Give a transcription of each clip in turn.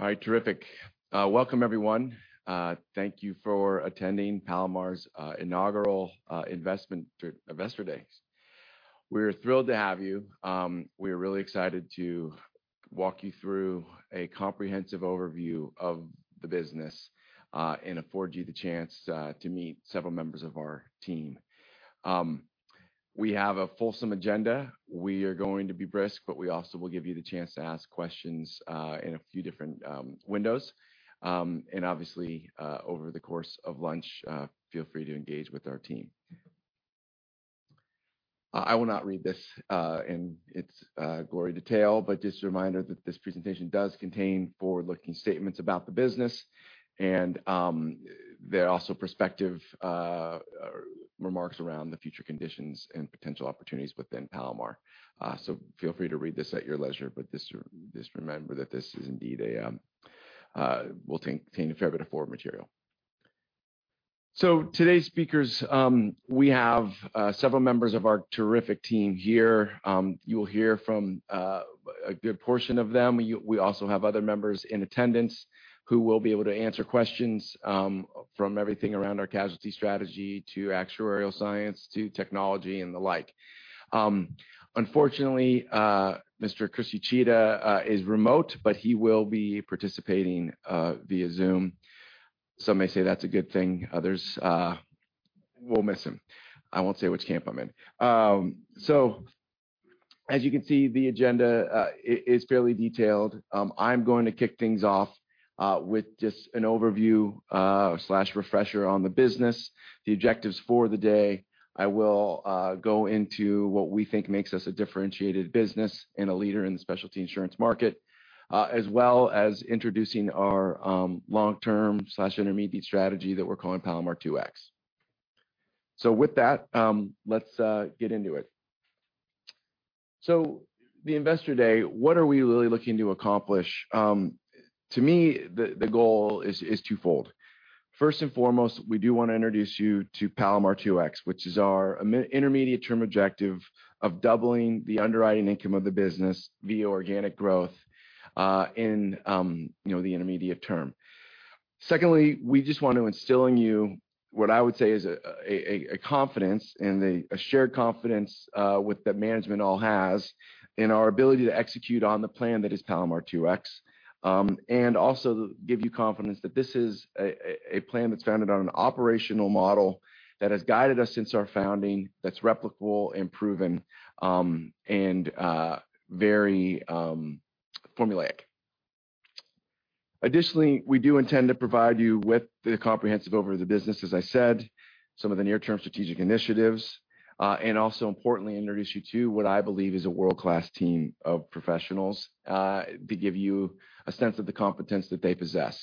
All right. Terrific. Welcome everyone. Thank you for attending Palomar's inaugural Investor Day. We're thrilled to have you. We're really excited to walk you through a comprehensive overview of the business, and afford you the chance to meet several members of our team. We have a fulsome agenda. We are going to be brisk, but we also will give you the chance to ask questions in a few different windows. Obviously, over the course of lunch, feel free to engage with our team. I will not read this in its gory detail, but just a reminder that this presentation does contain forward-looking statements about the business and there are also prospective remarks around the future conditions and potential opportunities within Palomar. Feel free to read this at your leisure, but just remember that this will contain a fair bit of forward material. Today's speakers, we have several members of our terrific team here. You will hear from a good portion of them. We also have other members in attendance who will be able to answer questions from everything around our casualty strategy to actuarial science to technology and the like. Unfortunately, Mr. Chris Uchida is remote, but he will be participating via Zoom. Some may say that's a good thing, others will miss him. I won't say which camp I'm in. As you can see, the agenda is fairly detailed. I'm going to kick things off with just an overview slash refresher on the business, the objectives for the day. I will go into what we think makes us a differentiated business and a leader in the specialty insurance market as well as introducing our long-term slash intermediate strategy that we're calling Palomar 2X. With that, let's get into it. The Investor Day, what are we really looking to accomplish? To me, the goal is twofold. First and foremost, we do wanna introduce you to Palomar 2X, which is our intermediate term objective of doubling the underwriting income of the business via organic growth in you know the intermediate term. Secondly, we just want to instill in you what I would say is a confidence and a shared confidence with that management all has in our ability to execute on the plan that is Palomar 2X. Also give you confidence that this is a plan that's founded on an operational model that has guided us since our founding, that's replicable and proven, and very formulaic. Additionally, we do intend to provide you with the comprehensive overview of the business, as I said, some of the near-term strategic initiatives, and also importantly, introduce you to what I believe is a world-class team of professionals, to give you a sense of the competence that they possess.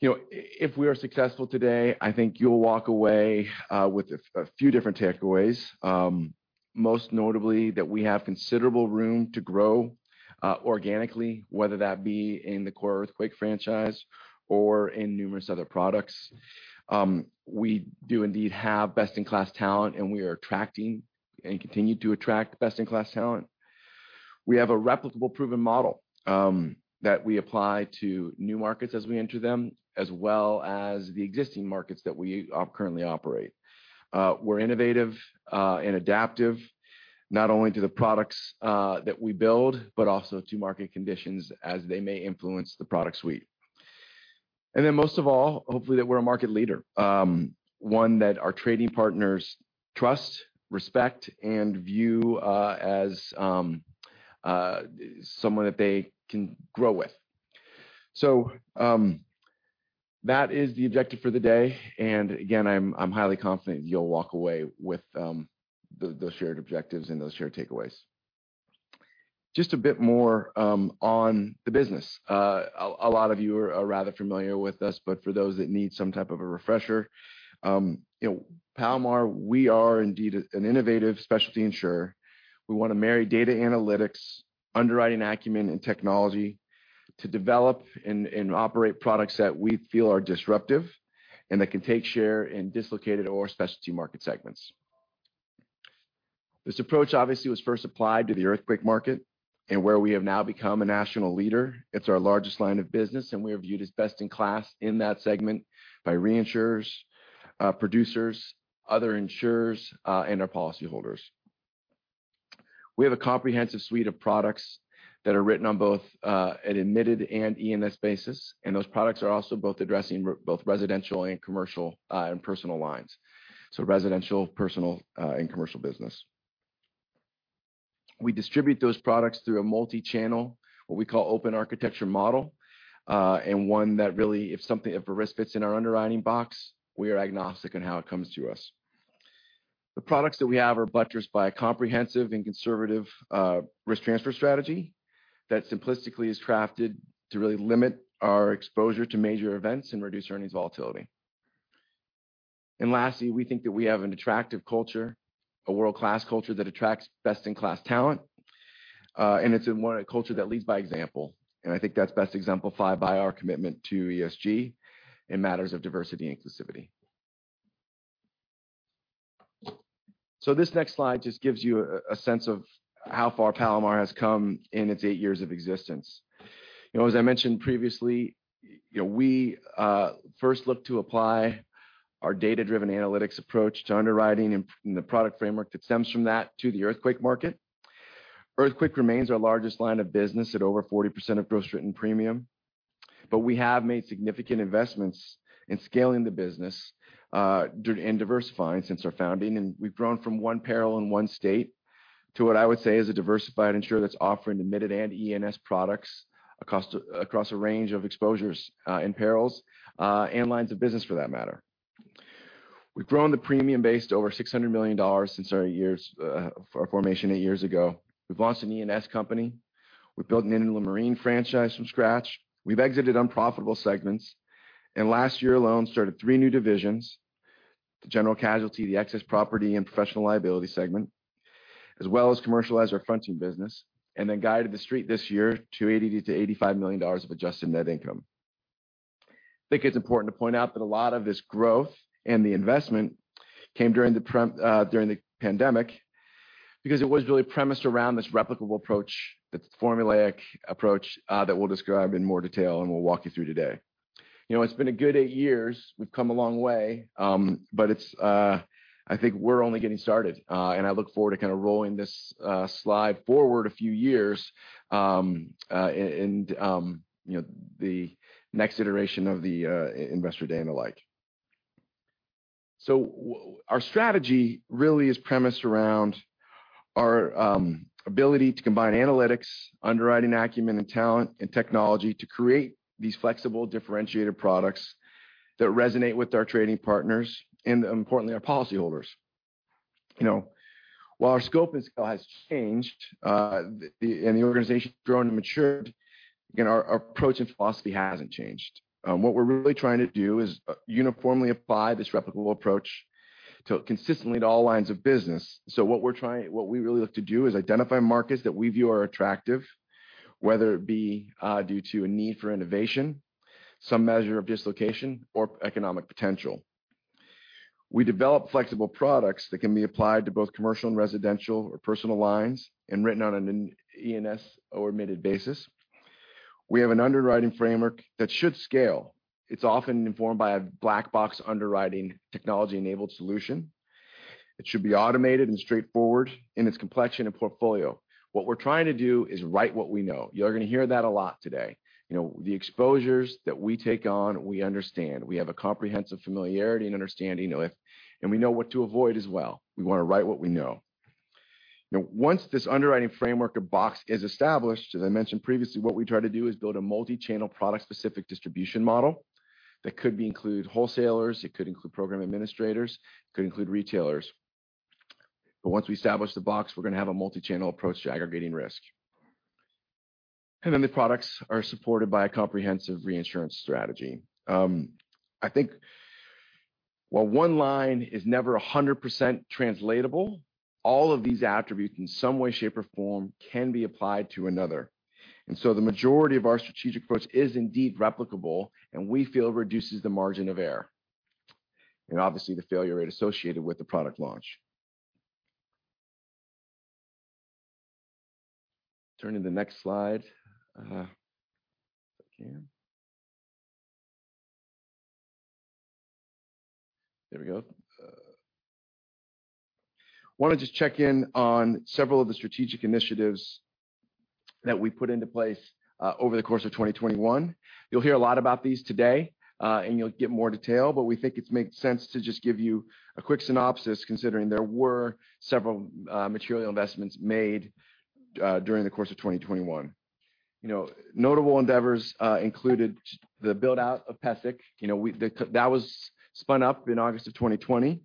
You know, if we are successful today, I think you'll walk away with a few different takeaways, most notably, that we have considerable room to grow organically, whether that be in the core earthquake franchise or in numerous other products. We do indeed have best-in-class talent, and we are attracting and continue to attract best-in-class talent. We have a replicable proven model that we apply to new markets as we enter them, as well as the existing markets that we currently operate. We're innovative and adaptive, not only to the products that we build, but also to market conditions as they may influence the product suite. Then most of all, hopefully that we're a market leader one that our trading partners trust, respect, and view as someone that they can grow with. That is the objective for the day, and again, I'm highly confident you'll walk away with those shared objectives and those shared takeaways. Just a bit more on the business. A lot of you are rather familiar with this, but for those that need some type of a refresher, you know, Palomar, we are indeed an innovative specialty insurer. We wanna marry data analytics, underwriting acumen, and technology to develop and operate products that we feel are disruptive and that can take share in dislocated or specialty market segments. This approach obviously was first applied to the earthquake market and where we have now become a national leader. It's our largest line of business, and we are viewed as best in class in that segment by reinsurers, producers, other insurers, and our policyholders. We have a comprehensive suite of products that are written on both, an admitted and E&S basis, and those products are also both addressing both residential and commercial, and personal lines. Residential, personal, and commercial business. We distribute those products through a multi-channel, what we call open architecture model, and one that really, if a risk fits in our underwriting box, we are agnostic in how it comes to us. The products that we have are buttressed by a comprehensive and conservative, risk transfer strategy that simplistically is crafted to really limit our exposure to major events and reduce earnings volatility. Lastly, we think that we have an attractive culture, a world-class culture that attracts best-in-class talent, and it's one, a culture that leads by example, and I think that's best exemplified by our commitment to ESG in matters of diversity and inclusivity. This next slide just gives you a sense of how far Palomar has come in its eight years of existence. You know, as I mentioned previously, you know, we first looked to apply our data-driven analytics approach to underwriting and the product framework that stems from that to the earthquake market. Earthquake remains our largest line of business at over 40% of gross written premium. We have made significant investments in scaling the business and diversifying since our founding. We've grown from one peril in one state to what I would say is a diversified insurer that's offering admitted and E&S products across a range of exposures, and perils, and lines of business for that matter. We've grown the premium base to over $600 million since our formation eight years ago. We've launched an E&S company. We've built an inland marine franchise from scratch. We've exited unprofitable segments, and last year alone started three new divisions, the general casualty, the excess property and professional liability segment, as well as commercialized our fronting business, and then guided the street this year to $80-$85 million of adjusted net income. I think it's important to point out that a lot of this growth and the investment came during the pandemic because it was really premised around this replicable approach, the formulaic approach, that we'll describe in more detail and we'll walk you through today. You know, it's been a good eight years. We've come a long way, but it's, I think we're only getting started. I look forward to kind of rolling this, slide forward a few years, in you know, the next iteration of the, Investor Day and the like. Our strategy really is premised around our, ability to combine analytics, underwriting acumen and talent and technology to create these flexible, differentiated products that resonate with our trading partners and importantly, our policyholders. You know, while our scope and scale has changed, the organization's grown and matured, you know, our approach and philosophy hasn't changed. What we're really trying to do is uniformly apply this replicable approach consistently to all lines of business. What we really look to do is identify markets that we view are attractive, whether it be due to a need for innovation, some measure of dislocation or economic potential. We develop flexible products that can be applied to both commercial and residential or personal lines and written on an E&S or admitted basis. We have an underwriting framework that should scale. It's often informed by a black box underwriting technology-enabled solution. It should be automated and straightforward in its complexion and portfolio. What we're trying to do is write what we know. You're gonna hear that a lot today. You know, the exposures that we take on, we understand. We have a comprehensive familiarity and understanding of, and we know what to avoid as well. We wanna write what we know. You know, once this underwriting framework or box is established, as I mentioned previously, what we try to do is build a multi-channel product-specific distribution model that could include wholesalers, it could include program administrators, it could include retailers. Once we establish the box, we're gonna have a multi-channel approach to aggregating risk. The products are supported by a comprehensive reinsurance strategy. I think while one line is never 100% translatable, all of these attributes in some way, shape, or form can be applied to another. The majority of our strategic approach is indeed replicable and we feel reduces the margin of error and obviously the failure rate associated with the product launch. Turning to the next slide, if I can. There we go. Wanna just check in on several of the strategic initiatives that we put into place, over the course of 2021. You'll hear a lot about these today, and you'll get more detail, but we think it makes sense to just give you a quick synopsis considering there were several, material investments made, during the course of 2021. You know, notable endeavors, included the build-out of PESIC. You know, that was spun up in August of 2020.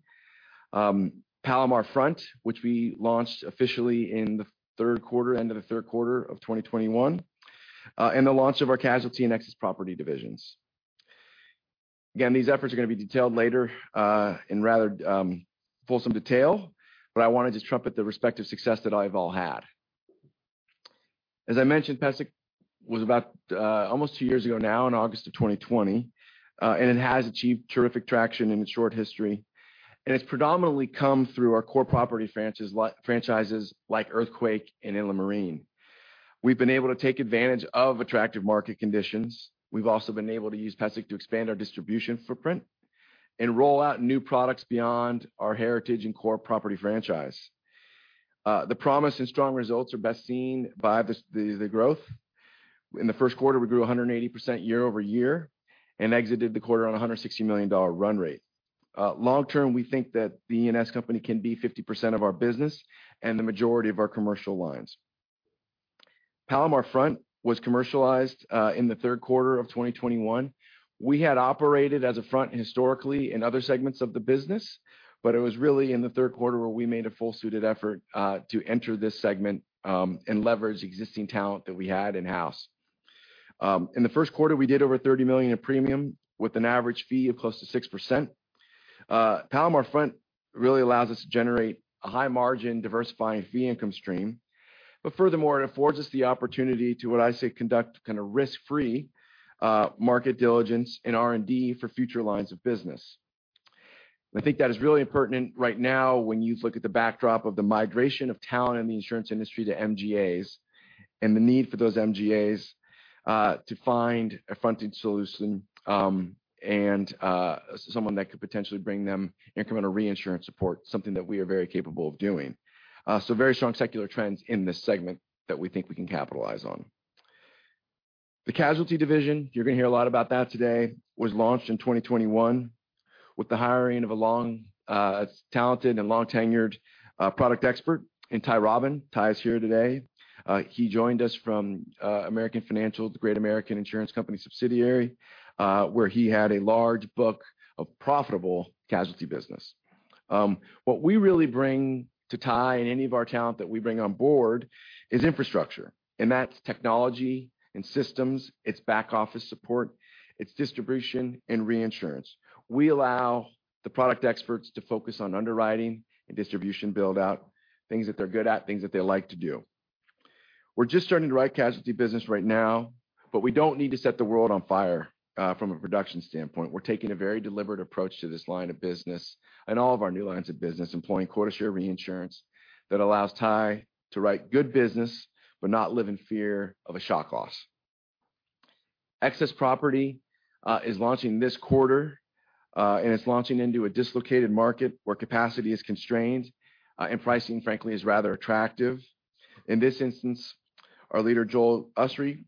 Palomar Front, which we launched officially in the third quarter, end of the third quarter of 2021, and the launch of our casualty and excess property divisions. Again, these efforts are gonna be detailed later, in rather, fulsome detail, but I wanna just trumpet the respective success that I've all had. As I mentioned, PESIC was about, almost two years ago now in August of 2020, and it has achieved terrific traction in its short history. It's predominantly come through our core property franchises like Earthquake and Inland Marine. We've been able to take advantage of attractive market conditions. We've also been able to use PESIC to expand our distribution footprint and roll out new products beyond our heritage and core property franchise. The promise and strong results are best seen by this, the growth. In the first quarter, we grew 180% year-over-year and exited the quarter on a $160 million run rate. Long term, we think that the E&S company can be 50% of our business and the majority of our commercial lines. Palomar Front was commercialized in the third quarter of 2021. We had operated as a front historically in other segments of the business, but it was really in the third quarter where we made a full-throated effort to enter this segment and leverage existing talent that we had in-house. In the first quarter, we did over $30 million in premium with an average fee of close to 6%. Palomar Front really allows us to generate a high margin diversifying fee income stream. Furthermore, it affords us the opportunity to, what I say, conduct kind of risk-free market diligence and R&D for future lines of business. I think that is really pertinent right now when you look at the backdrop of the migration of talent in the insurance industry to MGAs, and the need for those MGAs to find a fronting solution, and someone that could potentially bring them incremental reinsurance support, something that we are very capable of doing. So very strong secular trends in this segment that we think we can capitalize on. The casualty division, you're gonna hear a lot about that today, was launched in 2021 with the hiring of a talented and long-tenured product expert in Ty Robben. Ty Robben is here today. He joined us from American Financial, the Great American Insurance Company subsidiary, where he had a large book of profitable casualty business. What we really bring to Ty and any of our talent that we bring on board is infrastructure, and that's technology and systems, it's back office support, it's distribution and reinsurance. We allow the product experts to focus on underwriting and distribution build-out, things that they're good at, things that they like to do. We're just starting to write casualty business right now, but we don't need to set the world on fire from a production standpoint. We're taking a very deliberate approach to this line of business and all of our new lines of business, employing quota share reinsurance that allows Ty to write good business, but not live in fear of a shock loss. Excess property is launching this quarter, and it's launching into a dislocated market where capacity is constrained, and pricing, frankly, is rather attractive. In this instance, our leader, Joel Usry,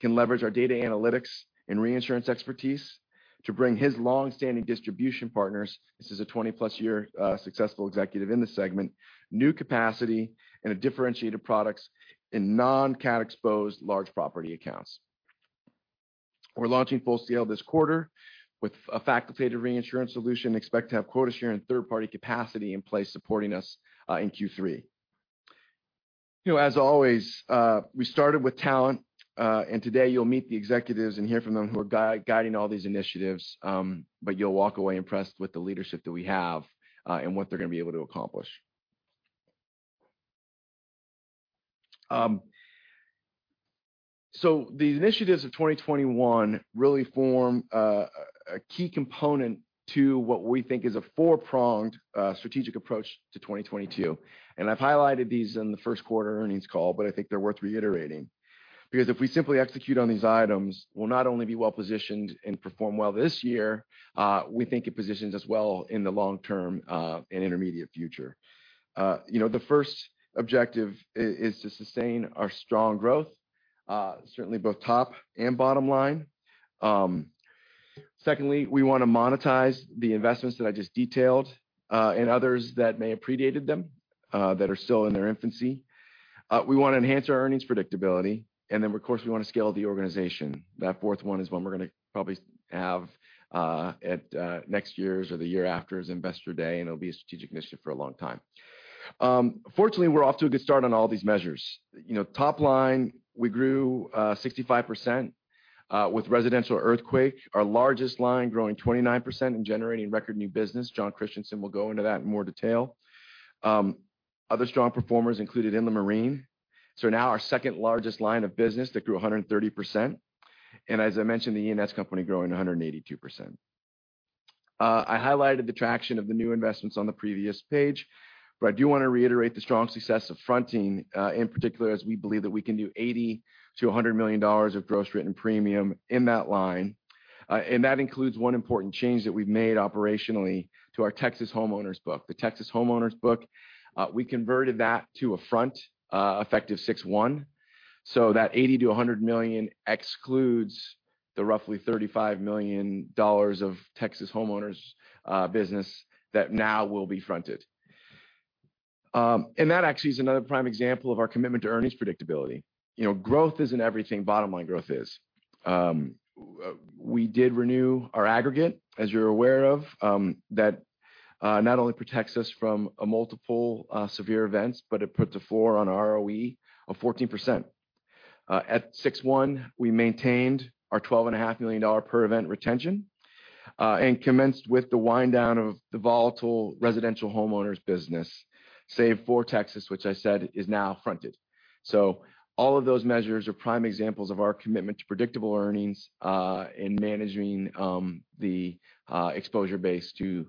can leverage our data analytics and reinsurance expertise to bring his long-standing distribution partners, this is a twenty-plus year successful executive in this segment, new capacity and differentiated products in non-cat exposed large property accounts. We're launching full CL this quarter with a facultative reinsurance solution, and expect to have quota share and third-party capacity in place supporting us in Q3. You know, as always, we started with talent, and today you'll meet the executives and hear from them who are guiding all these initiatives, but you'll walk away impressed with the leadership that we have, and what they're gonna be able to accomplish. The initiatives of 2021 really form a key component to what we think is a four-pronged strategic approach to 2022. I've highlighted these in the first quarter earnings call. I think they're worth reiterating, because if we simply execute on these items, we'll not only be well-positioned and perform well this year, we think it positions us well in the long term, and intermediate future. You know, the first objective is to sustain our strong growth, certainly both top and bottom line. Secondly, we wanna monetize the investments that I just detailed, and others that may have predated them, that are still in their infancy. We wanna enhance our earnings predictability, and then, of course, we wanna scale the organization. That fourth one is one we're gonna probably have at next year's or the year after's Investor Day, and it'll be a strategic initiative for a long time. Fortunately, we're off to a good start on all these measures. You know, top line, we grew 65% with residential earthquake, our largest line growing 29% and generating record new business. Jon Christianson will go into that in more detail. Other strong performers included the marine, now our second-largest line of business that grew 130%. As I mentioned, the E&S company growing 182%. I highlighted the traction of the new investments on the previous page, but I do wanna reiterate the strong success of fronting in particular, as we believe that we can do $80-$100 million of gross written premium in that line. That includes one important change that we've made operationally to our Texas homeowners book. The Texas homeowners book, we converted that to a front effective 6/1. That $80-$100 million excludes the roughly $35 million of Texas homeowners business that now will be fronted. That actually is another prime example of our commitment to earnings predictability. You know, growth isn't everything. Bottom line growth is. We did renew our aggregate, as you're aware of, that not only protects us from a multiple severe events, but it puts a floor on our ROE of 14%. At 6:1, we maintained our $12.5 million per event retention, and commenced with the wind down of the volatile residential homeowners business, save for Texas, which I said is now fronted. All of those measures are prime examples of our commitment to predictable earnings in managing the exposure base to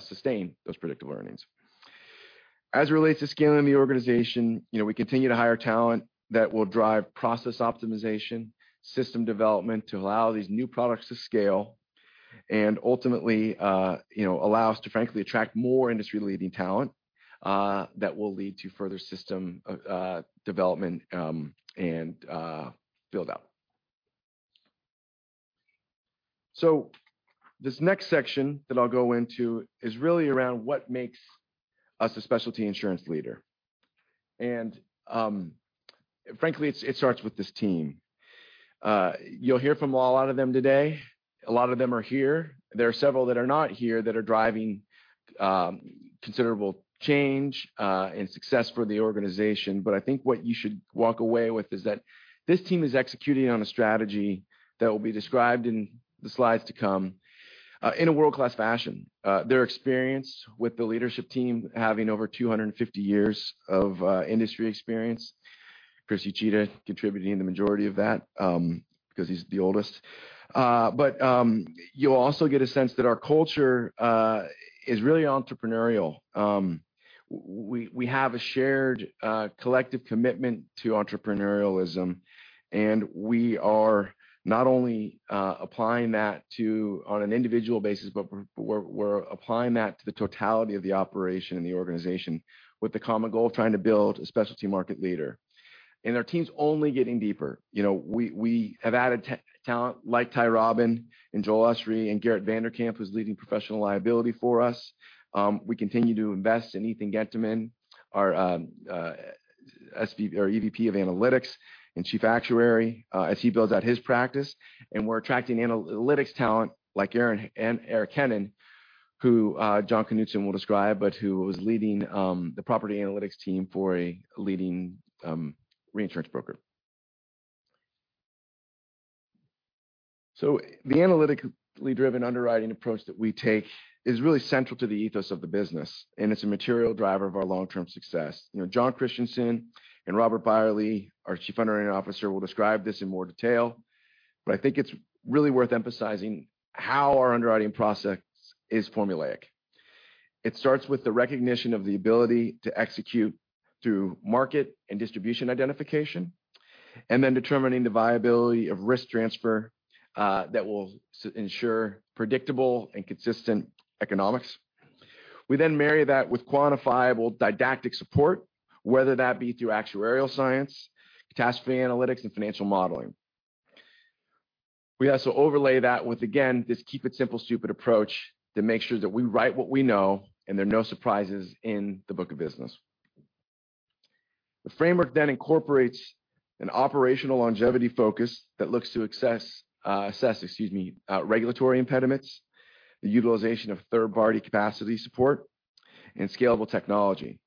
sustain those predictable earnings. As it relates to scaling the organization, you know, we continue to hire talent that will drive process optimization, system development to allow these new products to scale, and ultimately, you know, allow us to frankly attract more industry-leading talent that will lead to further system development and build-out. This next section that I'll go into is really around what makes us a specialty insurance leader. Frankly, it starts with this team. You'll hear from a lot of them today. A lot of them are here. There are several that are not here that are driving considerable change and success for the organization. I think what you should walk away with is that this team is executing on a strategy that will be described in the slides to come, in a world-class fashion. Their experience with the leadership team having over 250 years of industry experience. Chris Uchida contributing the majority of that, 'cause he's the oldest. You'll also get a sense that our culture is really entrepreneurial. We have a shared collective commitment to entrepreneurialism, and we are not only applying that to on an individual basis, but we're applying that to the totality of the operation and the organization with the common goal of trying to build a specialty market leader. Our team's only getting deeper. You know, we have added talent like Ty Robben and Joel Usry and Gerrit VandeKemp, who's leading professional liability for us. We continue to invest in Ethan Genteman, our EVP of Analytics and Chief Actuary, as he builds out his practice. We're attracting analytics talent like Eric Hennen, who Jon Knutzen will describe, but who was leading the property analytics team for a leading reinsurance broker. The analytically driven underwriting approach that we take is really central to the ethos of the business, and it's a material driver of our long-term success. You know, Jon Christianson and Robert Beyerle, our Chief Underwriting Officer, will describe this in more detail, but I think it's really worth emphasizing how our underwriting process is formulaic. It starts with the recognition of the ability to execute through market and distribution identification, and then determining the viability of risk transfer that will ensure predictable and consistent economics. We then marry that with quantifiable didactic support, whether that be through actuarial science, catastrophe analytics or financial modeling. We also overlay that with, again, this keep it simple, stupid approach to make sure that we write what we know and there are no surprises in the book of business. The framework incorporates an operational longevity focus that looks to assess regulatory impediments, the utilization of third-party capacity support and scalable technology.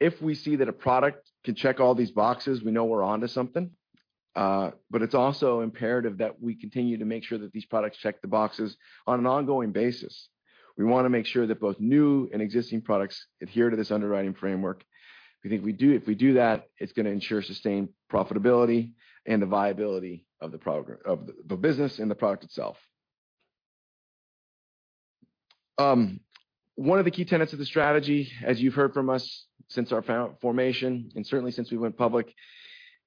If we see that a product can check all these boxes, we know we're onto something. It's also imperative that we continue to make sure that these products check the boxes on an ongoing basis. We wanna make sure that both new and existing products adhere to this underwriting framework. If we do that, it's gonna ensure sustained profitability and the viability of the program of the business and the product itself. One of the key tenets of the strategy, as you've heard from us since our formation, and certainly since we went public,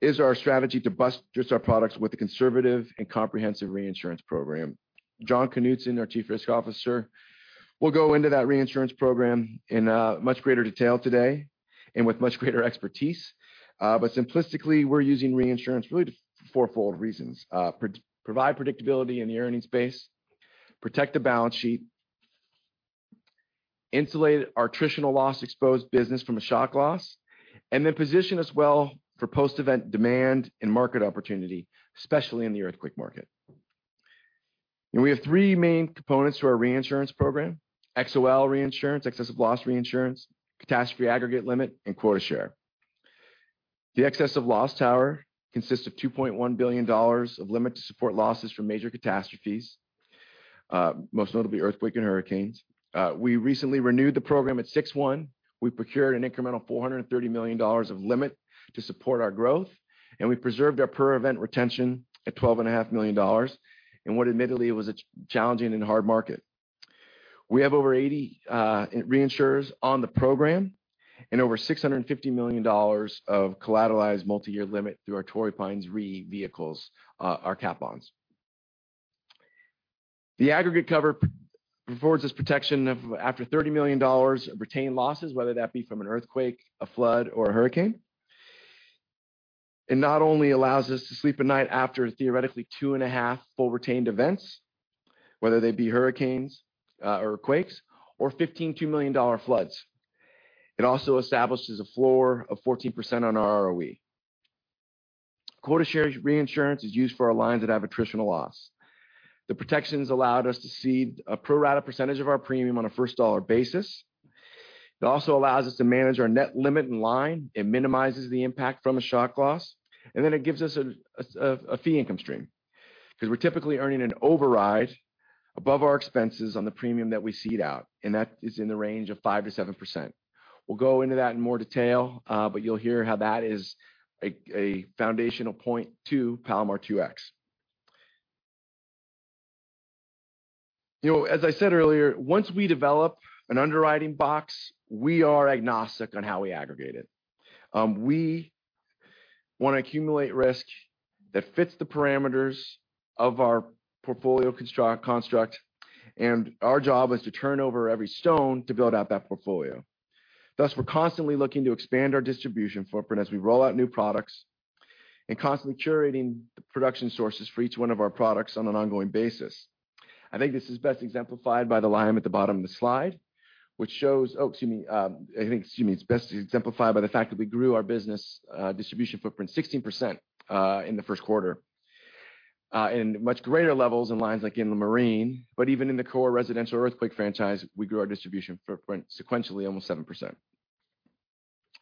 is our strategy to back our products with a conservative and comprehensive reinsurance program. Jon Knutzen, our Chief Risk Officer, will go into that reinsurance program in much greater detail today and with much greater expertise. Simplistically, we're using reinsurance really for fourfold reasons: provide predictability in the earnings base, protect the balance sheet, insulate our attritional loss-exposed business from a shock loss, and then position us well for post-event demand and market opportunity, especially in the earthquake market. We have three main components to our reinsurance program: XOL reinsurance, excess loss reinsurance, catastrophe aggregate limit, and quota share. The excess of loss tower consists of $2.1 billion of limit to support losses from major catastrophes, most notably earthquake and hurricanes. We recently renewed the program at 61. We procured an incremental $430 million of limit to support our growth, and we preserved our per event retention at $12.5 million in what admittedly was a challenging and hard market. We have over 80 reinsurers on the program and over $650 million of collateralized multi-year limit through our Torrey Pines Re vehicles, our cat bonds. The aggregate cover provides protection after $30 million of retained losses, whether that be from an earthquake, a flood or a hurricane. It not only allows us to sleep at night after theoretically 2.5 full retained events, whether they be hurricanes or quakes or 15 $2 million floods. It also establishes a floor of 14% on our ROE. Quota share reinsurance is used for our lines that have attritional loss. The protections allow us to cede a pro-rata percentage of our premium on a first dollar basis. It also allows us to manage our net limit in line. It minimizes the impact from a shock loss, and then it gives us a fee income stream, 'cause we're typically earning an override above our expenses on the premium that we cede out, and that is in the range of 5%-7%. We'll go into that in more detail, but you'll hear how that is a foundational point to Palomar 2X. You know, as I said earlier, once we develop an underwriting box, we are agnostic on how we aggregate it. We wanna accumulate risk that fits the parameters of our portfolio construct, and our job is to turn over every stone to build out that portfolio. Thus, we're constantly looking to expand our distribution footprint as we roll out new products and constantly curating the production sources for each one of our products on an ongoing basis. I think it's best exemplified by the fact that we grew our business distribution footprint 16% in the first quarter. In much greater levels in lines like in the marine, but even in the core residential earthquake franchise, we grew our distribution footprint sequentially almost 7%.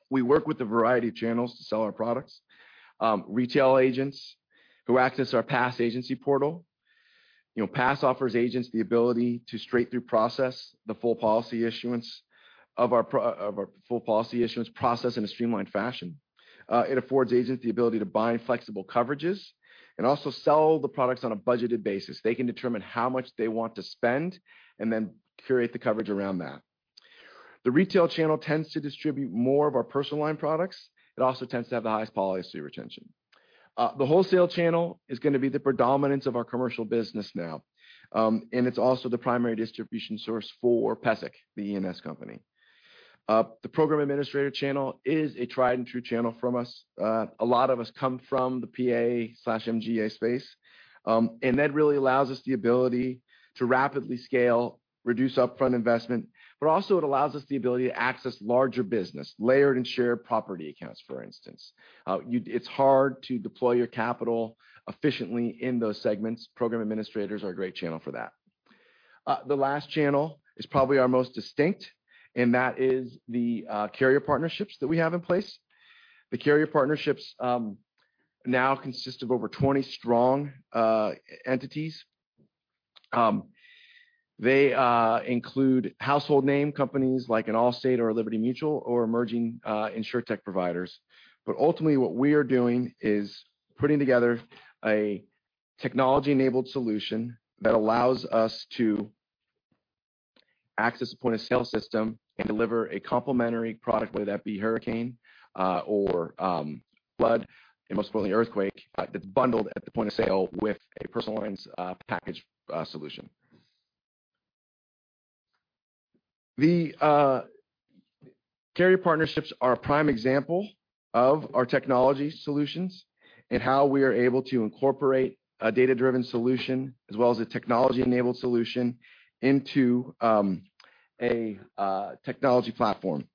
We work with a variety of channels to sell our products. Retail agents who access our PASS agency portal. You know, PASS offers agents the ability to straight-through process our full policy issuance process in a streamlined fashion. It affords agents the ability to bind flexible coverages and also sell the products on a budgeted basis. They can determine how much they want to spend and then curate the coverage around that. The retail channel tends to distribute more of our personal line products. It also tends to have the highest policy retention. The wholesale channel is gonna be the predominance of our commercial business now, and it's also the primary distribution source for PESIC, the E&S company. The program administrator channel is a tried-and-true channel from us. A lot of us come from the PA/MGA space, and that really allows us the ability to rapidly scale, reduce upfront investment, but also it allows us the ability to access larger business, layered and shared property accounts, for instance. It's hard to deploy your capital efficiently in those segments. Program administrators are a great channel for that. The last channel is probably our most distinct, and that is the carrier partnerships that we have in place. The carrier partnerships now consist of over 20 strong entities. They include household name companies like Allstate or Liberty Mutual or emerging InsurTech providers. Ultimately what we are doing is putting together a technology-enabled solution that allows us to access a point-of-sale system and deliver a complementary product, whether that be hurricane or flood, and most importantly, earthquake that's bundled at the point of sale with a personal lines package solution. The carrier partnerships are a prime example of our technology solutions and how we are able to incorporate a data-driven solution as well as a technology-enabled solution into a technology platform.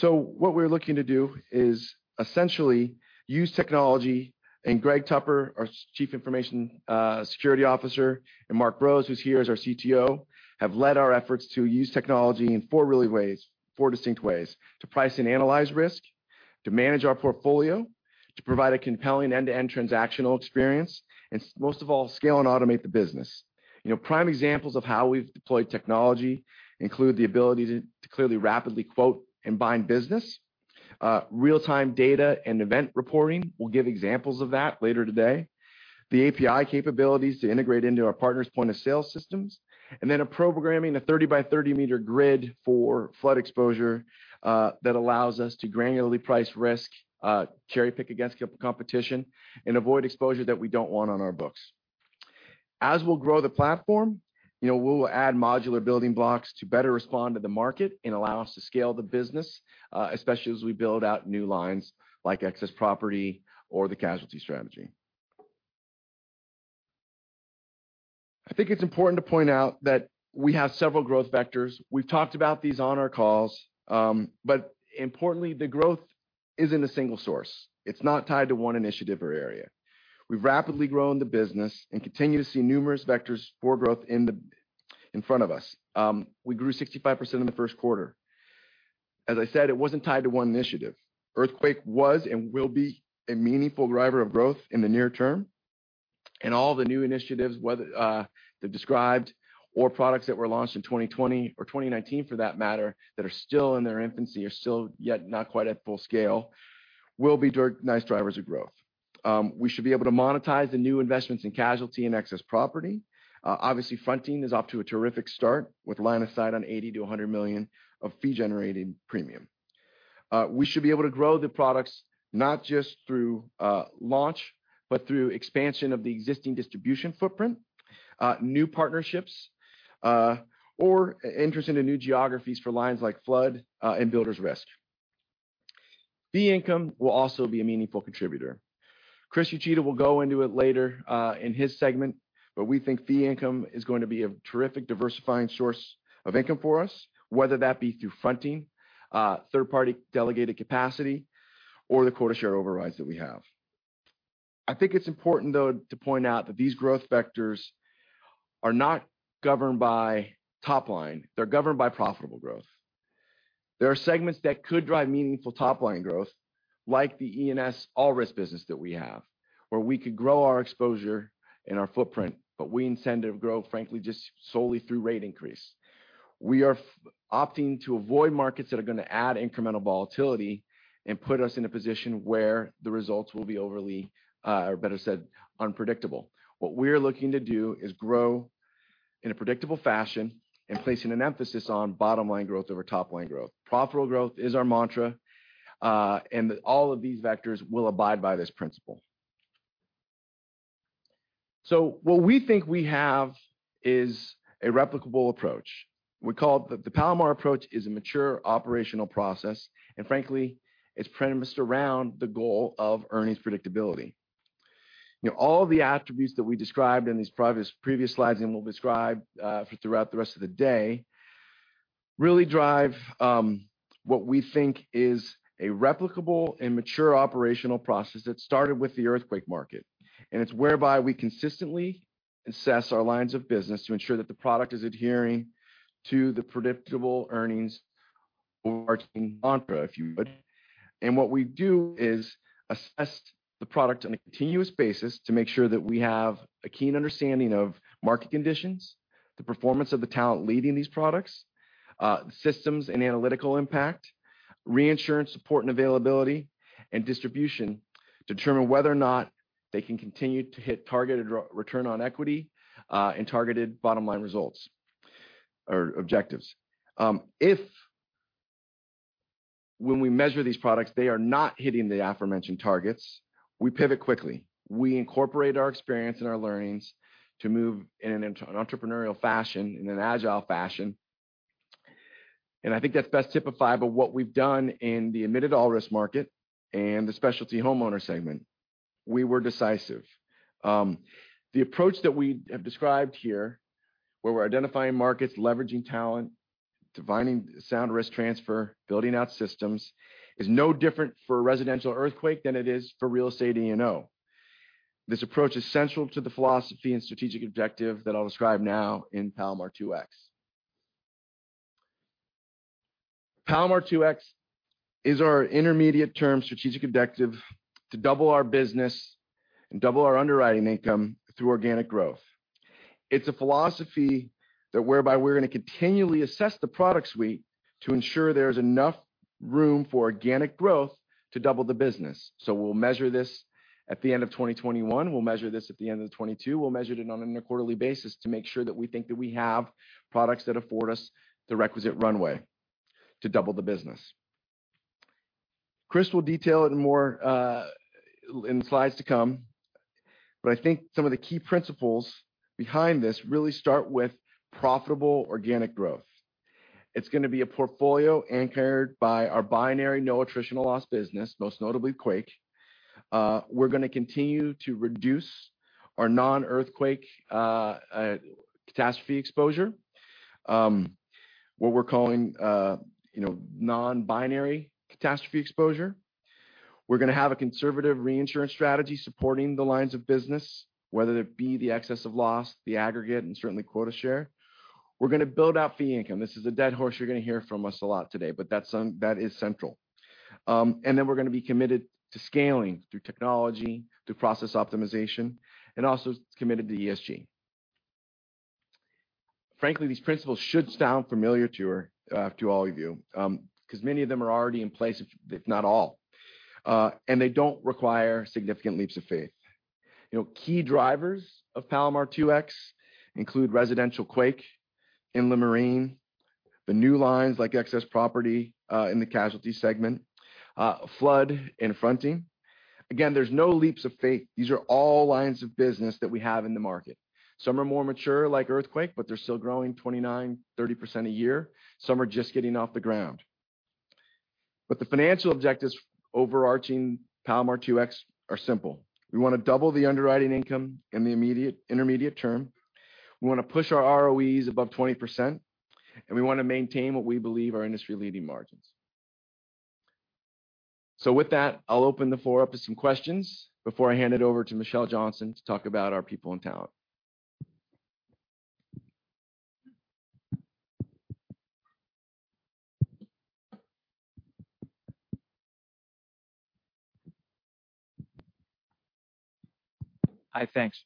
What we're looking to do is essentially use technology, and Greg Tupper, our Chief Information Security Officer, and Mark Brose, who's here as our CTO, have led our efforts to use technology in four really ways, four distinct ways. To price and analyze risk, to manage our portfolio, to provide a compelling end-to-end transactional experience, and most of all, scale and automate the business. You know, prime examples of how we've deployed technology include the ability to quickly rapidly quote and bind business, real-time data and event reporting. We'll give examples of that later today. The API capabilities to integrate into our partners' point-of-sale systems, and then a 30-by-30-meter grid for flood exposure, that allows us to granularly price risk, cherry-pick against competition, and avoid exposure that we don't want on our books. As we'll grow the platform, you know, we will add modular building blocks to better respond to the market and allow us to scale the business, especially as we build out new lines like excess property or the casualty strategy. I think it's important to point out that we have several growth vectors. We've talked about these on our calls, but importantly, the growth isn't a single source. It's not tied to one initiative or area. We've rapidly grown the business and continue to see numerous vectors for growth in front of us. We grew 65% in the first quarter. As I said, it wasn't tied to one initiative. Earthquake was and will be a meaningful driver of growth in the near term, and all the new initiatives, whether they're described or products that were launched in 2020 or 2019 for that matter, that are still in their infancy or still yet not quite at full scale, will be nice drivers of growth. We should be able to monetize the new investments in casualty and excess property. Obviously, fronting is off to a terrific start with line of sight on $80 million-$100 million of fee-generating premium. We should be able to grow the products not just through launch, but through expansion of the existing distribution footprint, new partnerships, or entry into new geographies for lines like flood and builder's risk. Fee income will also be a meaningful contributor. Chris Uchida will go into it later in his segment, but we think fee income is going to be a terrific diversifying source of income for us, whether that be through fronting, third-party delegated capacity or the quota share overrides that we have. I think it's important, though, to point out that these growth vectors are not governed by top line. They're governed by profitable growth. There are segments that could drive meaningful top-line growth, like the E&S all risk business that we have, where we could grow our exposure and our footprint, but we intend to grow, frankly, just solely through rate increase. We are opting to avoid markets that are gonna add incremental volatility and put us in a position where the results will be overly, or better said, unpredictable. What we're looking to do is grow in a predictable fashion and placing an emphasis on bottom-line growth over top-line growth. Profitable growth is our mantra, and all of these vectors will abide by this principle. What we think we have is a replicable approach. We call it the Palomar approach is a mature operational process, and frankly, it's premised around the goal of earnings predictability. You know, all the attributes that we described in these previous slides and we'll describe throughout the rest of the day really drive what we think is a replicable and mature operational process that started with the earthquake market. It's whereby we consistently assess our lines of business to ensure that the product is adhering to the predictable earnings or mantra, if you would. What we do is assess the product on a continuous basis to make sure that we have a keen understanding of market conditions, the performance of the talent leading these products, systems and analytical impact, reinsurance support and availability, and distribution, determine whether or not they can continue to hit targeted return on equity and targeted bottom line results or objectives. If when we measure these products, they are not hitting the aforementioned targets, we pivot quickly. We incorporate our experience and our learnings to move in an entrepreneurial fashion, in an agile fashion. I think that's best typified by what we've done in the admitted all-risk market and the specialty homeowner segment. We were decisive. The approach that we have described here, where we're identifying markets, leveraging talent, defining sound risk transfer, building out systems, is no different for residential earthquake than it is for real estate E&O. This approach is central to the philosophy and strategic objective that I'll describe now in Palomar 2X. Palomar 2X is our intermediate term strategic objective to double our business and double our underwriting income through organic growth. It's a philosophy that whereby we're going to continually assess the product suite to ensure there's enough room for organic growth to double the business. We'll measure this at the end of 2021, we'll measure this at the end of 2022, we'll measure it on a quarterly basis to make sure that we think that we have products that afford us the requisite runway to double the business. Chris will detail it more, in slides to come, but I think some of the key principles behind this really start with profitable organic growth. It's gonna be a portfolio anchored by our binary, no attritional loss business, most notably Quake. We're gonna continue to reduce our non-earthquake, catastrophe exposure, what we're calling, you know, non-binary catastrophe exposure. We're gonna have a conservative reinsurance strategy supporting the lines of business, whether it be the excess of loss, the aggregate, and certainly quota share. We're gonna build out fee income. This is a dead horse you're gonna hear from us a lot today, but that is central. We're gonna be committed to scaling through technology, through process optimization, and also committed to ESG. Frankly, these principles should sound familiar to her, to all of you, 'cause many of them are already in place, if not all. They don't require significant leaps of faith. You know, key drivers of Palomar 2X include residential quake, inland marine, the new lines like excess property, in the casualty segment, flood and fronting. Again, there's no leaps of faith. These are all lines of business that we have in the market. Some are more mature, like earthquake, but they're still growing 29%-30% a year. Some are just getting off the ground. The financial objectives overarching Palomar 2X are simple. We wanna double the underwriting income in the intermediate term, we wanna push our ROEs above 20%, and we wanna maintain what we believe are industry-leading margins. With that, I'll open the floor up to some questions before I hand it over to Michelle Johnson to talk about our people and talent Hi, thanks. Nice job, Dave. Yeah. This is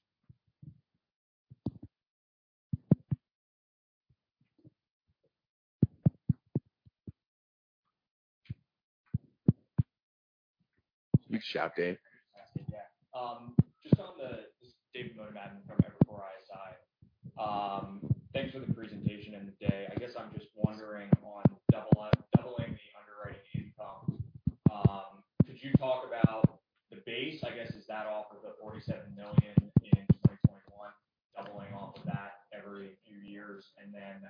David Motemaden from Evercore ISI .Thanks for the presentation and the i guess i'm just wondering on doubling the underwriting income could you talk about the base i guess to start off $ 47 million it's doubling off that every few years and then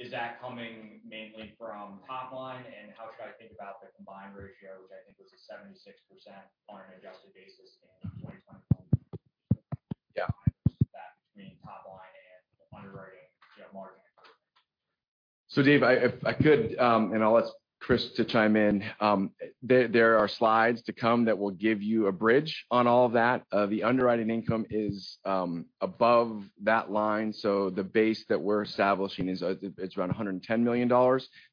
is that coming mainly from someone and how's the combined ratio like 76% on adjusted basis. So .Dave, If I could, and I'll ask Chris to chime in. There are slides to come that will give you a bridge on all of that. The underwriting income is above that line, so the base that we're establishing is, it's around $110 million.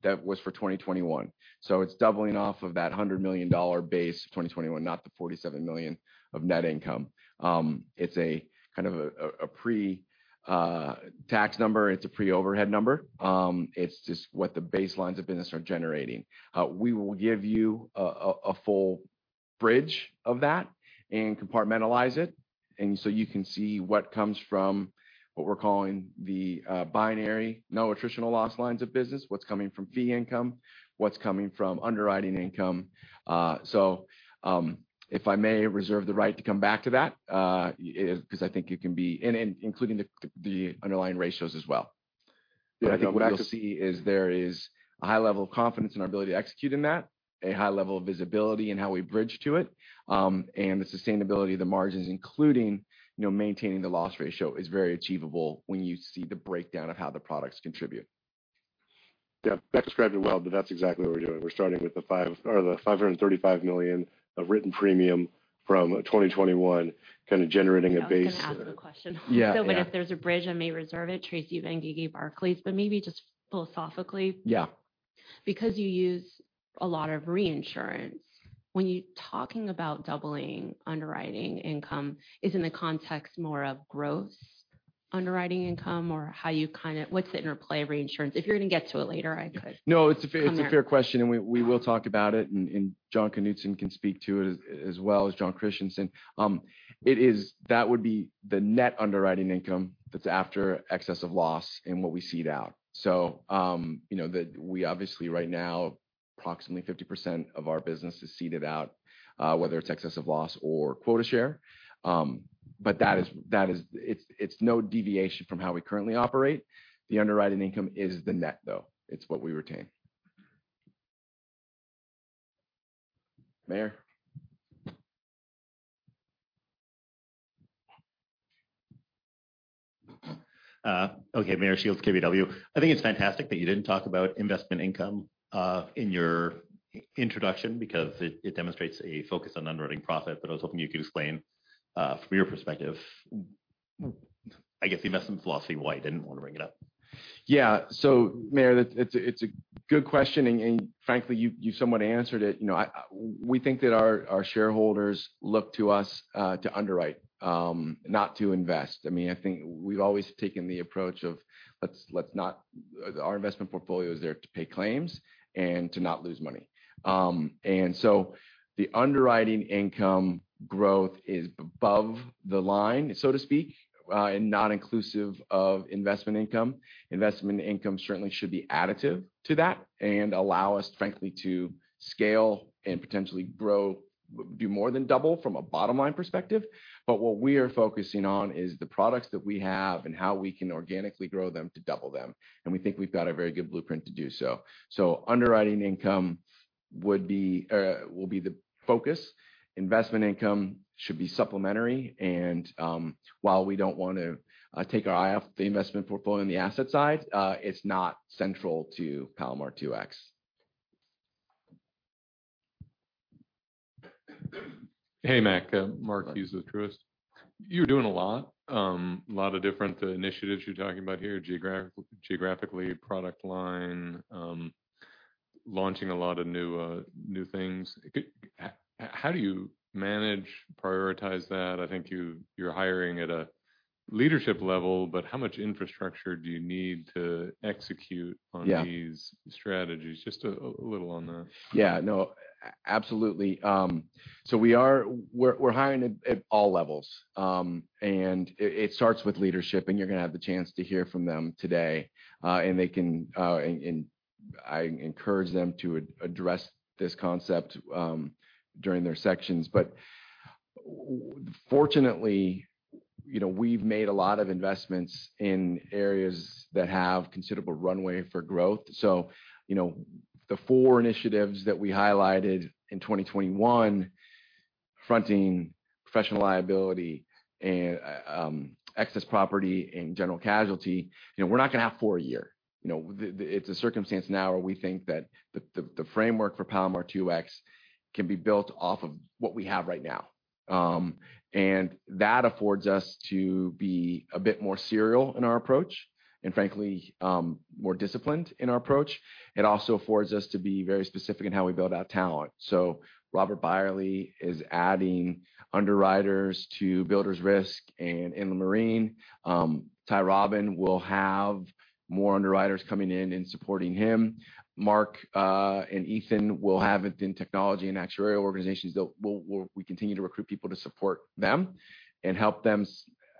That was for 2021. It's doubling off of that $100 million base, 2021, not the $47 million of net income. It's a kind of a pre-tax number, and it's a pre-overhead number. It's just what the baselines have been since we started generating. We will give you a full bridge of that and compartmentalize it. You can see what comes from what we're calling the binary, no attritional loss lines of business, what's coming from fee income, what's coming from underwriting income. If I may reserve the right to come back to that, 'cause I think it can be including the underlying ratios as well. I think what you'll see is there is a high level of confidence in our ability to execute in that, a high level of visibility in how we bridge to it, and the sustainability of the margins, including, you know, maintaining the loss ratio, is very achievable when you see the breakdown of how the products contribute. Yeah. That described it well, but that's exactly what we're doing. We're starting with the $535 million of written premium from 2021, kind of generating a base I was gonna ask the question. Yeah. Yeah. If there's a bridge, I may reserve it. Tracy Benguigui, Barclays. Maybe just philosophically. Yeah Because you use a lot of reinsurance, when you're talking about doubling underwriting income, is in the context more of gross underwriting income or how you kind of, what's the interplay of reinsurance? If you're gonna get to it later, I could come there. No, it's a fair question, and we will talk about it. Jon Knutzen can speak to it as well as Jon Christianson. That would be the net underwriting income that's after excess of loss and what we cede out. You know, we obviously, right now, approximately 50% of our business is ceded out, whether it's excess of loss or quota share. But that is it's no deviation from how we currently operate. The underwriting income is the net though. Meyer. Meyer Shields, KBW. I think it's fantastic that you didn't talk about investment income in your introduction because it demonstrates a focus on underwriting profit. I was hoping you could explain from your perspective, I guess, the investment philosophy, why you didn't wanna bring it up. Yeah. Meyer, it's a good question, and frankly, you somewhat answered it. You know, we think that our shareholders look to us to underwrite, not to invest. I mean, I think we've always taken the approach of, let's not. Our investment portfolio is there to pay claims and to not lose money. The underwriting income growth is above the line, so to speak, and not inclusive of investment income. Investment income certainly should be additive to that and allow us, frankly, to scale and potentially grow, do more than double from a bottom-line perspective. What we are focusing on is the products that we have and how we can organically grow them to double them, and we think we've got a very good blueprint to do so. Underwriting income will be the focus. Investment income should be supplementary, and while we don't want to take our eye off the investment portfolio on the asset side, it's not central to Palomar 2X. Hey, Mac. Mark Hughes with Truist. You're doing a lot of different initiatives you're talking about here, geographically, product line, launching a lot of new things. How do you manage, prioritize that? I think you're hiring at a leadership level, but how much infrastructure do you need to execute on? Yeah These strategies? Just a little on that. Yeah. No, absolutely. We're hiring at all levels. It starts with leadership, and you're gonna have the chance to hear from them today. They can, and I encourage them to address this concept during their sections. Fortunately, you know, we've made a lot of investments in areas that have considerable runway for growth. You know, the four initiatives that we highlighted in 2021, fronting, professional liability, and excess property and general casualty. We're not gonna have four a year. You know, it's a circumstance now where we think that the framework for Palomar 2X can be built off of what we have right now. That affords us to be a bit more serial in our approach and frankly, more disciplined in our approach. It also affords us to be very specific in how we build our talent. Robert Beyerle is adding underwriters to builders risk and in the marine. Ty Robben will have more underwriters coming in and supporting him. Mark and Ethan will have it in technology and actuarial organizations. We continue to recruit people to support them and help them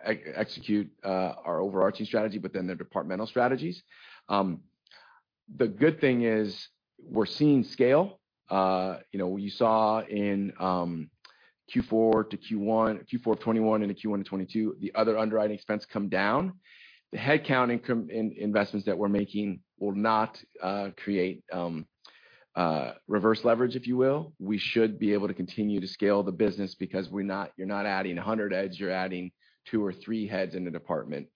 execute our overarching strategy within their departmental strategies. The good thing is we're seeing scale. You know, you saw in Q4 to Q1, Q4 of 2021 and the Q1 of 2022, the other underwriting expense come down. The headcount income in investments that we're making will not create reverse leverage, if you will. We should be able to continue to scale the business because you're not adding 100 heads, you're adding two or three heads in a department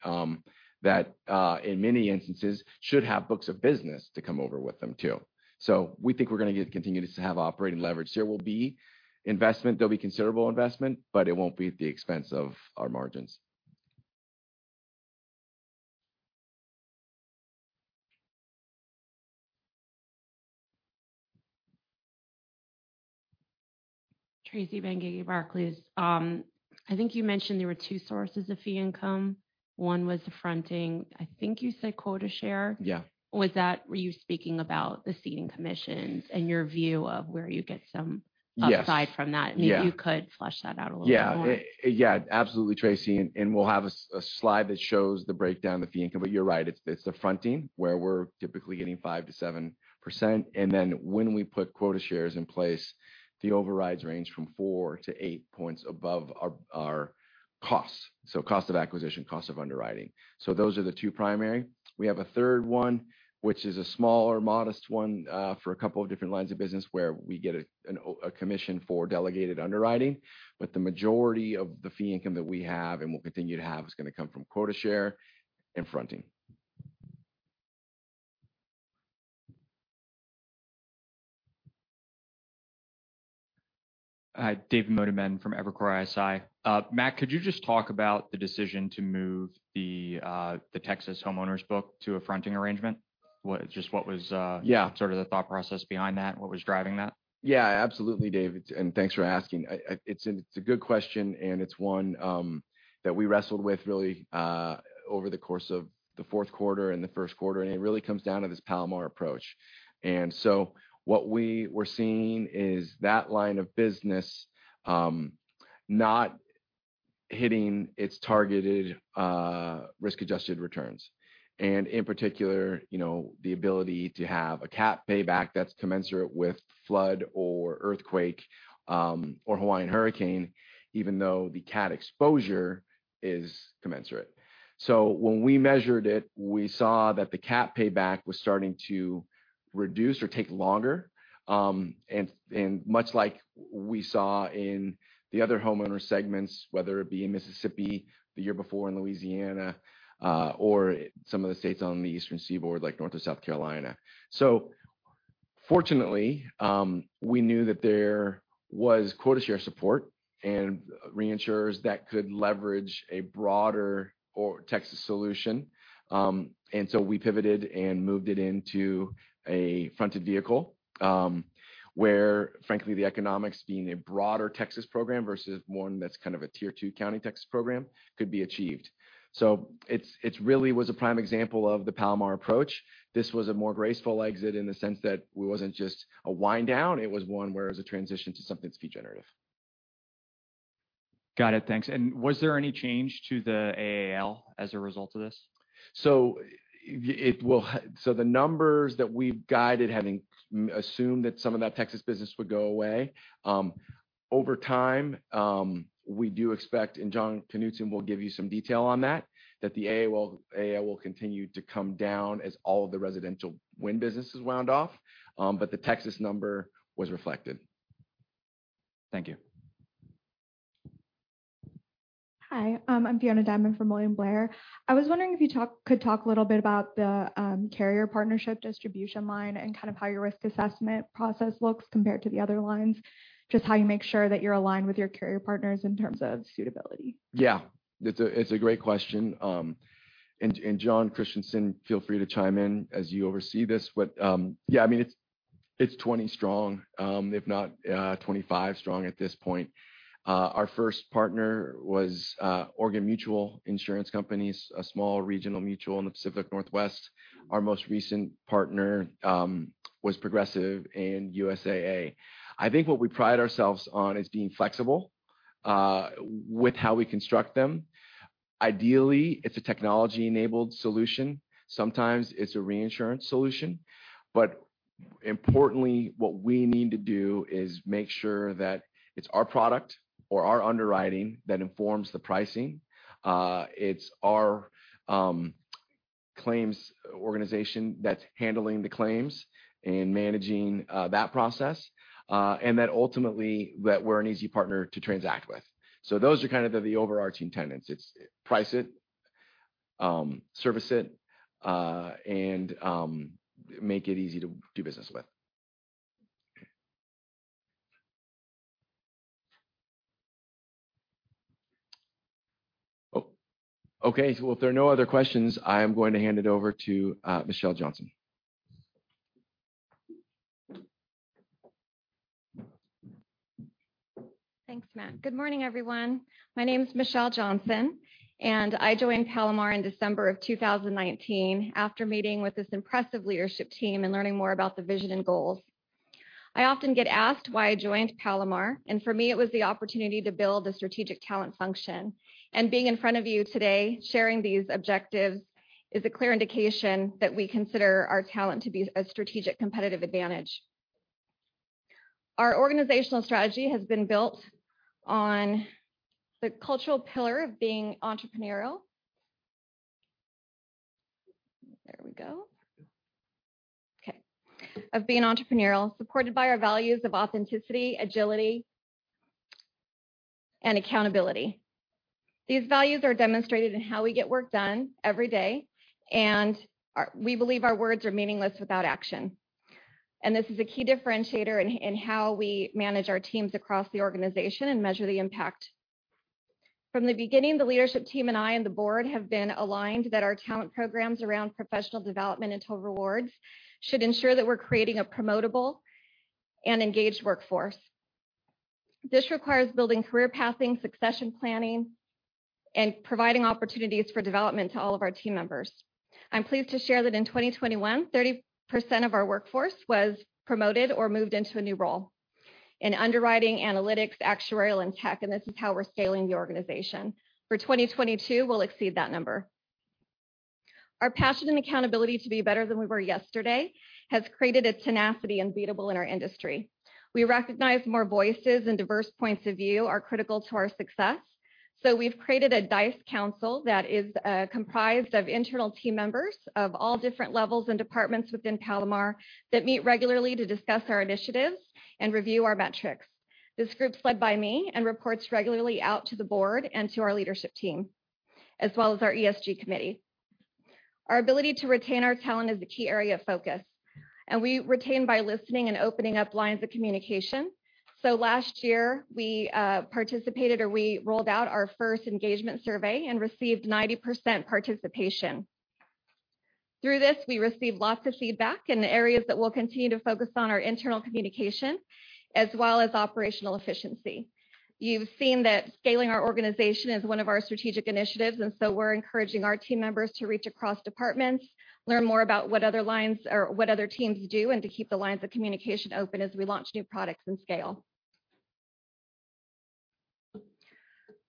that in many instances should have books of business to come over with them too. We think we're gonna continue to have operating leverage. There will be investment. There'll be considerable investment, but it won't be at the expense of our margins. Tracy Benguigui, Barclays. I think you mentioned there were two sources of fee income. One was the fronting, I think you said quota share. Yeah. Were you speaking about the ceding commissions and your view of where you get some? Yes Upside from that? Yeah. Maybe you could flesh that out a little bit more. Yeah. Absolutely, Tracy, we'll have a slide that shows the breakdown, the fee income. But you're right, it's the fronting where we're typically getting 5%-7%. Then when we put quota shares in place, the overrides range from four to eight points above our costs. Cost of acquisition, cost of underwriting. Those are the two primary. We have a third one, which is a smaller, modest one, for a couple of different lines of business where we get a commission for delegated underwriting. The majority of the fee income that we have and will continue to have is gonna come from quota share and fronting. Hi, David Motemaden from Evercore ISI. Matt, could you just talk about the decision to move the Texas homeowners book to a fronting arrangement? Just what was Yeah. Sort of the thought process behind that? What was driving that? Yeah, absolutely, David, and thanks for asking. It's a good question, and it's one that we wrestled with really over the course of the fourth quarter and the first quarter, and it really comes down to this Palomar approach. What we were seeing is that line of business not hitting its targeted risk-adjusted returns. In particular, you know, the ability to have a cat payback that's commensurate with flood or earthquake or Hawaiian hurricane, even though the cat exposure is commensurate. When we measured it, we saw that the cat payback was starting to reduce or take longer, and much like we saw in the other homeowner segments, whether it be in Mississippi, the year before in Louisiana, or some of the states on the eastern seaboard, like North or South Carolina. Fortunately, we knew that there was quota share support and reinsurers that could leverage a broader or Texas solution. We pivoted and moved it into a fronted vehicle, where frankly, the economics being a broader Texas program versus one that's kind of a tier two county Texas program could be achieved. It's really was a prime example of the Palomar approach. This was a more graceful exit in the sense that it wasn't just a wind down, it was one where it was a transition to something that's fee generative. Got it. Thanks. Was there any change to the AAL as a result of this? The numbers that we've guided, having assumed that some of that Texas business would go away, over time, we do expect, and Jon Knutzen will give you some detail on that the AAL will continue to come down as all of the residential wind businesses run off. The Texas number was reflected. Thank you. Hi, I'm Fiona Diamond from William Blair. I was wondering if you could talk a little bit about the carrier partnership distribution line and kind of how your risk assessment process looks compared to the other lines, just how you make sure that you're aligned with your carrier partners in terms of suitability. Yeah, it's a great question. Jon Christianson, feel free to chime in as you oversee this. Yeah, I mean, it's 20 strong, if not 25 strong at this point. Our first partner was Oregon Mutual Insurance Company, a small regional mutual in the Pacific Northwest. Our most recent partner was Progressive and USAA. I think what we pride ourselves on is being flexible with how we construct them. Ideally, it's a technology-enabled solution. Sometimes it's a reinsurance solution. Importantly, what we need to do is make sure that it's our product or our underwriting that informs the pricing. It's our claims organization that's handling the claims and managing that process, and that ultimately we're an easy partner to transact with. Those are kind of the overarching tenets. It's price it, service it, and make it easy to do business with. Oh. Okay. If there are no other questions, I am going to hand it over to Michelle Johnson. Thanks, Matt. Good morning, everyone. My name is Michelle Johnson, and I joined Palomar in December of 2019 after meeting with this impressive leadership team and learning more about the vision and goals. I often get asked why I joined Palomar, and for me it was the opportunity to build a strategic talent function. Being in front of you today, sharing these objectives, is a clear indication that we consider our talent to be a strategic competitive advantage. Our organizational strategy has been built on the cultural pillar of being entrepreneurial. There we go. Yeah. Okay. Of being entrepreneurial, supported by our values of authenticity, agility and accountability. These values are demonstrated in how we get work done every day, and we believe our words are meaningless without action. This is a key differentiator in how we manage our teams across the organization and measure the impact. From the beginning, the leadership team and I and the board have been aligned that our talent programs around professional development until rewards should ensure that we're creating a promotable and engaged workforce. This requires building career pathing, succession planning, and providing opportunities for development to all of our team members. I'm pleased to share that in 2021, 30% of our workforce was promoted or moved into a new role in underwriting, analytics, actuarial, and tech, and this is how we're scaling the organization. For 2022, we'll exceed that number. Our passion and accountability to be better than we were yesterday has created a tenacity unbeatable in our industry. We recognize more voices and diverse points of view are critical to our success, so we've created a DICE Council that is comprised of internal team members of all different levels and departments within Palomar that meet regularly to discuss our initiatives and review our metrics. This group's led by me and reports regularly out to the board and to our leadership team, as well as our ESG committee. Our ability to retain our talent is the key area of focus, and we retain by listening and opening up lines of communication. Last year, we rolled out our first engagement survey and received 90% participation. Through this, we received lots of feedback in the areas that we'll continue to focus on our internal communication as well as operational efficiency. You've seen that scaling our organization is one of our strategic initiatives, and so we're encouraging our team members to reach across departments, learn more about what other lines or what other teams do, and to keep the lines of communication open as we launch new products and scale.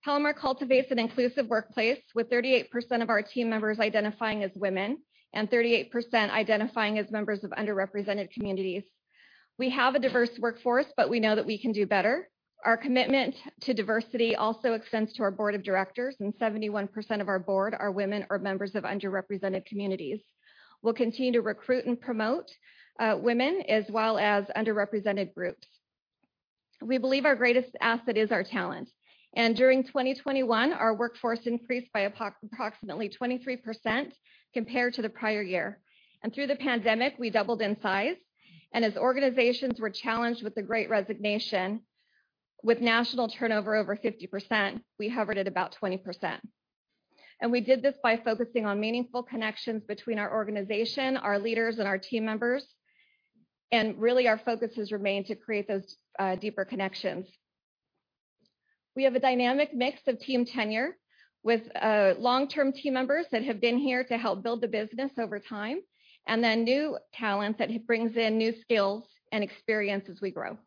Palomar cultivates an inclusive workplace with 38% of our team members identifying as women and 38% identifying as members of underrepresented communities. We have a diverse workforce, but we know that we can do better. Our commitment to diversity also extends to our board of directors, and 71% of our board are women or members of underrepresented communities. We'll continue to recruit and promote women as well as underrepresented groups. We believe our greatest asset is our talent, and during 2021, our workforce increased by approximately 23% compared to the prior year. Through the pandemic, we doubled in size, and as organizations were challenged with the great resignation, with national turnover over 50%, we hovered at about 20%. We did this by focusing on meaningful connections between our organization, our leaders, and our team members. Really our focus has remained to create those deeper connections. We have a dynamic mix of team tenure with long-term team members that have been here to help build the business over time, and then new talent that brings in new skills and experience as we grow.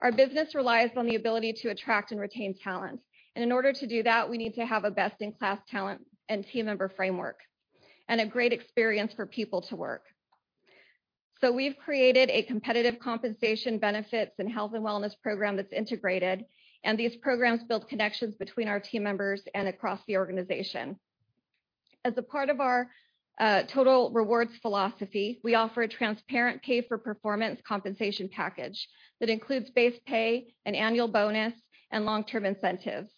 Our business relies on the ability to attract and retain talent. In order to do that, we need to have a best-in-class talent and team member framework and a great experience for people to work. We've created a competitive compensation benefits and health and wellness program that's integrated, and these programs build connections between our team members and across the organization. As a part of our total rewards philosophy, we offer a transparent pay-for-performance compensation package that includes base pay, an annual bonus, and long-term incentives.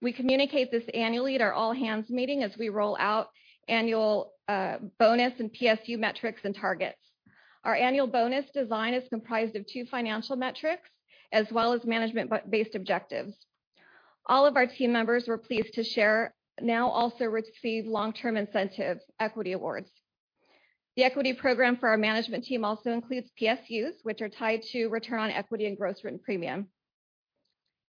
We communicate this annually at our All Hands meeting as we roll out annual bonus and PSU metrics and targets. Our annual bonus design is comprised of two financial metrics as well as management-based objectives. All of our team members, we're pleased to share, now also receive long-term incentive equity awards. The equity program for our management team also includes PSUs, which are tied to return on equity and gross written premium.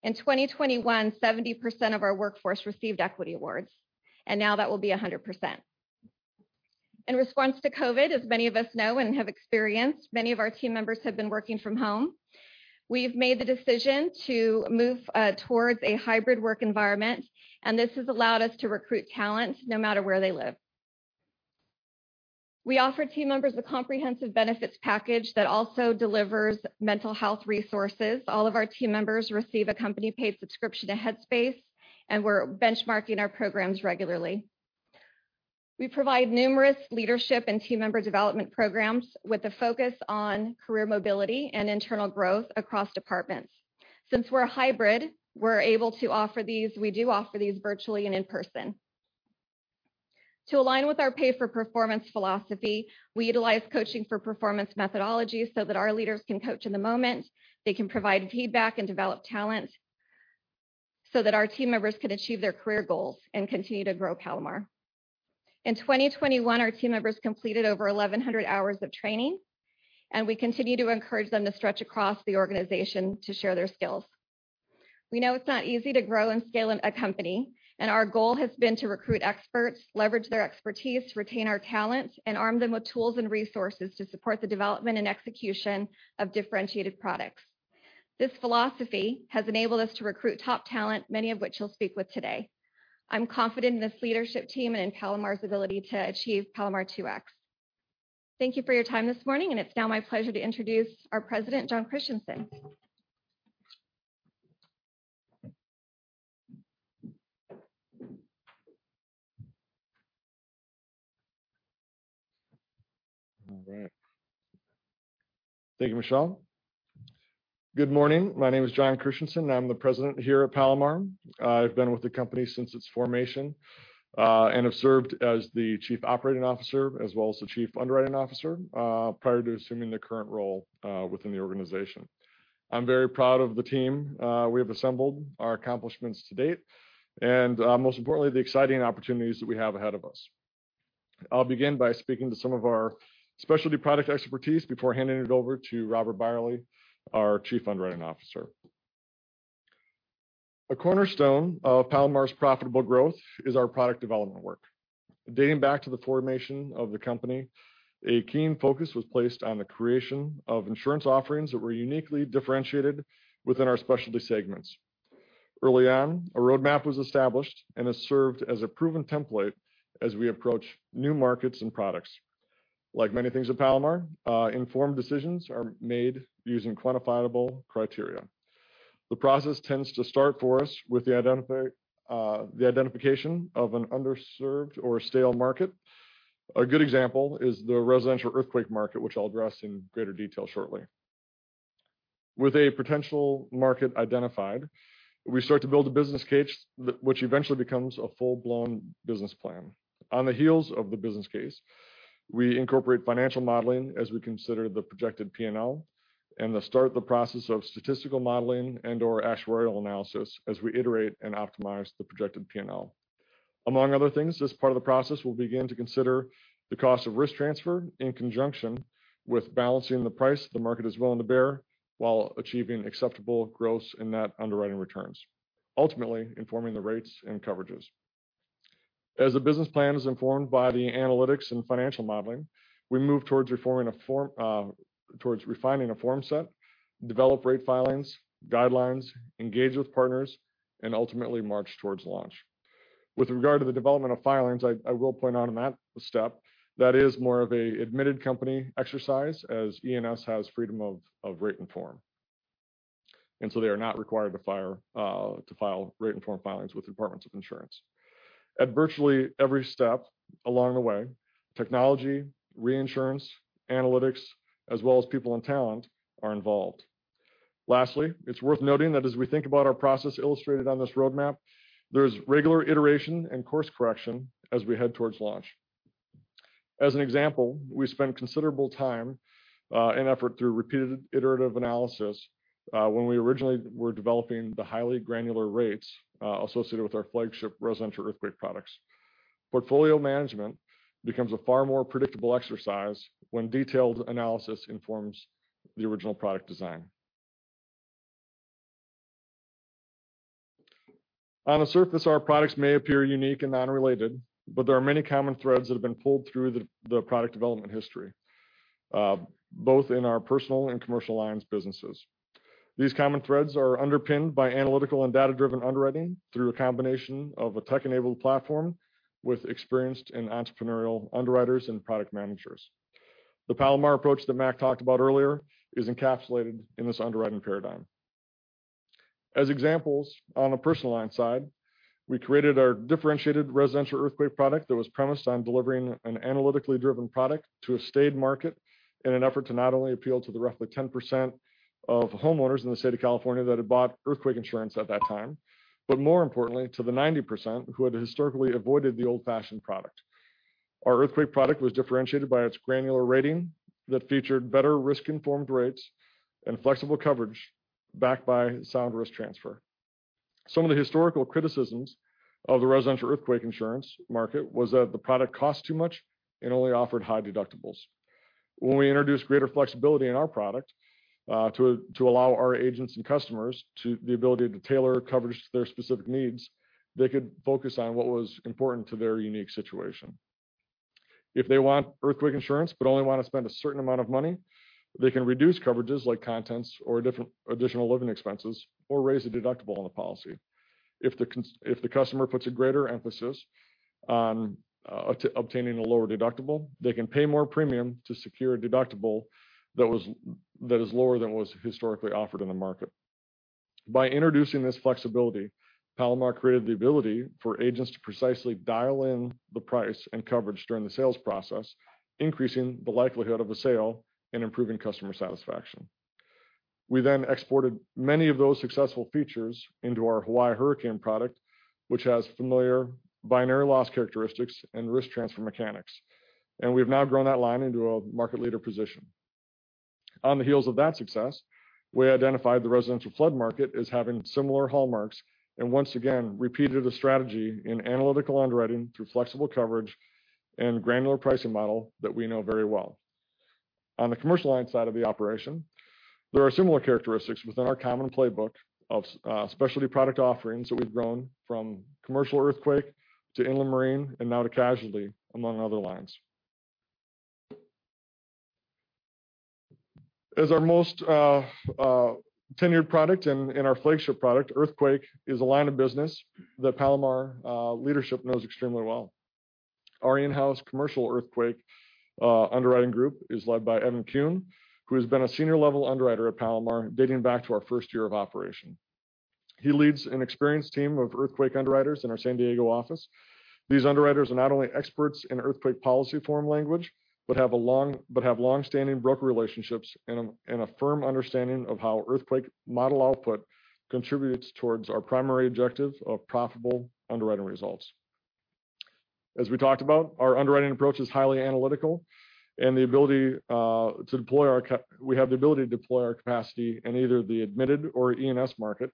In 2021, 70% of our workforce received equity awards, and now that will be 100%. In response to COVID, as many of us know and have experienced, many of our team members have been working from home. We've made the decision to move towards a hybrid work environment, and this has allowed us to recruit talent no matter where they live. We offer team members a comprehensive benefits package that also delivers mental health resources. All of our team members receive a company paid subscription to Headspace, and we're benchmarking our programs regularly. We provide numerous leadership and team member development programs with a focus on career mobility and internal growth across departments. Since we're a hybrid, we're able to offer these. We do offer these virtually and in person. To align with our pay-for-performance philosophy, we utilize coaching for performance methodology so that our leaders can coach in the moment. They can provide feedback and develop talent so that our team members can achieve their career goals and continue to grow Palomar. In 2021, our team members completed over 1,100 hours of training, and we continue to encourage them to stretch across the organization to share their skills. We know it's not easy to grow and scale a company, and our goal has been to recruit experts, leverage their expertise, retain our talent, and arm them with tools and resources to support the development and execution of differentiated products. This philosophy has enabled us to recruit top talent, many of which you'll speak with today. I'm confident in this leadership team and in Palomar's ability to achieve Palomar 2X. Thank you for your time this morning, and it's now my pleasure to introduce our president, Jon Christianson. All right. Thank you, Michelle. Good morning. My name is Jon Christianson. I'm the president here at Palomar. I've been with the company since its formation, and have served as the chief operating officer as well as the chief underwriting officer, prior to assuming the current role, within the organization. I'm very proud of the team we have assembled, our accomplishments to date, and, most importantly, the exciting opportunities that we have ahead of us. I'll begin by speaking to some of our specialty product expertise before handing it over to Robert Beyerle, our Chief Underwriting Officer. A cornerstone of Palomar's profitable growth is our product development work. Dating back to the formation of the company, a keen focus was placed on the creation of insurance offerings that were uniquely differentiated within our specialty segments. Early on, a roadmap was established and has served as a proven template as we approach new markets and products. Like many things at Palomar, informed decisions are made using quantifiable criteria. The process tends to start for us with the identification of an underserved or stale market. A good example is the residential earthquake market, which I'll address in greater detail shortly. With a potential market identified, we start to build a business case which eventually becomes a full-blown business plan. On the heels of the business case, we incorporate financial modeling as we consider the projected P&L and then start the process of statistical modeling and/or actuarial analysis as we iterate and optimize the projected P&L. Among other things, as part of the process, we'll begin to consider the cost of risk transfer in conjunction with balancing the price the market is willing to bear while achieving acceptable gross and net underwriting returns, ultimately informing the rates and coverages. As the business plan is informed by the analytics and financial modeling, we move towards refining a form set, develop rate filings, guidelines, engage with partners, and ultimately march towards launch. With regard to the development of filings, I will point out in that step, that is more of an admitted company exercise as E&S has freedom of rate and form. They are not required to file rate and form filings with the departments of insurance. At virtually every step along the way, technology, reinsurance, analytics, as well as people and talent are involved. Lastly, it's worth noting that as we think about our process illustrated on this roadmap, there's regular iteration and course correction as we head towards launch. As an example, we spent considerable time and effort through repeated iterative analysis when we originally were developing the highly granular rates associated with our flagship residential earthquake products. Portfolio management becomes a far more predictable exercise when detailed analysis informs the original product design. On the surface, our products may appear unique and unrelated, but there are many common threads that have been pulled through the product development history both in our personal and commercial alliance businesses. These common threads are underpinned by analytical and data-driven underwriting through a combination of a tech-enabled platform with experienced and entrepreneurial underwriters and product managers. The Palomar approach that Mac talked about earlier is encapsulated in this underwriting paradigm. As examples, on the personal line side, we created our differentiated residential earthquake product that was premised on delivering an analytically driven product to a staid market in an effort to not only appeal to the roughly 10% of homeowners in the state of California that had bought earthquake insurance at that time, but more importantly, to the 90% who had historically avoided the old-fashioned product. Our earthquake product was differentiated by its granular rating that featured better risk-informed rates and flexible coverage backed by sound risk transfer. Some of the historical criticisms of the residential earthquake insurance market was that the product cost too much and only offered high deductibles. When we introduced greater flexibility in our product, to allow our agents and customers the ability to tailor coverage to their specific needs, they could focus on what was important to their unique situation. If they want earthquake insurance, but only want to spend a certain amount of money, they can reduce coverages like contents or different additional living expenses or raise the deductible on the policy. If the customer puts a greater emphasis on obtaining a lower deductible, they can pay more premium to secure a deductible that is lower than what was historically offered in the market. By introducing this flexibility, Palomar created the ability for agents to precisely dial in the price and coverage during the sales process, increasing the likelihood of a sale and improving customer satisfaction. We then exported many of those successful features into our Hawaii hurricane product, which has familiar binary loss characteristics and risk transfer mechanics, and we've now grown that line into a market leader position. On the heels of that success, we identified the residential flood market as having similar hallmarks, and once again, repeated a strategy in analytical underwriting through flexible coverage and granular pricing model that we know very well. On the commercial line side of the operation, there are similar characteristics within our common playbook of specialty product offerings that we've grown from commercial earthquake to inland marine and now to casualty, among other lines. As our most tenured product and our flagship product, earthquake is a line of business that Palomar leadership knows extremely well. Our in-house commercial earthquake underwriting group is led by Evan Kuhn, who has been a senior level underwriter at Palomar dating back to our first year of operation. He leads an experienced team of earthquake underwriters in our San Diego office. These underwriters are not only experts in earthquake policy form language, but have long-standing broker relationships and a firm understanding of how earthquake model output contributes towards our primary objective of profitable underwriting results. As we talked about, our underwriting approach is highly analytical and we have the ability to deploy our capacity in either the admitted or E&S market,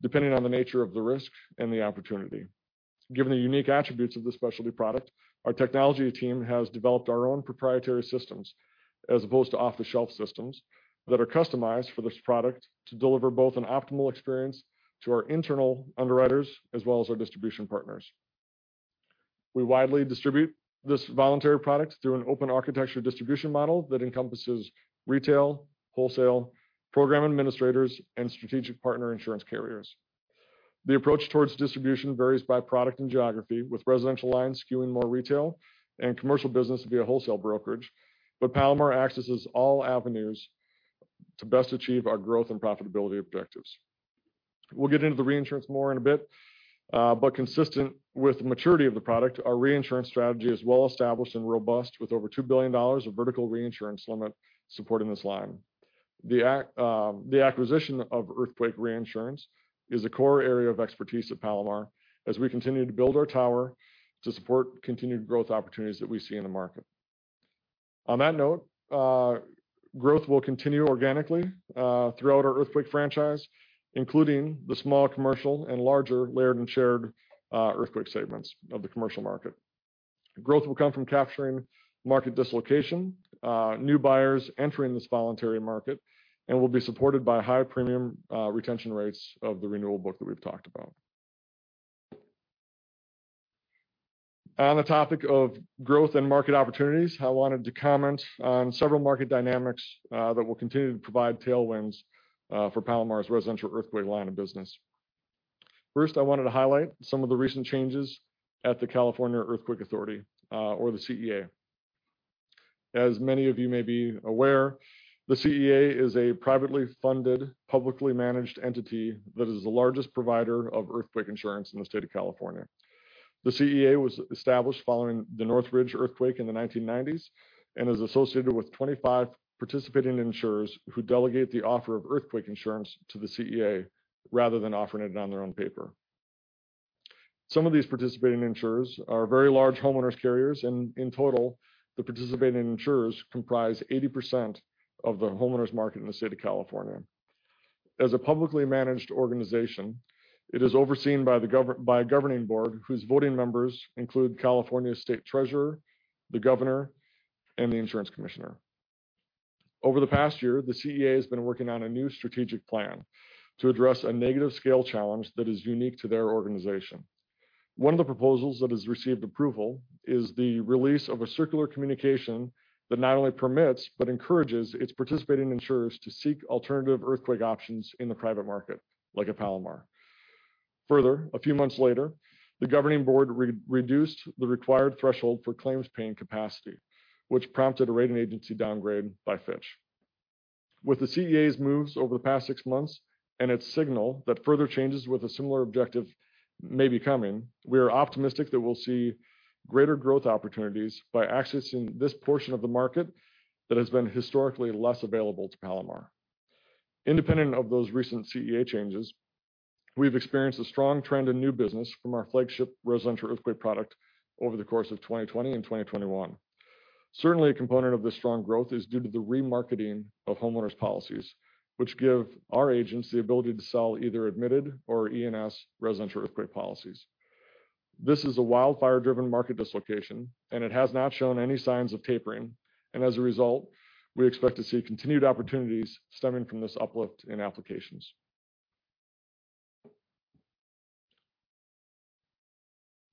depending on the nature of the risk and the opportunity. Given the unique attributes of this specialty product, our technology team has developed our own proprietary systems as opposed to off-the-shelf systems that are customized for this product to deliver both an optimal experience to our internal underwriters as well as our distribution partners. We widely distribute this voluntary product through an open architecture distribution model that encompasses retail, wholesale, program administrators, and strategic partner insurance carriers. The approach towards distribution varies by product and geography, with residential lines skewing more retail and commercial business via wholesale brokerage. Palomar accesses all avenues to best achieve our growth and profitability objectives. We'll get into the reinsurance more in a bit. Consistent with the maturity of the product, our reinsurance strategy is well established and robust with over $2 billion of vertical reinsurance limit supporting this line. The acquisition of earthquake reinsurance is a core area of expertise at Palomar as we continue to build our tower to support continued growth opportunities that we see in the market. On that note, growth will continue organically throughout our earthquake franchise, including the small commercial and larger layered and shared earthquake segments of the commercial market. Growth will come from capturing market dislocation, new buyers entering this voluntary market and will be supported by high premium retention rates of the renewal book that we've talked about. On the topic of growth and market opportunities, I wanted to comment on several market dynamics that will continue to provide tailwinds for Palomar's residential earthquake line of business. First, I wanted to highlight some of the recent changes at the California Earthquake Authority, or the CEA. As many of you may be aware, the CEA is a privately funded, publicly managed entity that is the largest provider of earthquake insurance in the state of California. The CEA was established following the Northridge earthquake in the 1990s and is associated with 25 participating insurers who delegate the offer of earthquake insurance to the CEA rather than offering it on their own paper. Some of these participating insurers are very large homeowners carriers, and in total, the participating insurers comprise 80% of the homeowners market in the state of California. As a publicly managed organization, it is overseen by a governing board whose voting members include California State Treasurer, the Governor, and the Insurance Commissioner. Over the past year, the CEA has been working on a new strategic plan to address a negative scale challenge that is unique to their organization. One of the proposals that has received approval is the release of a circular communication that not only permits but encourages its participating insurers to seek alternative earthquake options in the private market like at Palomar. Further, a few months later, the governing board re-reduced the required threshold for claims paying capacity, which prompted a rating agency downgrade by Fitch. With the CEA's moves over the past six months and its signal that further changes with a similar objective may be coming, we are optimistic that we'll see greater growth opportunities by accessing this portion of the market that has been historically less available to Palomar. Independent of those recent CEA changes, we've experienced a strong trend in new business from our flagship residential earthquake product over the course of 2020 and 2021. Certainly, a component of this strong growth is due to the remarketing of homeowners policies, which give our agents the ability to sell either admitted or E&S residential earthquake policies. This is a wildfire-driven market dislocation, and it has not shown any signs of tapering. As a result, we expect to see continued opportunities stemming from this uplift in applications.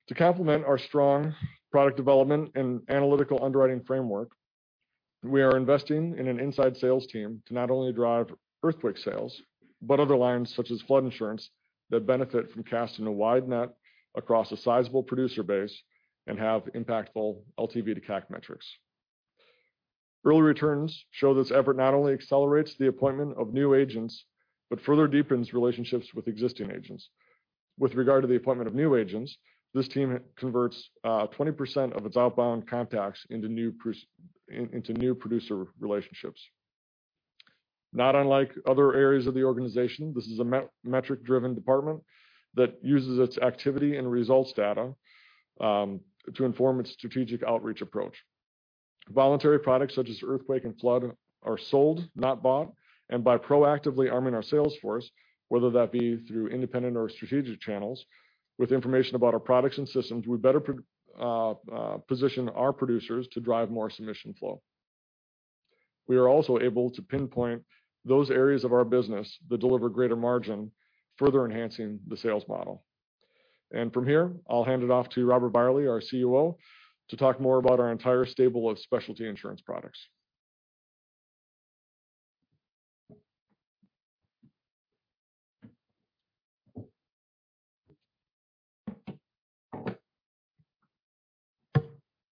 To complement our strong product development and analytical underwriting framework, we are investing in an inside sales team to not only drive earthquake sales, but other lines such as flood insurance that benefit from casting a wide net across a sizable producer base and have impactful LTV to CAC metrics. Early returns show this effort not only accelerates the appointment of new agents but further deepens relationships with existing agents. With regard to the appointment of new agents, this team converts 20% of its outbound contacts into new producer relationships. Not unlike other areas of the organization, this is a metric-driven department that uses its activity and results data to inform its strategic outreach approach. Voluntary products such as earthquake and flood are sold, not bought. By proactively arming our sales force, whether that be through independent or strategic channels with information about our products and systems, we better position our producers to drive more submission flow. We are also able to pinpoint those areas of our business that deliver greater margin, further enhancing the sales model. From here, I'll hand it off to Robert Beyerle, our CUO, to talk more about our entire stable of specialty insurance products.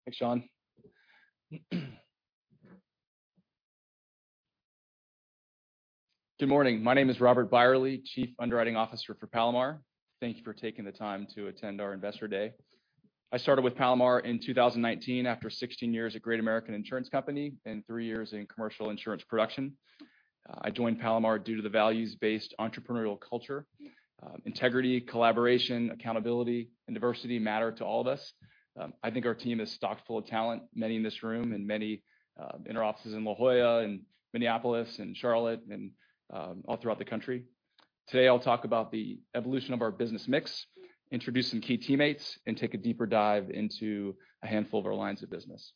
Thanks, Jon. Good morning. My name is Robert Beyerle, Chief Underwriting Officer for Palomar. Thank you for taking the time to attend our Investor Day. I started with Palomar in 2019 after 16 years at Great American Insurance Company and three years in commercial insurance production. I joined Palomar due to the values-based entrepreneurial culture. Integrity, collaboration, accountability, and diversity matter to all of us. I think our team is stocked full of talent, many in this room and many in our offices in La Jolla and Minneapolis and Charlotte and all throughout the country. Today, I'll talk about the evolution of our business mix, introduce some key teammates, and take a deeper dive into a handful of our lines of business.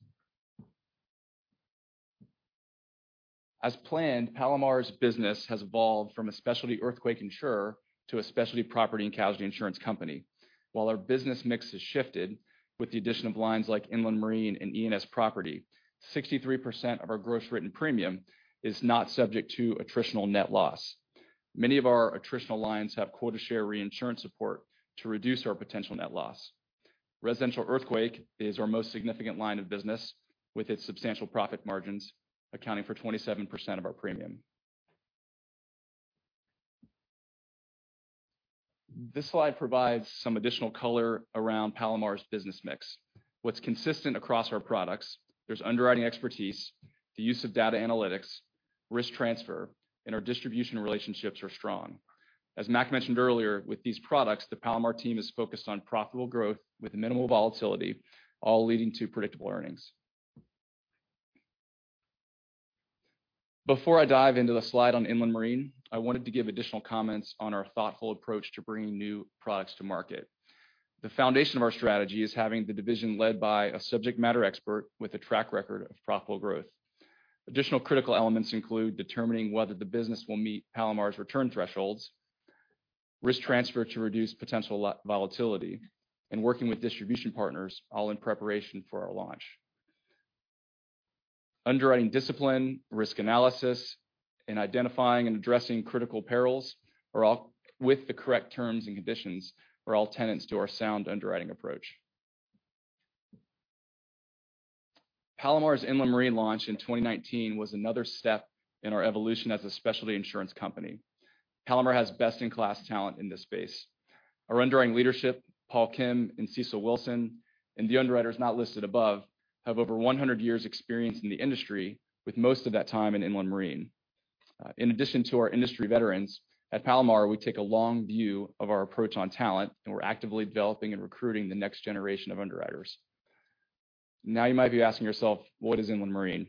As planned, Palomar's business has evolved from a specialty earthquake insurer to a specialty property and casualty insurance company. While our business mix has shifted with the addition of lines like inland marine and E&S property, 63% of our gross written premium is not subject to attritional net loss. Many of our attritional lines have quota share reinsurance support to reduce our potential net loss. Residential earthquake is our most significant line of business, with its substantial profit margins accounting for 27% of our premium. This slide provides some additional color around Palomar's business mix. What's consistent across our products, there's underwriting expertise, the use of data analytics, risk transfer, and our distribution relationships are strong. As Mac mentioned earlier, with these products, the Palomar team is focused on profitable growth with minimal volatility, all leading to predictable earnings. Before I dive into the slide on inland marine, I wanted to give additional comments on our thoughtful approach to bringing new products to market. The foundation of our strategy is having the division led by a subject matter expert with a track record of profitable growth. Additional critical elements include determining whether the business will meet Palomar's return thresholds, risk transfer to reduce potential low volatility, and working with distribution partners, all in preparation for our launch. Underwriting discipline, risk analysis, and identifying and addressing critical perils, all with the correct terms and conditions, are all tenets to our sound underwriting approach. Palomar's inland marine launch in 2019 was another step in our evolution as a specialty insurance company. Palomar has best-in-class talent in this space. Our underwriting leadership, Paul Kim and Cecil Wilson, and the underwriters not listed above, have over 100 years experience in the industry, with most of that time in inland marine. In addition to our industry veterans, at Palomar we take a long view of our approach on talent, and we're actively developing and recruiting the next generation of underwriters. Now you might be asking yourself, what is inland marine?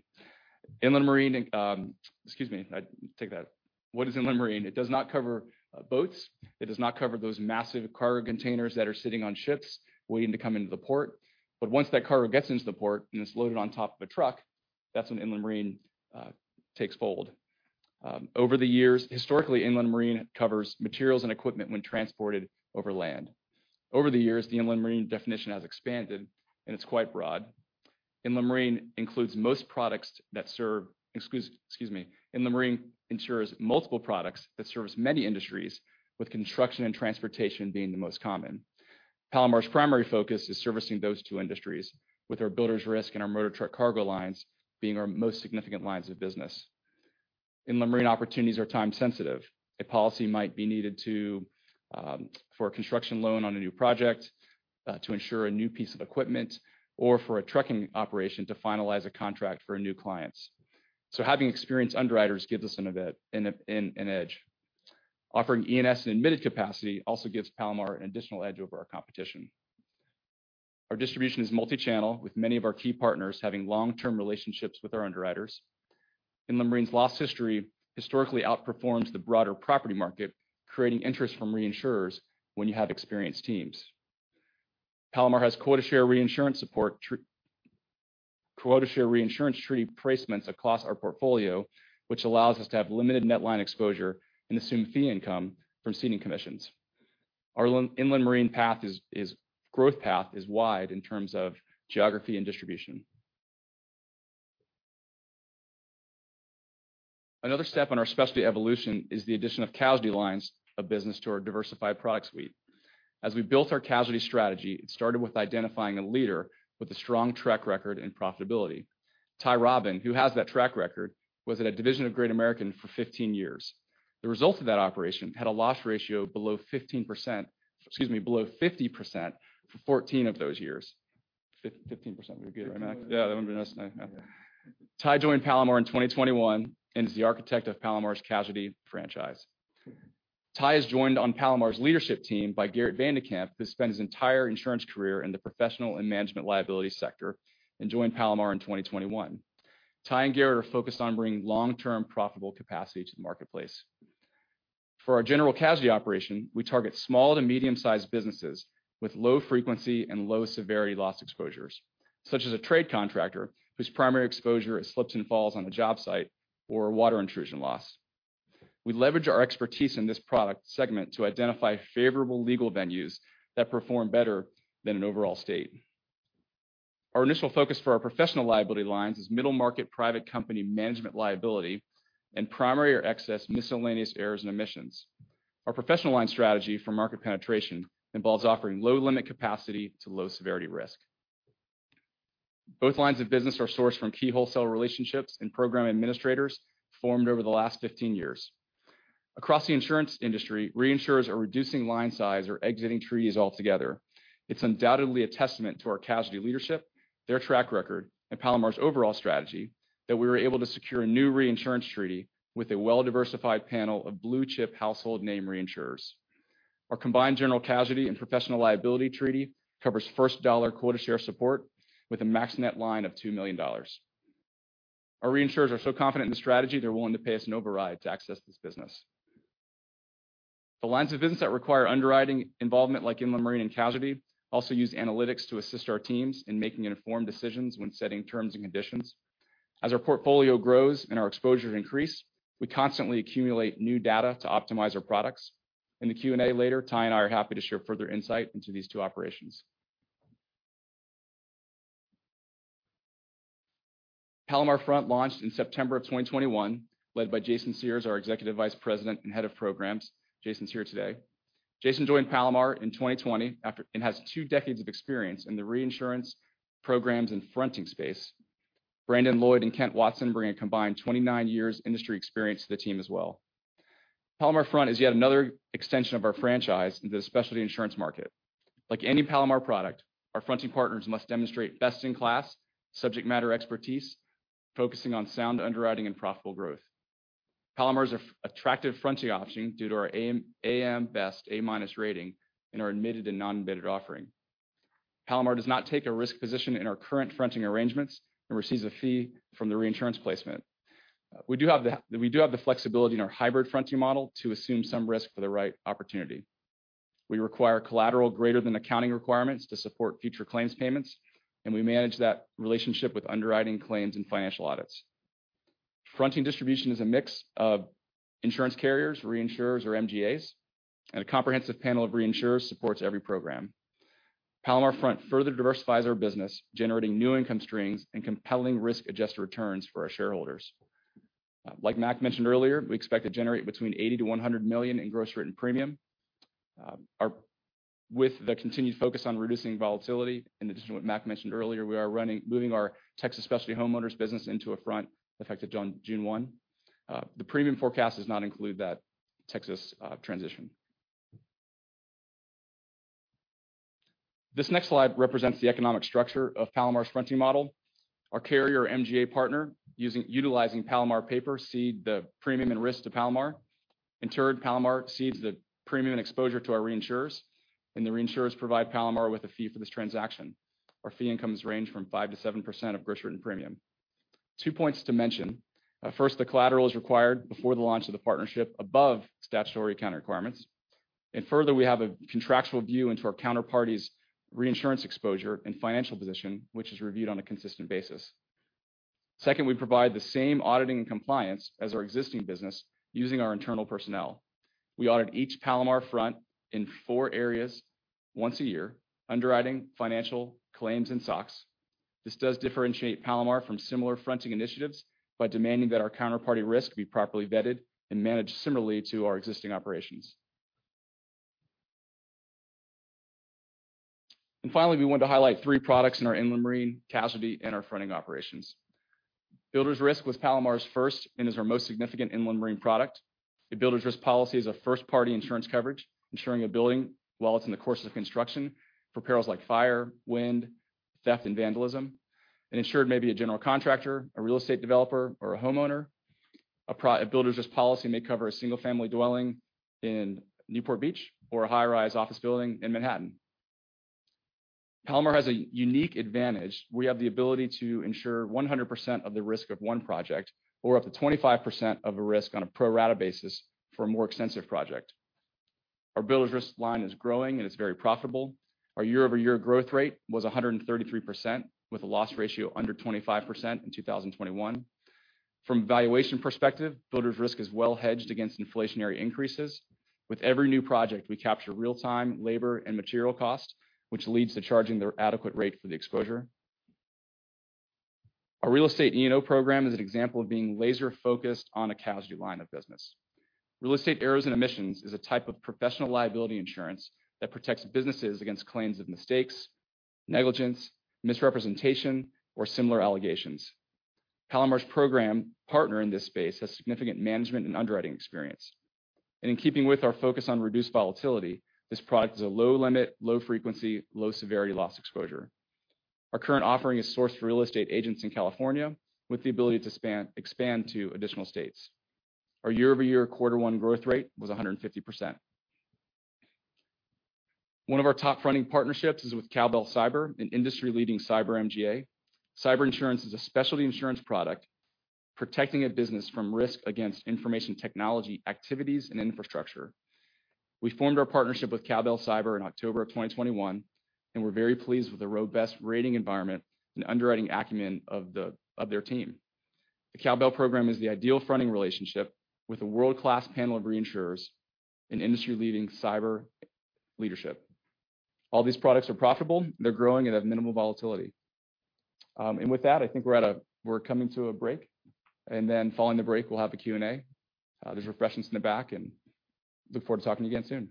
It does not cover boats. It does not cover those massive cargo containers that are sitting on ships waiting to come into the port. Once that cargo gets into the port and it's loaded on top of a truck, that's when inland marine takes hold. Over the years, historically, inland marine covers materials and equipment when transported over land. Over the years, the inland marine definition has expanded, and it's quite broad. Inland marine includes most products that serve... Excuse me, inland marine insures multiple products that service many industries, with construction and transportation being the most common. Palomar's primary focus is servicing those two industries with our builder's risk and our motor truck cargo lines being our most significant lines of business. Inland marine opportunities are time sensitive. A policy might be needed to, for a construction loan on a new project, to insure a new piece of equipment or for a trucking operation to finalize a contract for new clients. Having experienced underwriters gives us an edge. Offering E&S and admitted capacity also gives Palomar an additional edge over our competition. Our distribution is multi-channel, with many of our key partners having long-term relationships with our underwriters. Inland marine's loss history historically outperforms the broader property market, creating interest from reinsurers when you have experienced teams. Palomar has quota share reinsurance support quota share reinsurance treaty placements across our portfolio, which allows us to have limited net line exposure and assume fee income from ceding commissions. Our inland marine growth path is wide in terms of geography and distribution. Another step on our specialty evolution is the addition of casualty lines of business to our diversified product suite. As we built our casualty strategy, it started with identifying a leader with a strong track record and profitability. Ty Robben, who has that track record, was at a division of Great American for 15 years. The results of that operation had a loss ratio below 15%, excuse me, below 50% for 14 of those years. 15% would be good right now. Yeah, that wouldn't be nice. No. Ty joined Palomar in 2021 and is the architect of Palomar's casualty franchise. Ty is joined on Palomar's leadership team by Gerrit VandeKemp, who spent his entire insurance career in the professional and management liability sector and joined Palomar in 2021. Ty and Gerrit are focused on bringing long-term profitable capacity to the marketplace. For our general casualty operation, we target small to medium-sized businesses with low frequency and low severity loss exposures, such as a trade contractor whose primary exposure is slips and falls on a job site or a water intrusion loss. We leverage our expertise in this product segment to identify favorable legal venues that perform better than an overall state. Our initial focus for our professional liability lines is middle market private company management liability and primary or excess miscellaneous errors and omissions. Our professional line strategy for market penetration involves offering low limit capacity to low severity risk. Both lines of business are sourced from key wholesale relationships and program administrators formed over the last 15 years. Across the insurance industry, reinsurers are reducing line size or exiting treaties altogether. It's undoubtedly a testament to our casualty leadership, their track record, and Palomar's overall strategy that we were able to secure a new reinsurance treaty with a well-diversified panel of blue-chip household name reinsurers. Our combined general casualty and professional liability treaty covers first dollar quota share support with a max net line of $2 million. Our reinsurers are so confident in the strategy, they're willing to pay us an override to access this business. The lines of business that require underwriting involvement like inland marine and casualty also use analytics to assist our teams in making informed decisions when setting terms and conditions. As our portfolio grows and our exposures increase, we constantly accumulate new data to optimize our products. In the Q&A later, Ty and I are happy to share further insight into these two operations. Palomar Front launched in September of 2021, led by Jason Sears, our Executive Vice President and Head of Programs. Jason's here today. Jason joined Palomar in 2020 and has two decades of experience in the reinsurance programs and fronting space. Brandon Loyd and Kent Watson bring a combined 29 years industry experience to the team as well. Palomar Front is yet another extension of our franchise into the specialty insurance market. Like any Palomar product, our fronting partners must demonstrate best-in-class subject matter expertise, focusing on sound underwriting and profitable growth. Palomar is an attractive fronting option due to our A.M. Best A- rating and our admitted and non-admitted offering. Palomar does not take a risk position in our current fronting arrangements and receives a fee from the reinsurance placement. We do have the flexibility in our hybrid fronting model to assume some risk for the right opportunity. We require collateral greater than accounting requirements to support future claims payments, and we manage that relationship with underwriting claims and financial audits. Fronting distribution is a mix of insurance carriers, reinsurers or MGAs, and a comprehensive panel of reinsurers supports every program. Palomar Front further diversifies our business, generating new income streams and compelling risk-adjusted returns for our shareholders. Like Mac mentioned earlier, we expect to generate between $80 million-$100 million in gross written premium. With the continued focus on reducing volatility, and this is what Mac mentioned earlier, we are moving our Texas specialty homeowners business into fronting effective June 1. The premium forecast does not include that Texas transition. This next slide represents the economic structure of Palomar's fronting model. Our carrier MGA partner utilizing Palomar paper cedes the premium and risk to Palomar. In turn, Palomar cedes the premium exposure to our reinsurers, and the reinsurers provide Palomar with a fee for this transaction. Our fee incomes range from 5%-7% of gross written premium. Two points to mention. First, the collateral is required before the launch of the partnership above statutory accounting requirements. Further, we have a contractual view into our counterparty's reinsurance exposure and financial position, which is reviewed on a consistent basis. Second, we provide the same auditing and compliance as our existing business using our internal personnel. We audit each Palomar front in four areas once a year, underwriting, financial, claims, and SOX. This does differentiate Palomar from similar fronting initiatives by demanding that our counterparty risk be properly vetted and managed similarly to our existing operations. Finally, we want to highlight three products in our inland marine, casualty, and our fronting operations. Builder's risk was Palomar's first and is our most significant inland marine product. A builder's risk policy is a first-party insurance coverage, ensuring a building while it's in the course of construction for perils like fire, wind, theft, and vandalism. An insured may be a general contractor, a real estate developer, or a homeowner. A builder's risk policy may cover a single-family dwelling in Newport Beach or a high-rise office building in Manhattan. Palomar has a unique advantage. We have the ability to insure 100% of the risk of one project or up to 25% of a risk on a pro rata basis for a more extensive project. Our builder's risk line is growing, and it's very profitable. Our year-over-year growth rate was 133%, with a loss ratio under 25% in 2021. From a valuation perspective, builder's risk is well hedged against inflationary increases. With every new project, we capture real-time labor and material costs, which leads to charging the adequate rate for the exposure. Our real estate E&O program is an example of being laser-focused on a casualty line of business. Real estate errors and omissions is a type of professional liability insurance that protects businesses against claims of mistakes, negligence, misrepresentation, or similar allegations. Palomar's program partner in this space has significant management and underwriting experience. In keeping with our focus on reduced volatility, this product is a low limit, low frequency, low severity loss exposure. Our current offering is sourced for real estate agents in California with the ability to expand to additional states. Our year-over-year quarter one growth rate was 150%. One of our top fronting partnerships is with Cowbell Cyber, an industry-leading cyber MGA. Cyber insurance is a specialty insurance product protecting a business from risk against information technology activities and infrastructure. We formed our partnership with Cowbell Cyber in October of 2021, and we're very pleased with the A.M. Best rating environment and underwriting acumen of their team. The Cowbell program is the ideal fronting relationship with a world-class panel of reinsurers and industry-leading cyber leadership. All these products are profitable, they're growing and have minimal volatility. With that, I think we're coming to a break. Following the break, we'll have a Q&A. There's refreshments in the back, and look forward to talking again soon.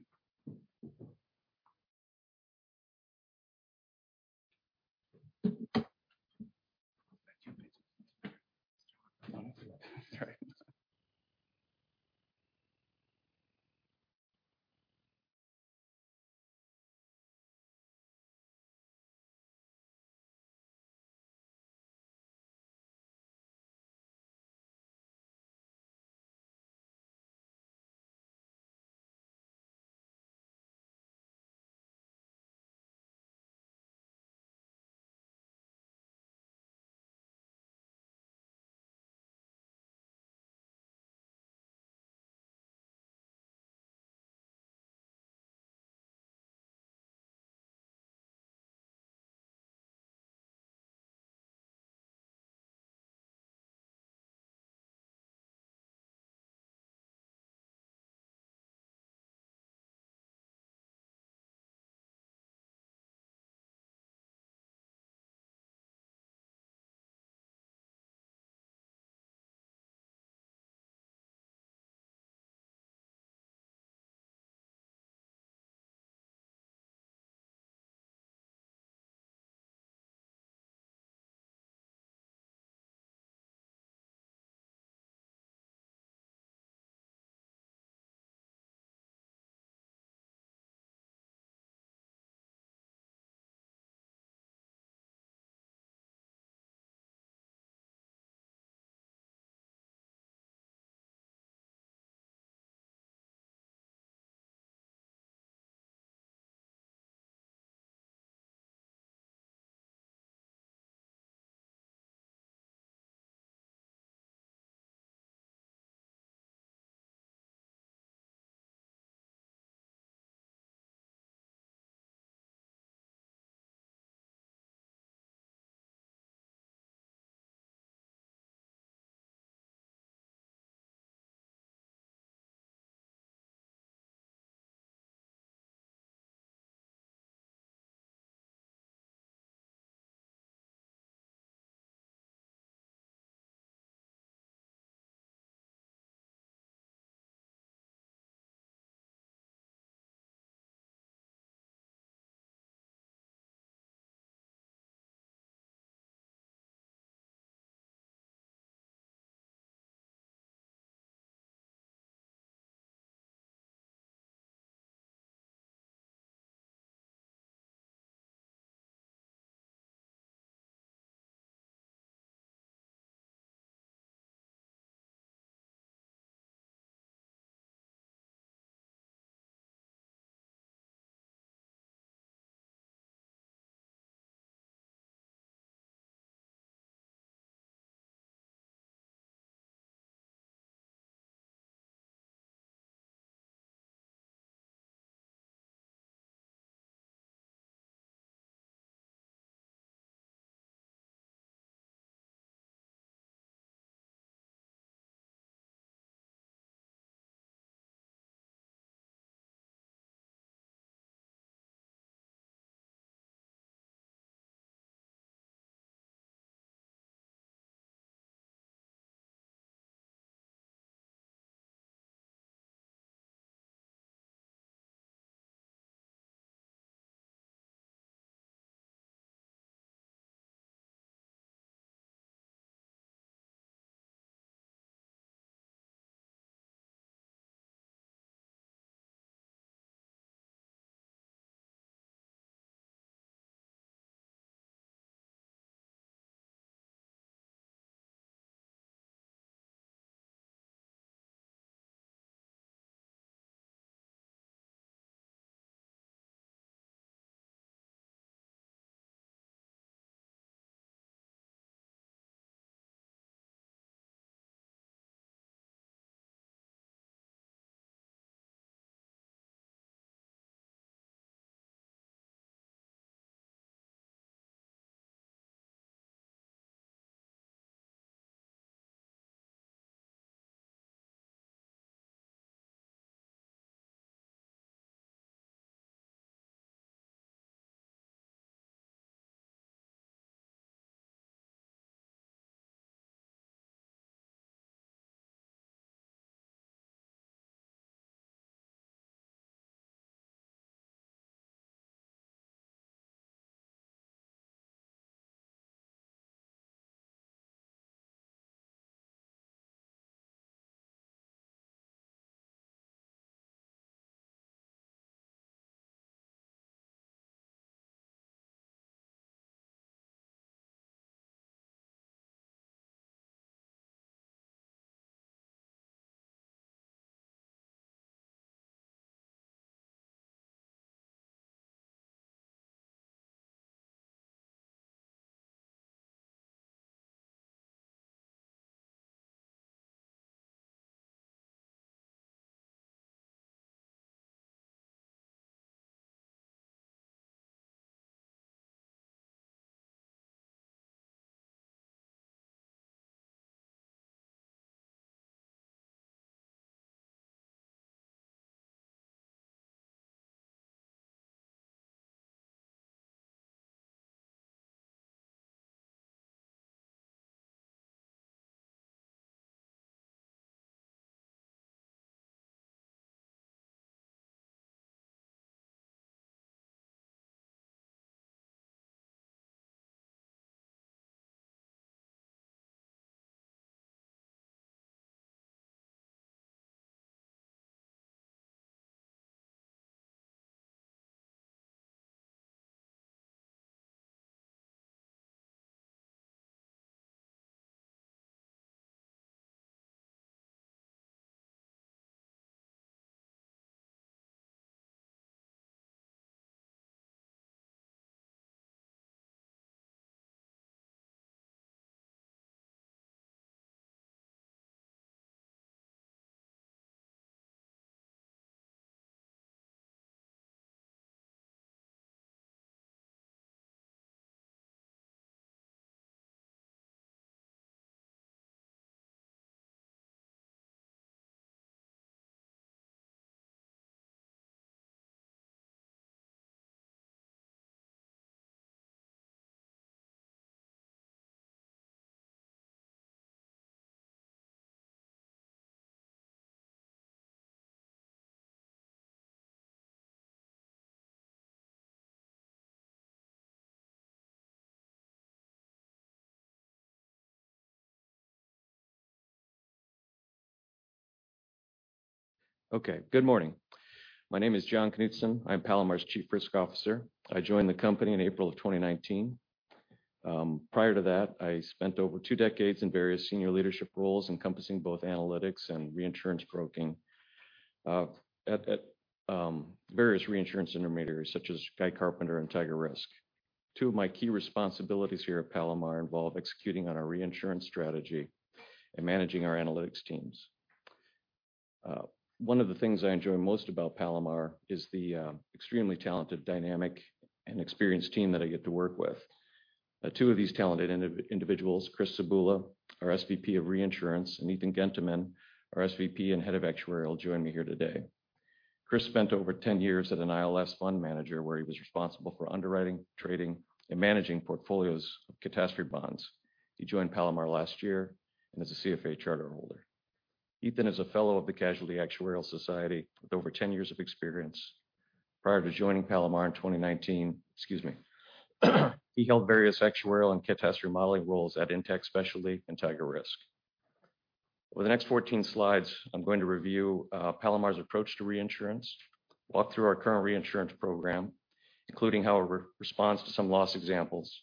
Okay. Good morning. My name is Jon Knutzen. I'm Palomar's Chief Risk Officer. I joined the company in April 2019. Prior to that, I spent over two decades in various senior leadership roles encompassing both analytics and reinsurance broking at various reinsurance intermediaries such as Guy Carpenter and TigerRisk. Two of my key responsibilities here at Palomar involve executing on our reinsurance strategy and managing our analytics teams. One of the things I enjoy most about Palomar is the extremely talented, dynamic, and experienced team that I get to work with. Two of these talented individuals, Chris Cebula, our SVP of Reinsurance, and Ethan Genteman, our SVP and Head of Actuarial, join me here today. Chris spent over 10 years at an ILS fund manager where he was responsible for underwriting, trading, and managing portfolios of catastrophe bonds. He joined Palomar last year and is a CFA charterholder. Ethan is a fellow of the Casualty Actuarial Society with over 10 years of experience. Prior to joining Palomar in 2019, he held various actuarial and catastrophe modeling roles at Intech Specialty and TigerRisk. Over the next 14 slides, I'm going to review Palomar's approach to reinsurance, walk through our current reinsurance program, including how it responds to some loss examples,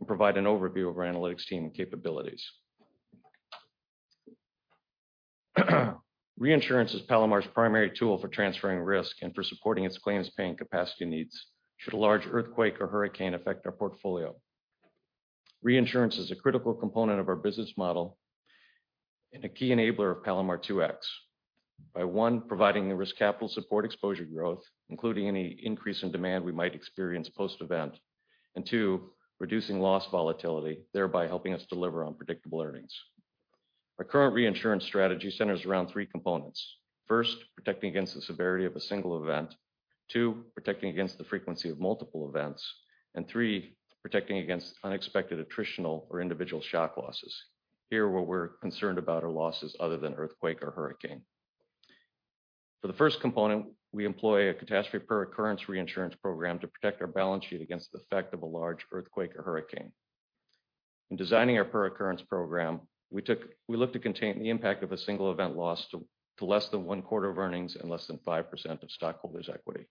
and provide an overview of our analytics team and capabilities. Reinsurance is Palomar's primary tool for transferring risk and for supporting its claims-paying capacity needs should a large earthquake or hurricane affect our portfolio. Reinsurance is a critical component of our business model and a key enabler of Palomar 2X. By one, providing the risk capital support exposure growth, including any increase in demand we might experience post-event. Two, reducing loss volatility, thereby helping us deliver on predictable earnings. Our current reinsurance strategy centers around three components. First, protecting against the severity of a single event. Two, protecting against the frequency of multiple events. And three, protecting against unexpected attritional or individual shock losses. Here, what we're concerned about are losses other than earthquake or hurricane. For the first component, we employ a catastrophe per occurrence reinsurance program to protect our balance sheet against the effect of a large earthquake or hurricane. In designing our per occurrence program, we look to contain the impact of a single event loss to less than one quarter of earnings and less than 5% of stockholders' equity.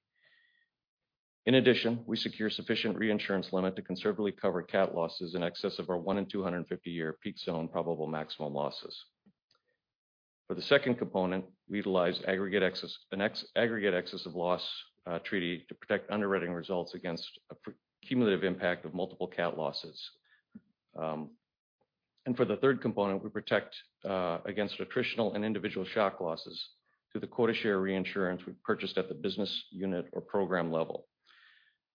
In addition, we secure sufficient reinsurance limit to conservatively cover cat losses in excess of our 1 in 250-year peak zone probable maximum losses. For the second component, we utilize aggregate excess of loss treaty to protect underwriting results against a cumulative impact of multiple cat losses. For the third component, we protect against attritional and individual shock losses through the quota share reinsurance we've purchased at the business unit or program level.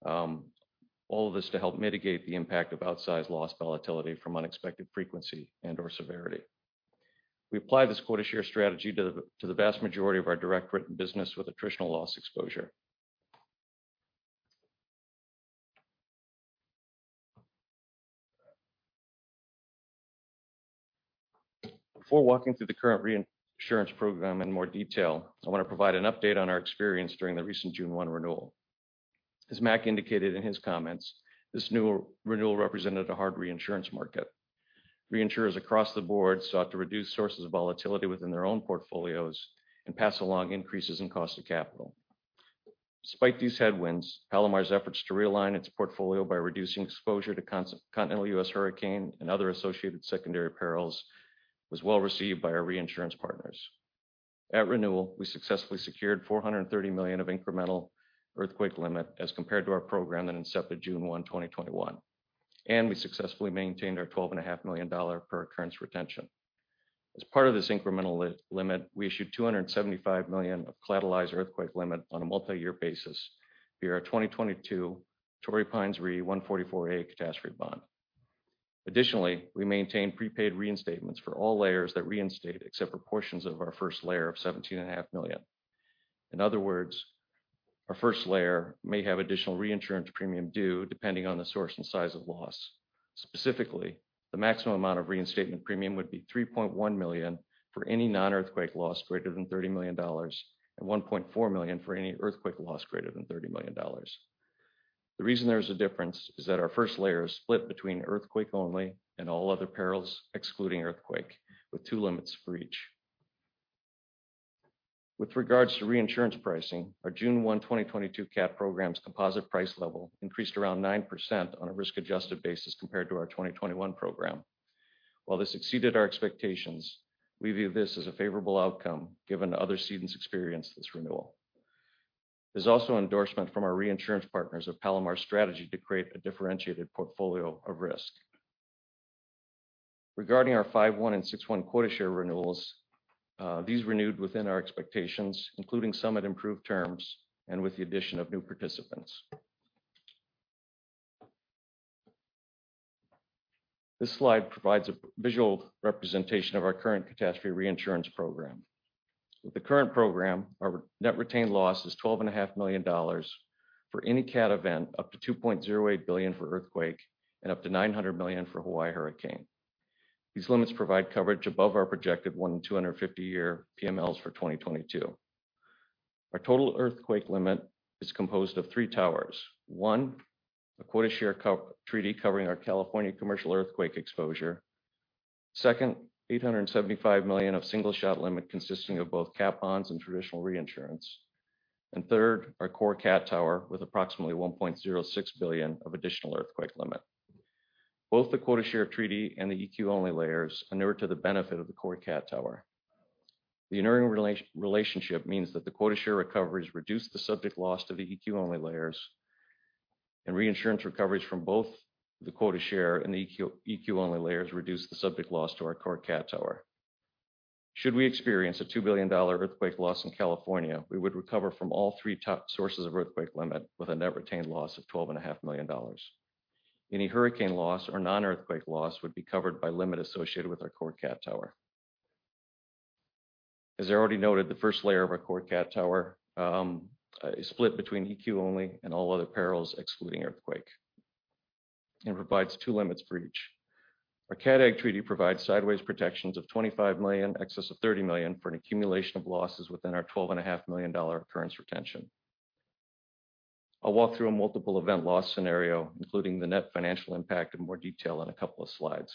All of this to help mitigate the impact of outsized loss volatility from unexpected frequency and/or severity. We apply this quota share strategy to the vast majority of our direct written business with attritional loss exposure. Before walking through the current reinsurance program in more detail, I want to provide an update on our experience during the recent June 1 renewal. As Mac indicated in his comments, this new renewal represented a hard reinsurance market. Reinsurers across the board sought to reduce sources of volatility within their own portfolios and pass along increases in cost of capital. Despite these headwinds, Palomar's efforts to realign its portfolio by reducing exposure to continental U.S. hurricane and other associated secondary perils was well received by our reinsurance partners. At renewal, we successfully secured $430 million of incremental earthquake limit as compared to our program that incepted June 1, 2021, and we successfully maintained our $12.5 million per occurrence retention. As part of this incremental limit, we issued $275 million of collateralized earthquake limit on a multi-year basis via our 2022 Torrey Pines Re 144A catastrophe bond. Additionally, we maintained prepaid reinstatements for all layers that reinstate except for portions of our first layer of $17.5 million. In other words, our first layer may have additional reinsurance premium due depending on the source and size of loss. Specifically, the maximum amount of reinstatement premium would be $3.1 million for any non-earthquake loss greater than $30 million and $1.4 million for any earthquake loss greater than $30 million. The reason there's a difference is that our first layer is split between earthquake only and all other perils excluding earthquake, with two limits for each. With regards to reinsurance pricing, our June 1, 2022 cat program's composite price level increased around 9% on a risk-adjusted basis compared to our 2021 program. While this exceeded our expectations, we view this as a favorable outcome given other cedents experienced this renewal. There's also endorsement from our reinsurance partners of Palomar's strategy to create a differentiated portfolio of risk. Regarding our 51 and 61 quota share renewals, these renewed within our expectations, including some at improved terms and with the addition of new participants. This slide provides a visual representation of our current catastrophe reinsurance program. With the current program, our net retained loss is $12.5 million for any cat event, up to $2.08 billion for earthquake, and up to $900 million for Hawaii hurricane. These limits provide coverage above our projected 1 in 250-year PMLs for 2022. Our total earthquake limit is composed of three towers. One, a quota share co-treaty covering our California commercial earthquake exposure. Second, $875 million of single shot limit consisting of both cat bonds and traditional reinsurance. And third, our core cat tower with approximately $1.06 billion of additional earthquake limit. Both the quota share treaty and the EQ-only layers inure to the benefit of the core cat tower. The inuring relationship means that the quota share recoveries reduce the subject loss to the EQ-only layers, and reinsurance recoveries from both the quota share and the EQ-only layers reduce the subject loss to our core cat tower. Should we experience a $2 billion earthquake loss in California, we would recover from all three sources of earthquake limit with a net retained loss of twelve and a half million dollars. Any hurricane loss or non-earthquake loss would be covered by limit associated with our core cat tower. As I already noted, the first layer of our core cat tower is split between EQ-only and all other perils excluding earthquake, and provides two limits for each. Our Cat Agg treaty provides sideways protections of $25 million excess of $30 million for an accumulation of losses within our $12.5 million dollar occurrence retention. I'll walk through a multiple event loss scenario, including the net financial impact in more detail in a couple of slides.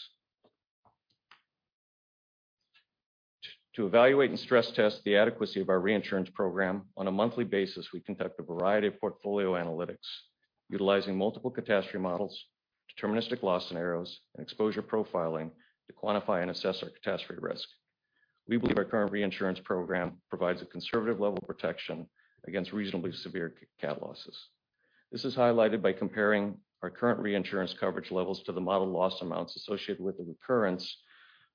To evaluate and stress test the adequacy of our reinsurance program, on a monthly basis, we conduct a variety of portfolio analytics utilizing multiple catastrophe models, deterministic loss scenarios, and exposure profiling to quantify and assess our catastrophe risk. We believe our current reinsurance program provides a conservative level of protection against reasonably severe cat losses. This is highlighted by comparing our current reinsurance coverage levels to the model loss amounts associated with the recurrence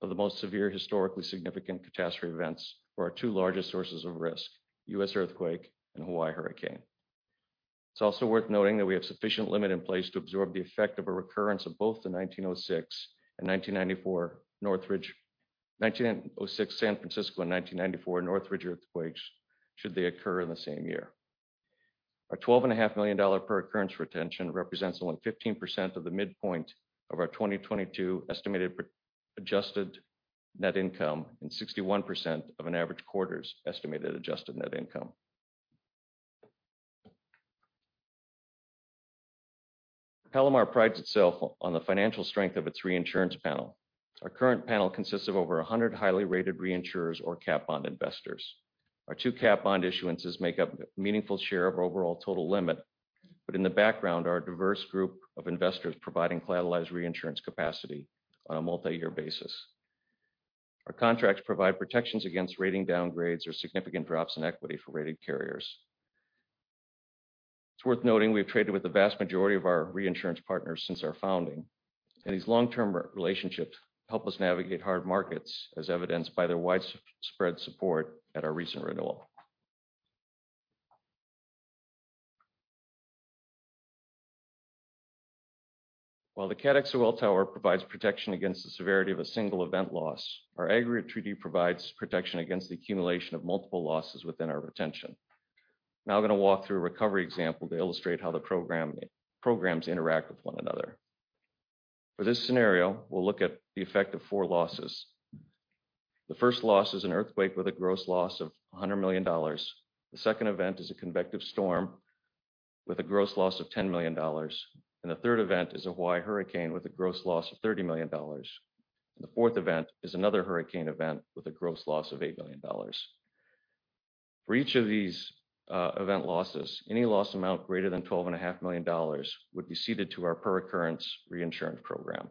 of the most severe historically significant catastrophe events for our two largest sources of risk, U.S. earthquake and Hawaii hurricane. It's also worth noting that we have sufficient limit in place to absorb the effect of a recurrence of both the 1906 San Francisco and 1994 Northridge earthquakes should they occur in the same year. Our $12.5 million per occurrence retention represents only 15% of the midpoint of our 2022 estimated pre-tax adjusted net income and 61% of an average quarter's estimated adjusted net income. Palomar prides itself on the financial strength of its reinsurance panel. Our current panel consists of over 100 highly rated reinsurers or cat bond investors. Our two cat bond issuances make up a meaningful share of our overall total limit. In the background are a diverse group of investors providing collateralized reinsurance capacity on a multi-year basis. Our contracts provide protections against rating downgrades or significant drops in equity for rated carriers. It's worth noting we've traded with the vast majority of our reinsurance partners since our founding. These long-term relationships help us navigate hard markets, as evidenced by their widespread support at our recent renewal. While the cat XOL tower provides protection against the severity of a single event loss, our aggregate treaty provides protection against the accumulation of multiple losses within our retention. Now I'm going to walk through a recovery example to illustrate how the programs interact with one another. For this scenario, we'll look at the effect of four losses. The first loss is an earthquake with a gross loss of $100 million. The second event is a convective storm with a gross loss of $10 million. The third event is a Hawaii hurricane with a gross loss of $30 million. The fourth event is another hurricane event with a gross loss of $8 million. For each of these, event losses, any loss amount greater than twelve and a half million dollars would be ceded to our per occurrence reinsurance program.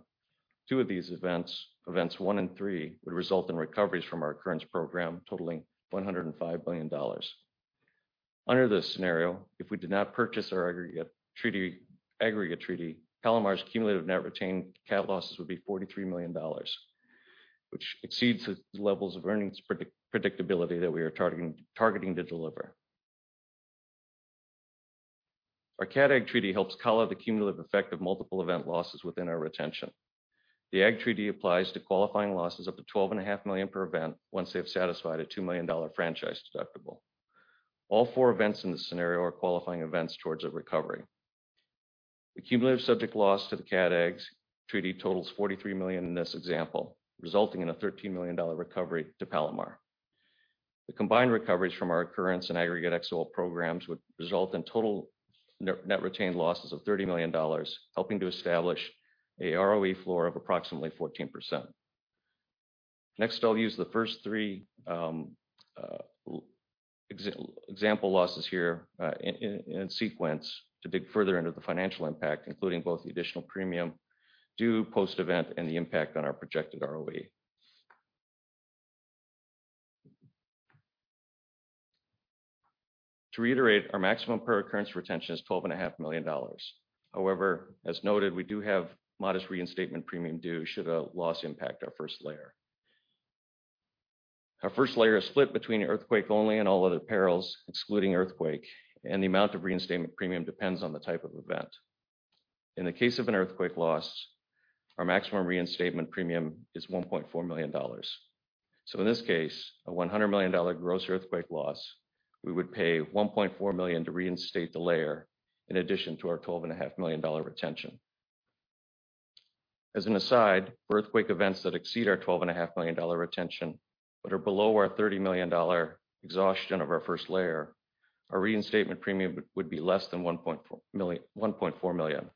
Two of these events one and three, would result in recoveries from our occurrence program totaling $105 million. Under this scenario, if we did not purchase our aggregate treaty, Palomar's cumulative net retained cat losses would be $43 million, which exceeds the levels of earnings predictability that we are targeting to deliver. Our cat Agg treaty helps collar the cumulative effect of multiple event losses within our retention. The Agg treaty applies to qualifying losses up to $12.5 million per event once they have satisfied a $2 million franchise deductible. All four events in this scenario are qualifying events towards a recovery. The cumulative subject loss to the Cat Agg's treaty totals $43 million in this example, resulting in a $13 million recovery to Palomar. The combined recoveries from our occurrence and aggregate XOL programs would result in total net retained losses of $30 million, helping to establish a ROE floor of approximately 14%. Next, I'll use the first three example losses here in sequence to dig further into the financial impact, including both the additional premium due post-event and the impact on our projected ROE. To reiterate, our maximum per occurrence retention is $12.5 million. However, as noted, we do have modest reinstatement premium due should a loss impact our first layer. Our first layer is split between earthquake only and all other perils excluding earthquake, and the amount of reinstatement premium depends on the type of event. In the case of an earthquake loss, our maximum reinstatement premium is $1.4 million. In this case, a $100 million gross earthquake loss, we would pay $1.4 million to reinstate the layer in addition to our $12.5 million retention. As an aside, for earthquake events that exceed our $12.5 million retention but are below our $30 million exhaustion of our first layer, our reinstatement premium would be less than $1.4 million.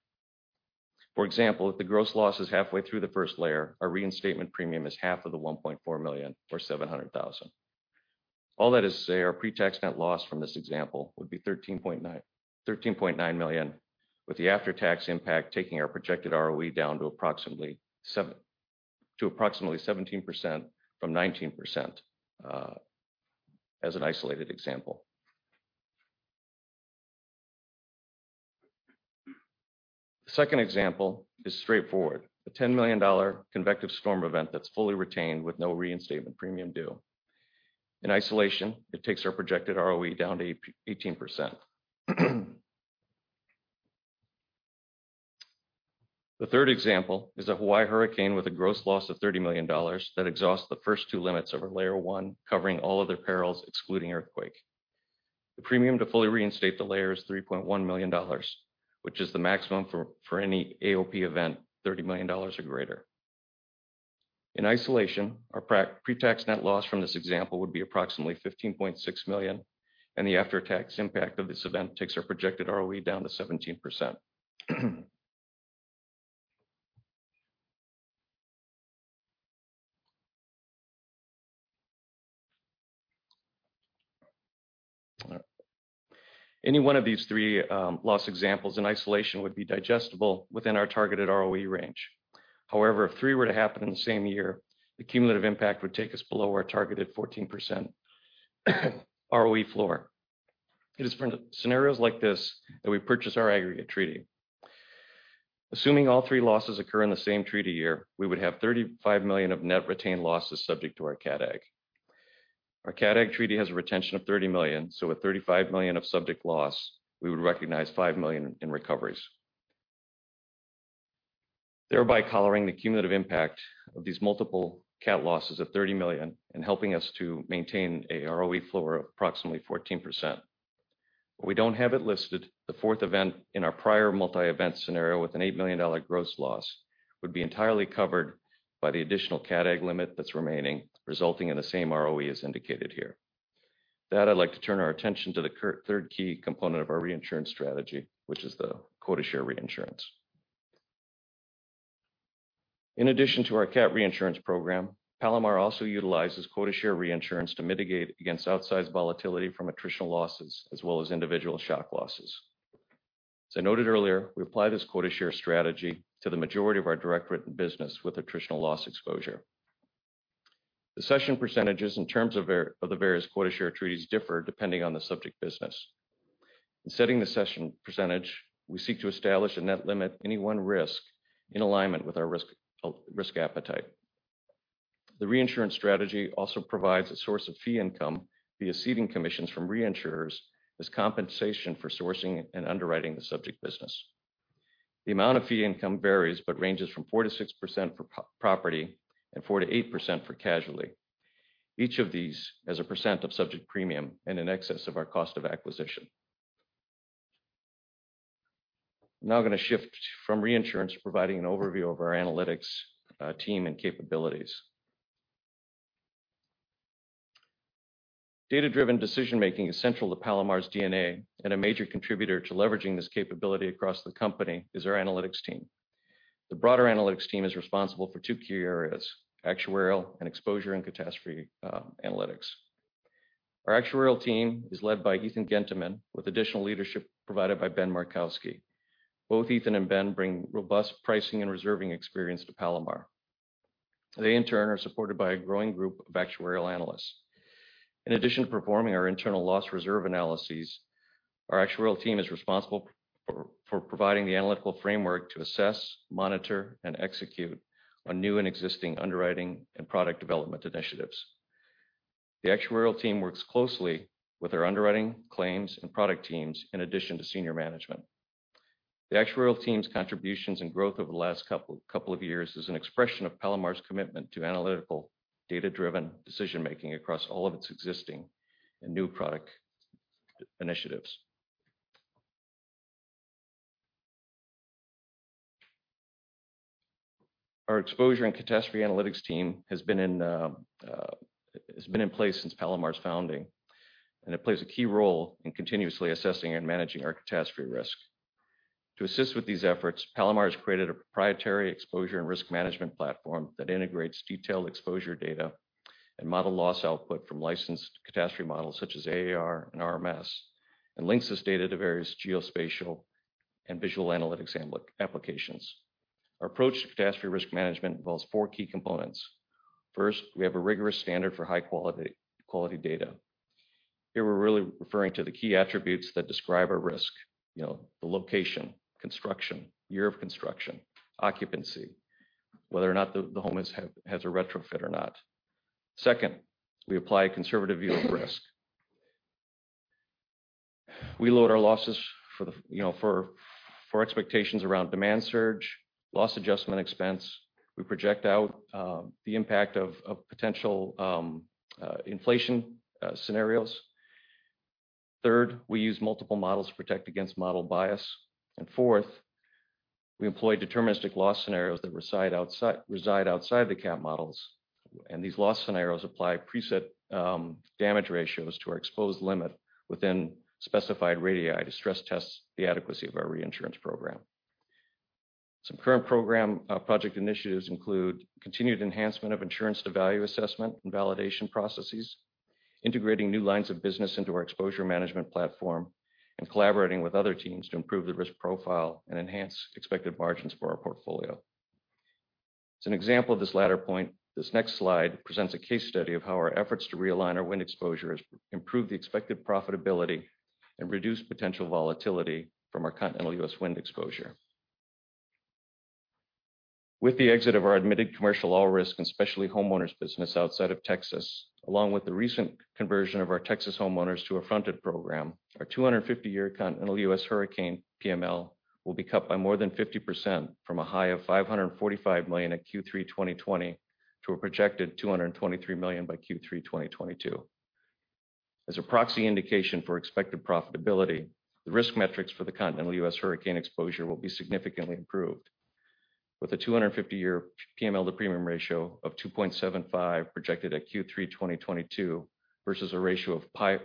For example, if the gross loss is halfway through the first layer, our reinstatement premium is half of the $1.4 million or $700,000. All that is to say our pre-tax net loss from this example would be $13.9 million, with the after-tax impact taking our projected ROE down to approximately 17% from 19%, as an isolated example. The second example is straightforward. A $10 million convective storm event that's fully retained with no reinstatement premium due. In isolation, it takes our projected ROE down to 18%. The third example is a Hawaii hurricane with a gross loss of $30 million that exhausts the first two limits over layer one, covering all other perils excluding earthquake. The premium to fully reinstate the layer is $3.1 million, which is the maximum for any AOP event $30 million or greater. In isolation, our pre-tax net loss from this example would be approximately $15.6 million, and the after-tax impact of this event takes our projected ROE down to 17%. Any one of these three loss examples in isolation would be digestible within our targeted ROE range. However, if three were to happen in the same year, the cumulative impact would take us below our targeted 14% ROE floor. It is for scenarios like this that we purchase our aggregate treaty. Assuming all three losses occur in the same treaty year, we would have $35 million of net retained losses subject to our Cat Agg. Our Cat Agg treaty has a retention of $30 million, so with $35 million of subject loss, we would recognize $5 million in recoveries. Thereby coloring the cumulative impact of these multiple cat losses of $30 million and helping us to maintain a ROE floor of approximately 14%. We don't have it listed, the fourth event in our prior multi-event scenario with a $8 million gross loss would be entirely covered by the additional Cat Agg limit that's remaining, resulting in the same ROE as indicated here. With that, I'd like to turn our attention to the third key component of our reinsurance strategy, which is the quota share reinsurance. In addition to our cat reinsurance program, Palomar also utilizes quota share reinsurance to mitigate against outsized volatility from attritional losses as well as individual shock losses. As I noted earlier, we apply this quota share strategy to the majority of our direct written business with attritional loss exposure. The cession percentages in terms of of the various quota share treaties differ depending on the subject business. In setting the cession percentage, we seek to establish a net limit any one risk in alignment with our risk appetite. The reinsurance strategy also provides a source of fee income via ceding commissions from reinsurers as compensation for sourcing and underwriting the subject business. The amount of fee income varies, but ranges from 4%-6% for property and 4%-8% for casualty. Each of these as a percent of subject premium and in excess of our cost of acquisition. I'm now going to shift from reinsurance, providing an overview of our analytics team and capabilities. Data-driven decision-making is central to Palomar's DNA, and a major contributor to leveraging this capability across the company is our analytics team. The broader analytics team is responsible for two key areas, actuarial and exposure and catastrophe analytics. Our actuarial team is led by Ethan Genteman, with additional leadership provided by Ben Markowski. Both Ethan and Ben bring robust pricing and reserving experience to Palomar. They, in turn, are supported by a growing group of actuarial analysts. In addition to performing our internal loss reserve analyses, our actuarial team is responsible for providing the analytical framework to assess, monitor, and execute on new and existing underwriting and product development initiatives. The actuarial team works closely with our underwriting, claims, and product teams, in addition to senior management. The actuarial team's contributions and growth over the last couple of years is an expression of Palomar's commitment to analytical, data-driven decision-making across all of its existing and new product initiatives. Our exposure and catastrophe analytics team has been in place since Palomar's founding, and it plays a key role in continuously assessing and managing our catastrophe risk. To assist with these efforts, Palomar has created a proprietary exposure and risk management platform that integrates detailed exposure data and model loss output from licensed catastrophe models such as AIR and RMS, and links this data to various geospatial and visual analytics applications. Our approach to catastrophe risk management involves four key components. First, we have a rigorous standard for high quality data. Here we're really referring to the key attributes that describe a risk, you know, the location, construction, year of construction, occupancy, whether or not the home has a retrofit or not. Second, we apply a conservative view of risk. We load our losses for expectations around demand surge, loss adjustment expense. We project out the impact of potential inflation scenarios. Third, we use multiple models to protect against model bias. Fourth, we employ deterministic loss scenarios that reside outside the CAT models. These loss scenarios apply preset damage ratios to our exposed limit within specified radii to stress test the adequacy of our reinsurance program. Some current program, project initiatives include continued enhancement of insurance to value assessment and validation processes, integrating new lines of business into our exposure management platform, and collaborating with other teams to improve the risk profile and enhance expected margins for our portfolio. As an example of this latter point, this next slide presents a case study of how our efforts to realign our wind exposure has improved the expected profitability and reduced potential volatility from our continental U.S. wind exposure. With the exit of our admitted commercial all risk and specialty homeowners business outside of Texas, along with the recent conversion of our Texas homeowners to a fronted program, our 250-year continental U.S. hurricane PML will be cut by more than 50% from a high of $545 million at Q3 2020, to a projected $223 million by Q3 2022. As a proxy indication for expected profitability, the risk metrics for the continental U.S. hurricane exposure will be significantly improved with a 250-year PML to premium ratio of 2.75 projected at Q3 2022 versus a ratio of five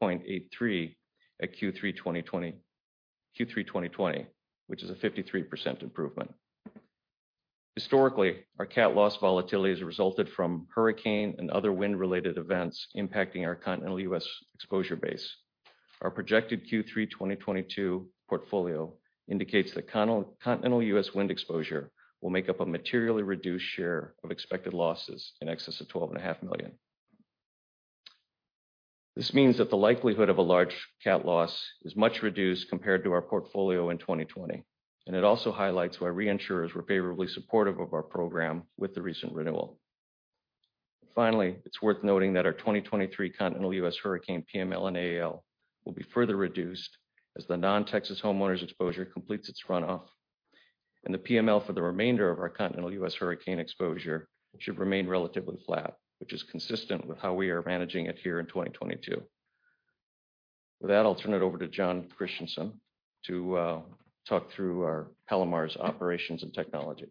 point eight three at Q3 2020, which is a 53% improvement. Historically, our CAT loss volatility has resulted from hurricane and other wind-related events impacting our continental U.S. exposure base. Our projected Q3 2022 portfolio indicates that continental US wind exposure will make up a materially reduced share of expected losses in excess of $12.5 million. This means that the likelihood of a large CAT loss is much reduced compared to our portfolio in 2020, and it also highlights why reinsurers were favorably supportive of our program with the recent renewal. Finally, it's worth noting that our 2023 continental U.S. hurricane PML and AAL will be further reduced as the non-Texas homeowners exposure completes its runoff. The PML for the remainder of our continental U.S. hurricane exposure should remain relatively flat, which is consistent with how we are managing it here in 2022. With that, I'll turn it over to Jon Christianson to talk through our Palomar's operations and technology.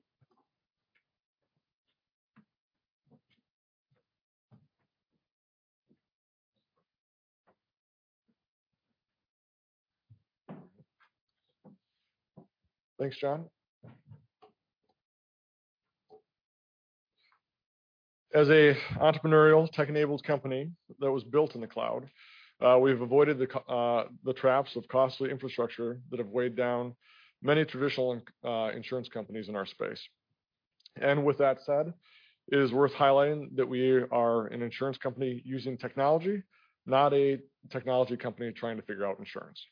Thanks, John. As an entrepreneurial tech-enabled company that was built in the cloud, we've avoided the traps of costly infrastructure that have weighed down many traditional insurance companies in our space. With that said, it is worth highlighting that we are an insurance company using technology, not a technology company trying to figure out insurance.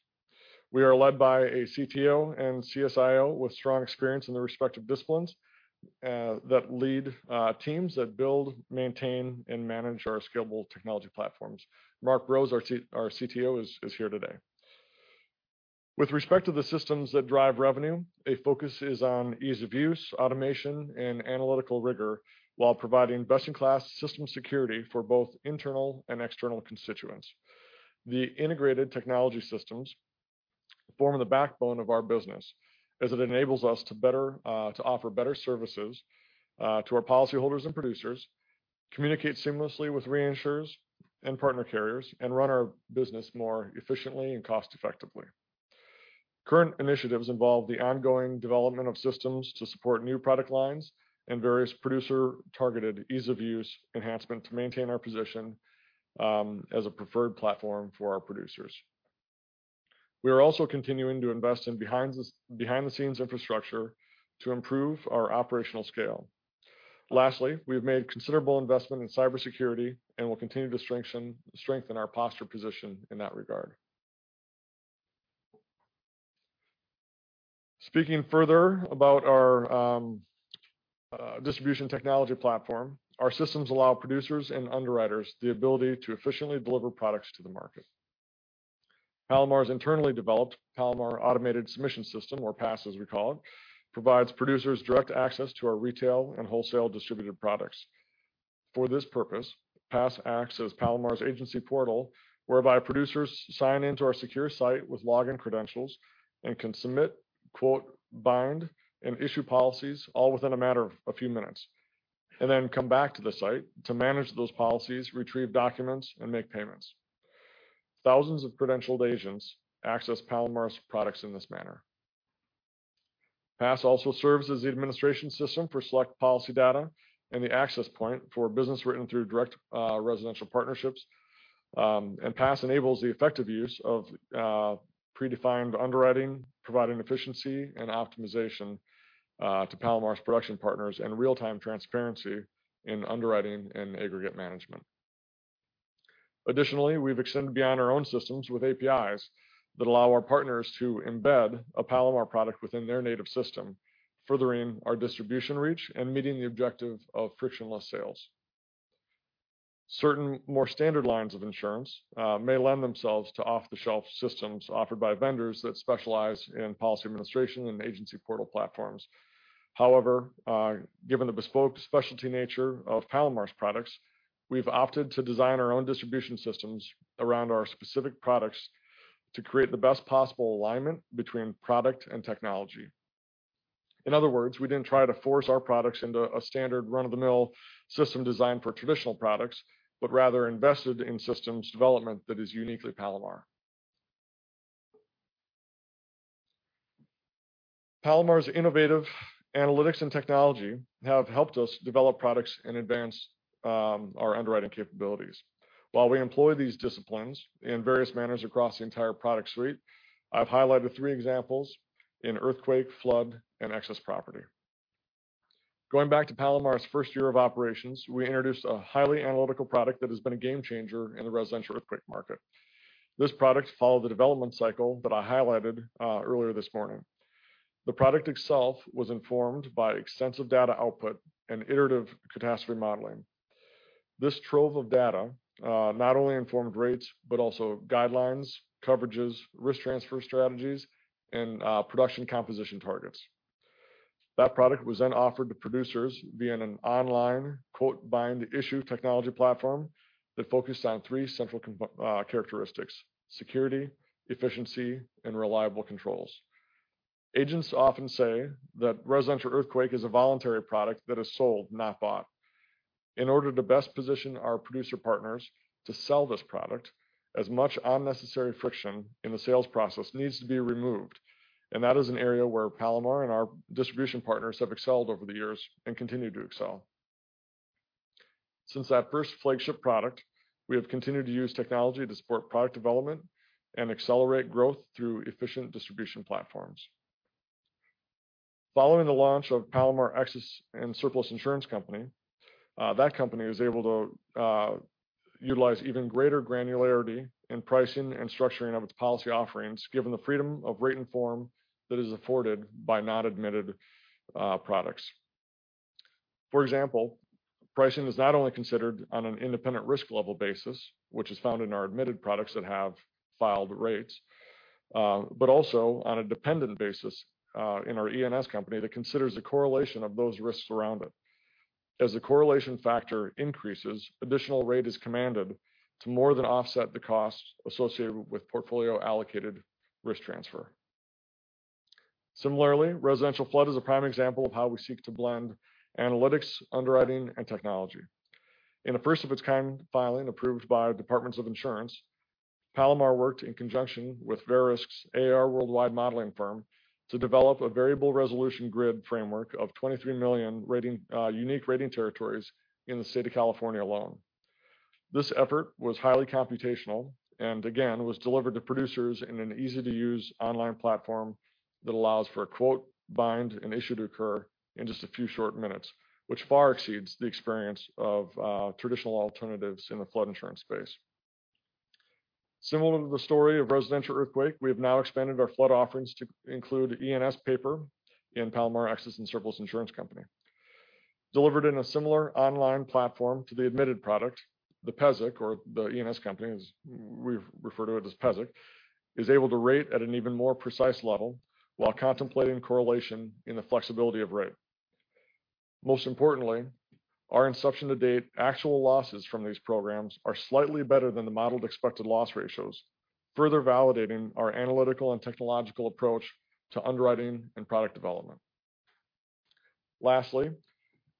We are led by a CTO and CISO with strong experience in the respective disciplines that lead teams that build, maintain, and manage our scalable technology platforms. Mark Rose, our CTO is here today. With respect to the systems that drive revenue, a focus is on ease of use, automation, and analytical rigor while providing best-in-class system security for both internal and external constituents. The integrated technology systems form the backbone of our business as it enables us to better to offer better services to our policyholders and producers, communicate seamlessly with reinsurers and partner carriers, and run our business more efficiently and cost-effectively. Current initiatives involve the ongoing development of systems to support new product lines and various producer-targeted ease of use enhancement to maintain our position as a preferred platform for our producers. We are also continuing to invest in behind the scenes infrastructure to improve our operational scale. Lastly, we have made considerable investment in cybersecurity and will continue to strengthen our posture position in that regard. Speaking further about our distribution technology platform, our systems allow producers and underwriters the ability to efficiently deliver products to the market. Palomar's internally developed Palomar Automated Submission System, or PASS as we call it, provides producers direct access to our retail and wholesale distributed products. For this purpose, PASS acts as Palomar's agency portal, whereby producers sign in to our secure site with login credentials and can submit, quote, bind, and issue policies all within a matter of a few minutes, and then come back to the site to manage those policies, retrieve documents, and make payments. Thousands of credentialed agents access Palomar's products in this manner. PASS also serves as the administration system for select policy data and the access point for business written through direct, residential partnerships. PASS enables the effective use of predefined underwriting, providing efficiency and optimization to Palomar's production partners and real-time transparency in underwriting and aggregate management. Additionally, we've extended beyond our own systems with APIs that allow our partners to embed a Palomar product within their native system, furthering our distribution reach and meeting the objective of frictionless sales. Certain more standard lines of insurance may lend themselves to off-the-shelf systems offered by vendors that specialize in policy administration and agency portal platforms. However, given the bespoke specialty nature of Palomar's products, we've opted to design our own distribution systems around our specific products to create the best possible alignment between product and technology. In other words, we didn't try to force our products into a standard run-of-the-mill system designed for traditional products, but rather invested in systems development that is uniquely Palomar. Palomar's innovative analytics and technology have helped us develop products and advance our underwriting capabilities. While we employ these disciplines in various manners across the entire product suite, I've highlighted three examples in earthquake, flood, and excess property. Going back to Palomar's first year of operations, we introduced a highly analytical product that has been a game changer in the residential earthquake market. This product followed the development cycle that I highlighted earlier this morning. The product itself was informed by extensive data output and iterative catastrophe modeling. This trove of data not only informed rates but also guidelines, coverages, risk transfer strategies, and production composition targets. That product was then offered to producers via an online quote bind issue technology platform that focused on three central characteristics, security, efficiency, and reliable controls. Agents often say that residential earthquake is a voluntary product that is sold, not bought. In order to best position our producer partners to sell this product, as much unnecessary friction in the sales process needs to be removed, and that is an area where Palomar and our distribution partners have excelled over the years and continue to excel. Since that first flagship product, we have continued to use technology to support product development and accelerate growth through efficient distribution platforms. Following the launch of Palomar Excess and Surplus Insurance Company, that company is able to utilize even greater granularity in pricing and structuring of its policy offerings, given the freedom of rate and form that is afforded by non-admitted products. For example, pricing is not only considered on an independent risk level basis, which is found in our admitted products that have filed rates, but also on a dependent basis, in our E&S company that considers the correlation of those risks around it. As the correlation factor increases, additional rate is commanded to more than offset the cost associated with portfolio allocated risk transfer. Similarly, residential flood is a prime example of how we seek to blend analytics, underwriting, and technology. In a first of its kind filing approved by Departments of Insurance, Palomar worked in conjunction with Verisk's AIR Worldwide modeling firm to develop a variable resolution grid framework of 23 million unique rating territories in the state of California alone. This effort was highly computational and again, was delivered to producers in an easy-to-use online platform that allows for a quote, bind, and issue to occur in just a few short minutes, which far exceeds the experience of, traditional alternatives in the flood insurance space. Similar to the story of residential earthquake, we have now expanded our flood offerings to include E&S paper in Palomar Excess and Surplus Insurance Company. Delivered in a similar online platform to the admitted product, the PESIC or the E&S company, as we refer to it as PESIC, is able to rate at an even more precise level while contemplating correlation in the flexibility of rate. Most importantly, our inception to date, actual losses from these programs are slightly better than the modeled expected loss ratios, further validating our analytical and technological approach to underwriting and product development. Lastly,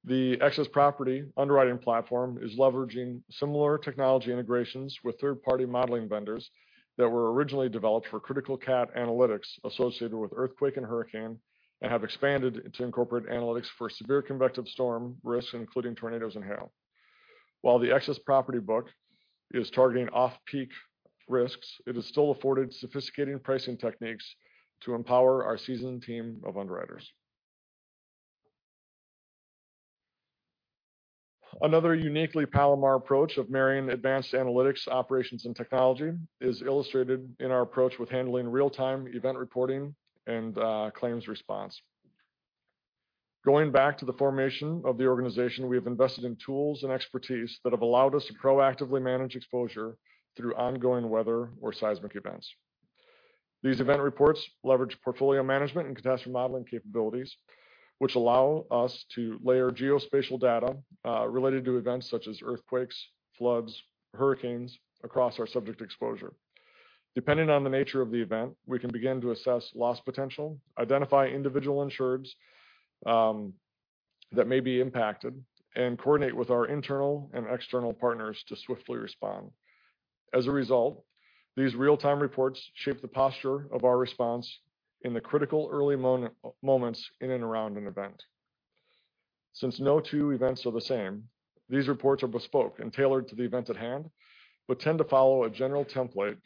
the excess property underwriting platform is leveraging similar technology integrations with third-party modeling vendors that were originally developed for critical cat analytics associated with earthquake and hurricane and have expanded to incorporate analytics for severe convective storm risks, including tornadoes and hail. While the excess property book is targeting off-peak risks, it is still afforded sophisticated pricing techniques to empower our seasoned team of underwriters. Another uniquely Palomar approach of marrying advanced analytics, operations, and technology is illustrated in our approach with handling real-time event reporting and claims response. Going back to the formation of the organization, we have invested in tools and expertise that have allowed us to proactively manage exposure through ongoing weather or seismic events. These event reports leverage portfolio management and catastrophe modeling capabilities, which allow us to layer geospatial data related to events such as earthquakes, floods, hurricanes across our subject exposure. Depending on the nature of the event, we can begin to assess loss potential, identify individual insureds that may be impacted, and coordinate with our internal and external partners to swiftly respond. As a result, these real-time reports shape the posture of our response in the critical early moments in and around an event. Since no two events are the same, these reports are bespoke and tailored to the event at hand but tend to follow a general template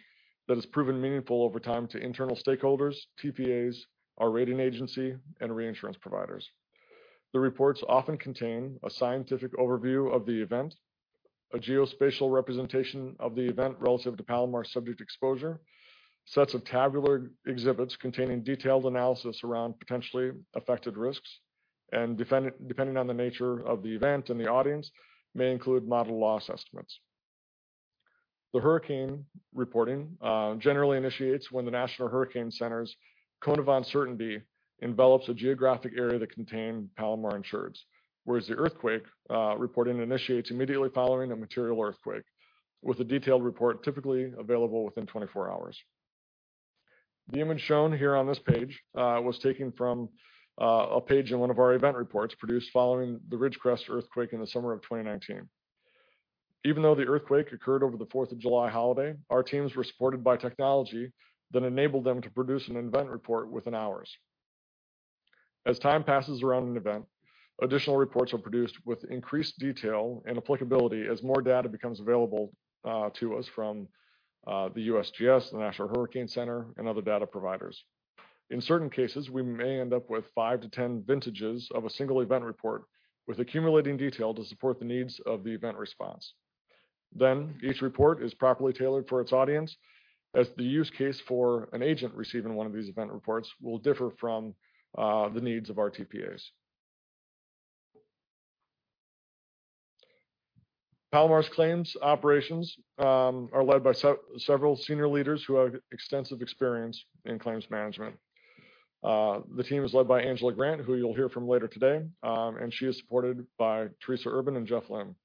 that has proven meaningful over time to internal stakeholders, TPAs, our rating agency, and reinsurance providers. The reports often contain a scientific overview of the event, a geospatial representation of the event relative to Palomar subject exposure, sets of tabular exhibits containing detailed analysis around potentially affected risks, and depending on the nature of the event and the audience may include model loss estimates. The hurricane reporting generally initiates when the National Hurricane Center's cone of uncertainty envelops a geographic area that contain Palomar insureds, whereas the earthquake reporting initiates immediately following a material earthquake, with a detailed report typically available within 24 hours. The image shown here on this page was taken from a page in one of our event reports produced following the Ridgecrest earthquake in the summer of 2019. Even though the earthquake occurred over the Fourth of July holiday, our teams were supported by technology that enabled them to produce an event report within hours. As time passes around an event, additional reports are produced with increased detail and applicability as more data becomes available to us from the USGS, the National Hurricane Center, and other data providers. In certain cases, we may end up with 5-10 vintages of a single event report, with accumulating detail to support the needs of the event response. Each report is properly tailored for its audience, as the use case for an agent receiving one of these event reports will differ from the needs of our TPAs. Palomar's claims operations are led by several senior leaders who have extensive experience in claims management. The team is led by Angela Grant, who you'll hear from later today, and she is supported by Teresa Urban and Jeffery Lim.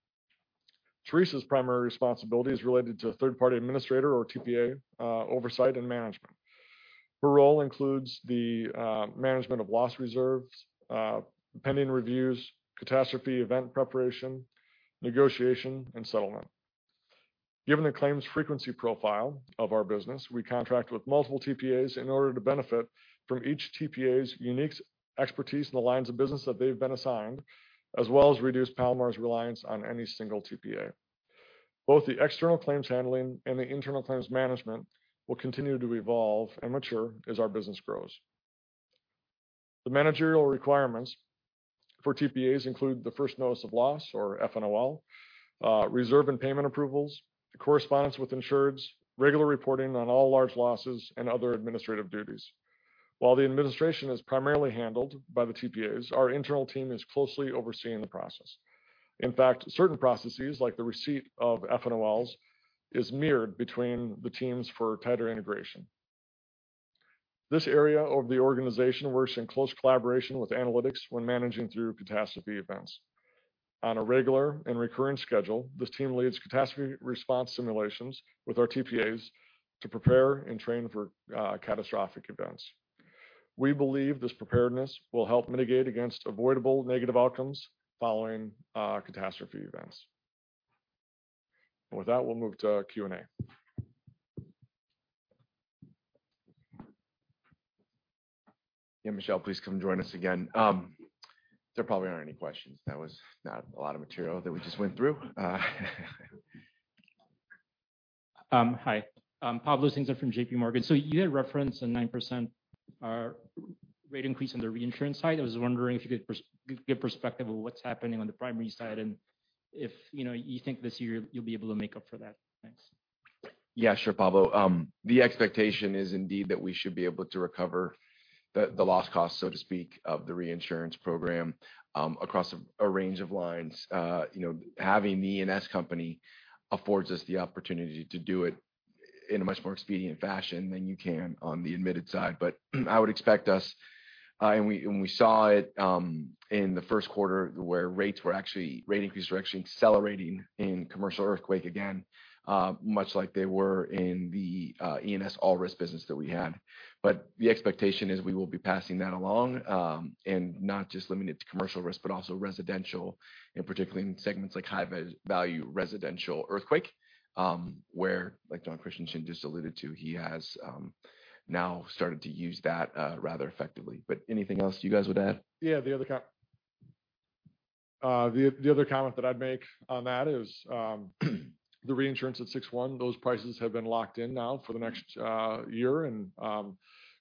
Teresa's primary responsibility is related to third-party administrator or TPA oversight and management. Her role includes the management of loss reserves, pending reviews, catastrophe event preparation, negotiation, and settlement. Given the claims frequency profile of our business, we contract with multiple TPAs in order to benefit from each TPA's unique expertise in the lines of business that they've been assigned, as well as reduce Palomar's reliance on any single TPA. Both the external claims handling and the internal claims management will continue to evolve and mature as our business grows. The managerial requirements for TPAs include the first notice of loss, or FNOL, reserve and payment approvals, correspondence with insureds, regular reporting on all large losses, and other administrative duties. While the administration is primarily handled by the TPAs, our internal team is closely overseeing the process. In fact, certain processes, like the receipt of FNOLs, is mirrored between the teams for tighter integration. This area of the organization works in close collaboration with analytics when managing through catastrophe events. On a regular and recurring schedule, this team leads catastrophe response simulations with our TPAs to prepare and train for catastrophic events. We believe this preparedness will help mitigate against avoidable negative outcomes following catastrophe events. With that, we'll move to Q&A. Yeah, Michelle, please come join us again. There probably aren't any questions. That was not a lot of material that we just went through. Hi. Pablo Singzon from JPMorgan. You had referenced a 9% rate increase on the reinsurance side. I was wondering if you could provide perspective of what's happening on the primary side and if, you know, you think this year you'll be able to make up for that. Thanks. Yeah, sure, Pablo. The expectation is indeed that we should be able to recover the lost costs, so to speak, of the reinsurance program across a range of lines. You know, having the E&S company affords us the opportunity to do it in a much more expedient fashion than you can on the admitted side. But I would expect us and we saw it in the first quarter, where rate increases were actually accelerating in commercial earthquake again, much like they were in the E&S all risk business that we had. The expectation is we will be passing that along, and not just limiting it to commercial risk, but also residential, and particularly in segments like high value residential earthquake, where, like Jon Christianson just alluded to, he has now started to use that rather effectively. Anything else you guys would add? Yeah. The other comment that I'd make on that is, the reinsurance at 6/1, those prices have been locked in now for the next year and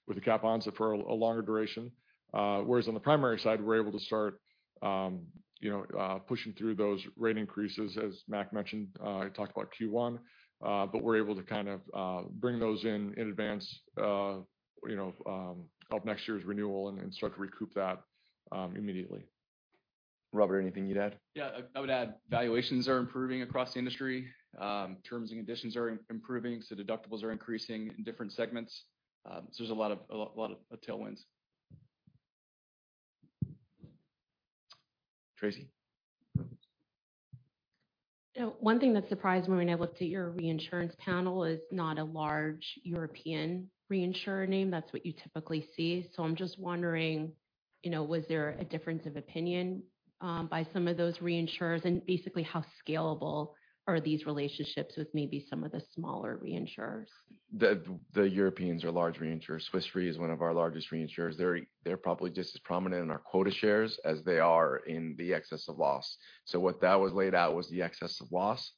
with the cat bonds for a longer duration. Whereas on the primary side, we're able to start you know pushing through those rate increases, as Mac mentioned, talked about Q1. We're able to kind of bring those in in advance you know of next year's renewal and start to recoup that immediately. Robert, anything you'd add? Yeah. I would add valuations are improving across the industry. Terms and conditions are improving, so deductibles are increasing in different segments. There's a lot of tailwinds. Tracy? One thing that surprised me when I looked at your reinsurance panel is not a large European reinsurer name. That's what you typically see. I'm just wondering. You know, was there a difference of opinion by some of those reinsurers? Basically, how scalable are these relationships with maybe some of the smaller reinsurers? Europeans are large reinsurers. Swiss Re is one of our largest reinsurers. They're probably just as prominent in our quota shares as they are in the excess of loss. What that was laid out was the excess of loss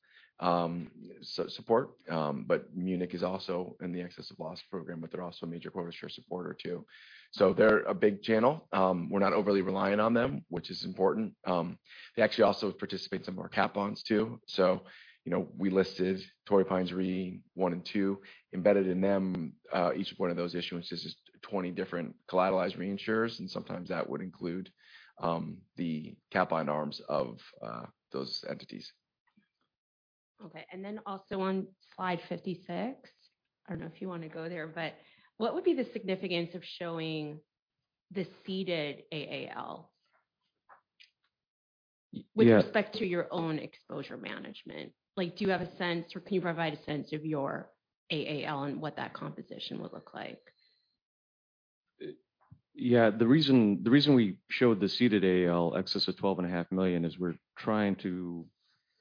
support, but Munich Re is also in the excess of loss program, but they're also a major quota share supporter too. They're a big channel. We're not overly reliant on them, which is important. They actually also participate in some of our cat bonds too. You know, we listed Torrey Pines Re one and two. Embedded in them, each one of those issuances is 20 different collateralized reinsurers, and sometimes that would include the cat line arms of those entities. Okay. Also on slide 56. I don't know if you want to go there, but what would be the significance of showing the ceded AAL? Yes. With respect to your own exposure management. Like, do you have a sense, or can you provide a sense of your AAL and what that composition would look like? Yeah. The reason we showed the ceded AAL excess of $12.5 million is we're trying to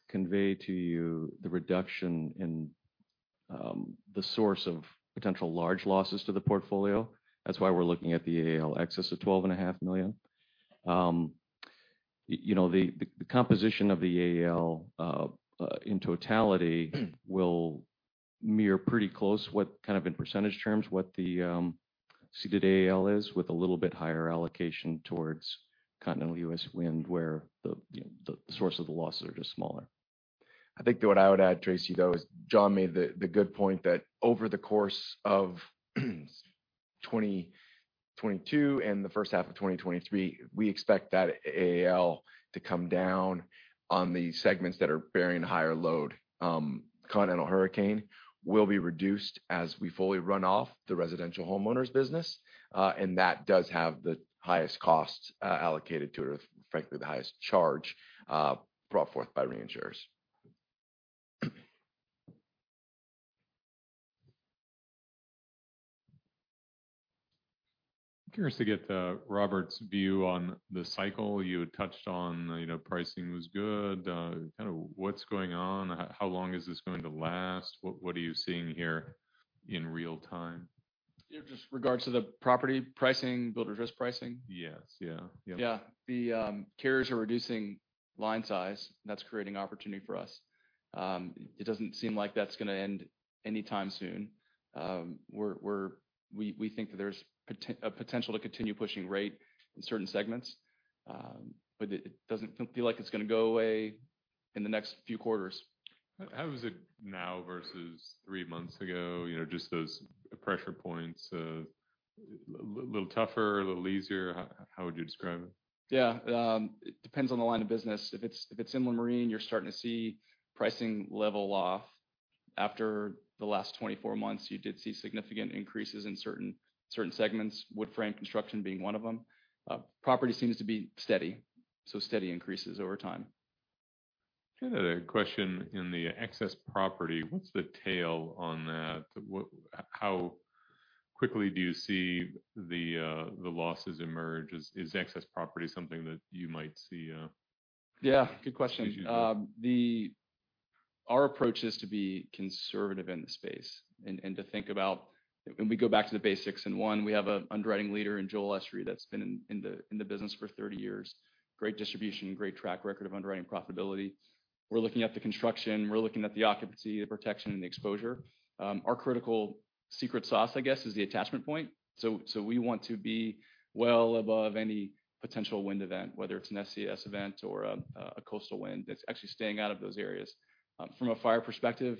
convey to you the reduction in the source of potential large losses to the portfolio. That's why we're looking at the AAL excess of $12.5 million. You know, the composition of the AAL in totality will mirror pretty close what kind of in percentage terms what the ceded AAL is, with a little bit higher allocation towards continental U.S. wind, where you know, the source of the losses are just smaller. I think what I would add, Tracy, though, is John made the good point that over the course of 2022 and the first half of 2023, we expect that AAL to come down on the segments that are bearing higher load. Continental hurricane will be reduced as we fully run off the residential homeowners business, and that does have the highest cost allocated to it, or frankly, the highest charge brought forth by reinsurers. Curious to get Robert's view on the cycle. You had touched on, you know, pricing was good. Kind of what's going on? How long is this going to last? What are you seeing here in real time? Just regarding the property pricing, builder's risk pricing? Yes. Yeah. Yeah. Yeah. The carriers are reducing line size, and that's creating opportunity for us. It doesn't seem like that's gonna end anytime soon. We think that there's a potential to continue pushing rate in certain segments, but it doesn't feel like it's gonna go away in the next few quarters. How is it now versus three months ago? You know, just those pressure points, a little tougher, a little easier? How would you describe it? Yeah. It depends on the line of business. If it's inland marine, you're starting to see pricing level off. After the last 24 months, you did see significant increases in certain segments, wood frame construction being one of them. Property seems to be steady, so steady increases over time. Kind of a question in the excess property. What's the tail on that? How quickly do you see the losses emerge? Is excess property something that you might see? Yeah, good question. Our approach is to be conservative in the space and to think about... We go back to the basics. We have a underwriting leader in Joel Usry that's been in the business for 30 years. Great distribution, great track record of underwriting profitability. We're looking at the construction, we're looking at the occupancy, the protection and the exposure. Our critical secret sauce, I guess, is the attachment point. We want to be well above any potential wind event, whether it's an SCS event or a coastal wind that's actually staying out of those areas. From a fire perspective,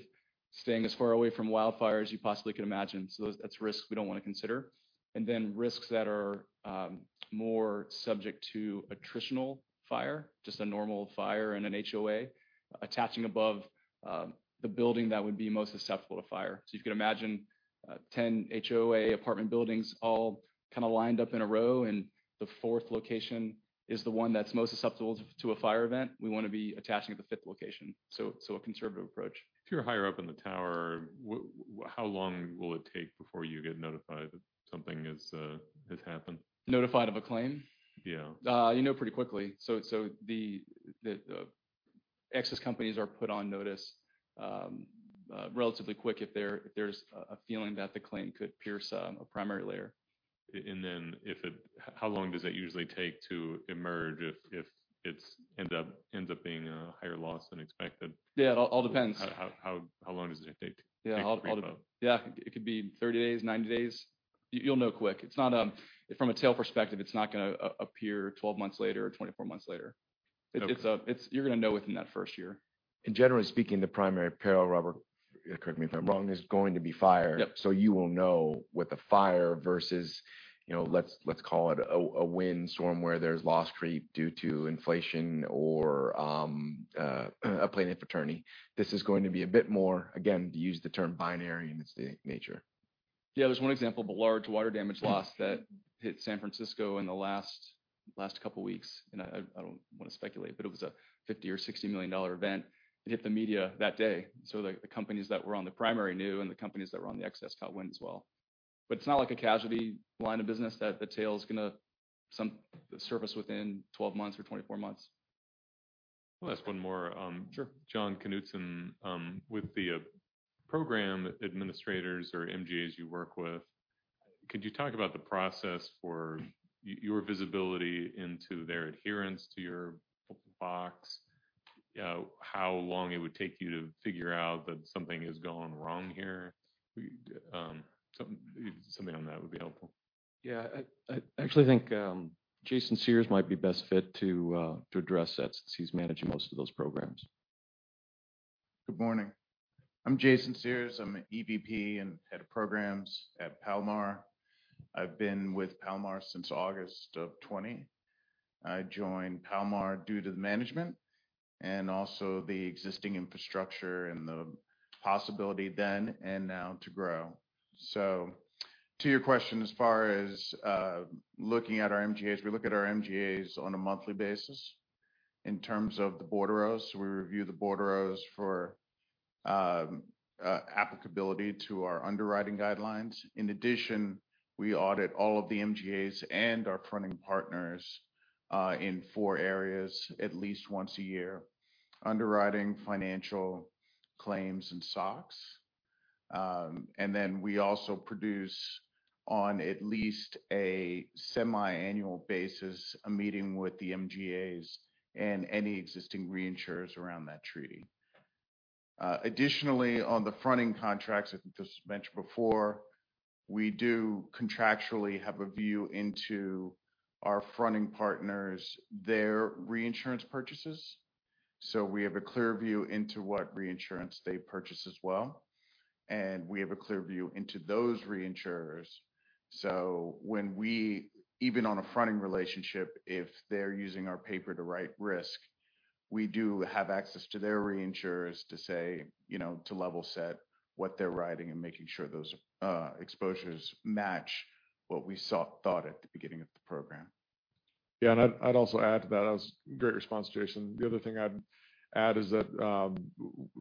staying as far away from wildfires you possibly can imagine. That's risks we don't want to consider. Risks that are more subject to attritional fire, just a normal fire in an HOA, attaching above the building that would be most susceptible to fire. You could imagine 10 HOA apartment buildings all kind of lined up in a row, and the fourth location is the one that's most susceptible to a fire event. We want to be attaching at the fifth location. A conservative approach. If you're higher up in the tower, how long will it take before you get notified that something has happened? Notified of a claim? Yeah. You know, pretty quickly. The excess companies are put on notice relatively quick if there's a feeling that the claim could pierce a primary layer. How long does that usually take to emerge if it ends up being a higher loss than expected? Yeah, it all depends. How long does it take to- Yeah. take to creep up? It could be 30 days, 90 days. You'll know quick. It's not from a tail perspective. It's not gonna appear 12 months later or 24 months later. Okay. It's, you're gonna know within that first year. Generally speaking, the primary peril, Robert, correct me if I'm wrong, is going to be fire. Yep. You will know with a fire versus, you know, let's call it a windstorm where there's loss creep due to inflation or a plaintiff attorney. This is going to be a bit more, again, to use the term binary in its nature. Yeah. There's one example of a large water damage loss that hit San Francisco in the last couple weeks, and I don't wanna speculate, but it was a $50-$60 million event. It hit the media that day, so the companies that were on the primary knew, and the companies that were on the excess got wind as well. It's not like a casualty line of business that the tail is gonna surface within 12 months or 24 months. I'll ask one more. Sure. With the program administrators or MGAs you work with, could you talk about the process for your visibility into their adherence to your box? How long it would take you to figure out that something is going wrong here? Something on that would be helpful. I actually think Jason Sears might be best fit to address that since he's managing most of those programs. Good morning. I'm Jason Sears. I'm an EVP and Head of Programs at Palomar. I've been with Palomar since August of 2020. I joined Palomar due to the management and also the existing infrastructure and the possibility then and now to grow. To your question, as far as looking at our MGAs, we look at our MGAs on a monthly basis. In terms of the bordereaux, we review the bordereaux for applicability to our underwriting guidelines. In addition, we audit all of the MGAs and our fronting partners in four areas at least once a year, underwriting, financial, claims, and SOX. Then we also produce on at least a semi-annual basis a meeting with the MGAs and any existing reinsurers around that treaty. Additionally, on the fronting contracts, I think this was mentioned before, we do contractually have a view into our fronting partners, their reinsurance purchases. We have a clear view into what reinsurance they purchase as well, and we have a clear view into those reinsurers. When we even on a fronting relationship, if they're using our paper to write risk, we do have access to their reinsurers to say, you know, to level set what they're writing and making sure those exposures match what we thought at the beginning of the program. Yeah, I'd also add to that. That was great response, Jason. The other thing I'd add is that,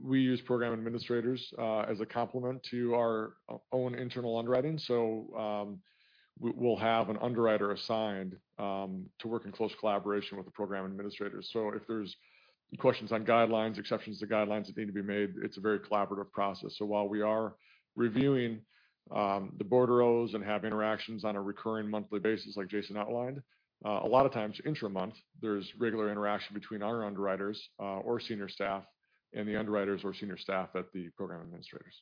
we use program administrators as a complement to our own internal underwriting. We'll have an underwriter assigned to work in close collaboration with the program administrators. If there's questions on guidelines, exceptions to guidelines that need to be made, it's a very collaborative process. While we are reviewing the bordereaux and have interactions on a recurring monthly basis like Jason outlined, a lot of times intra-month, there's regular interaction between our underwriters or senior staff and the underwriters or senior staff at the program administrators.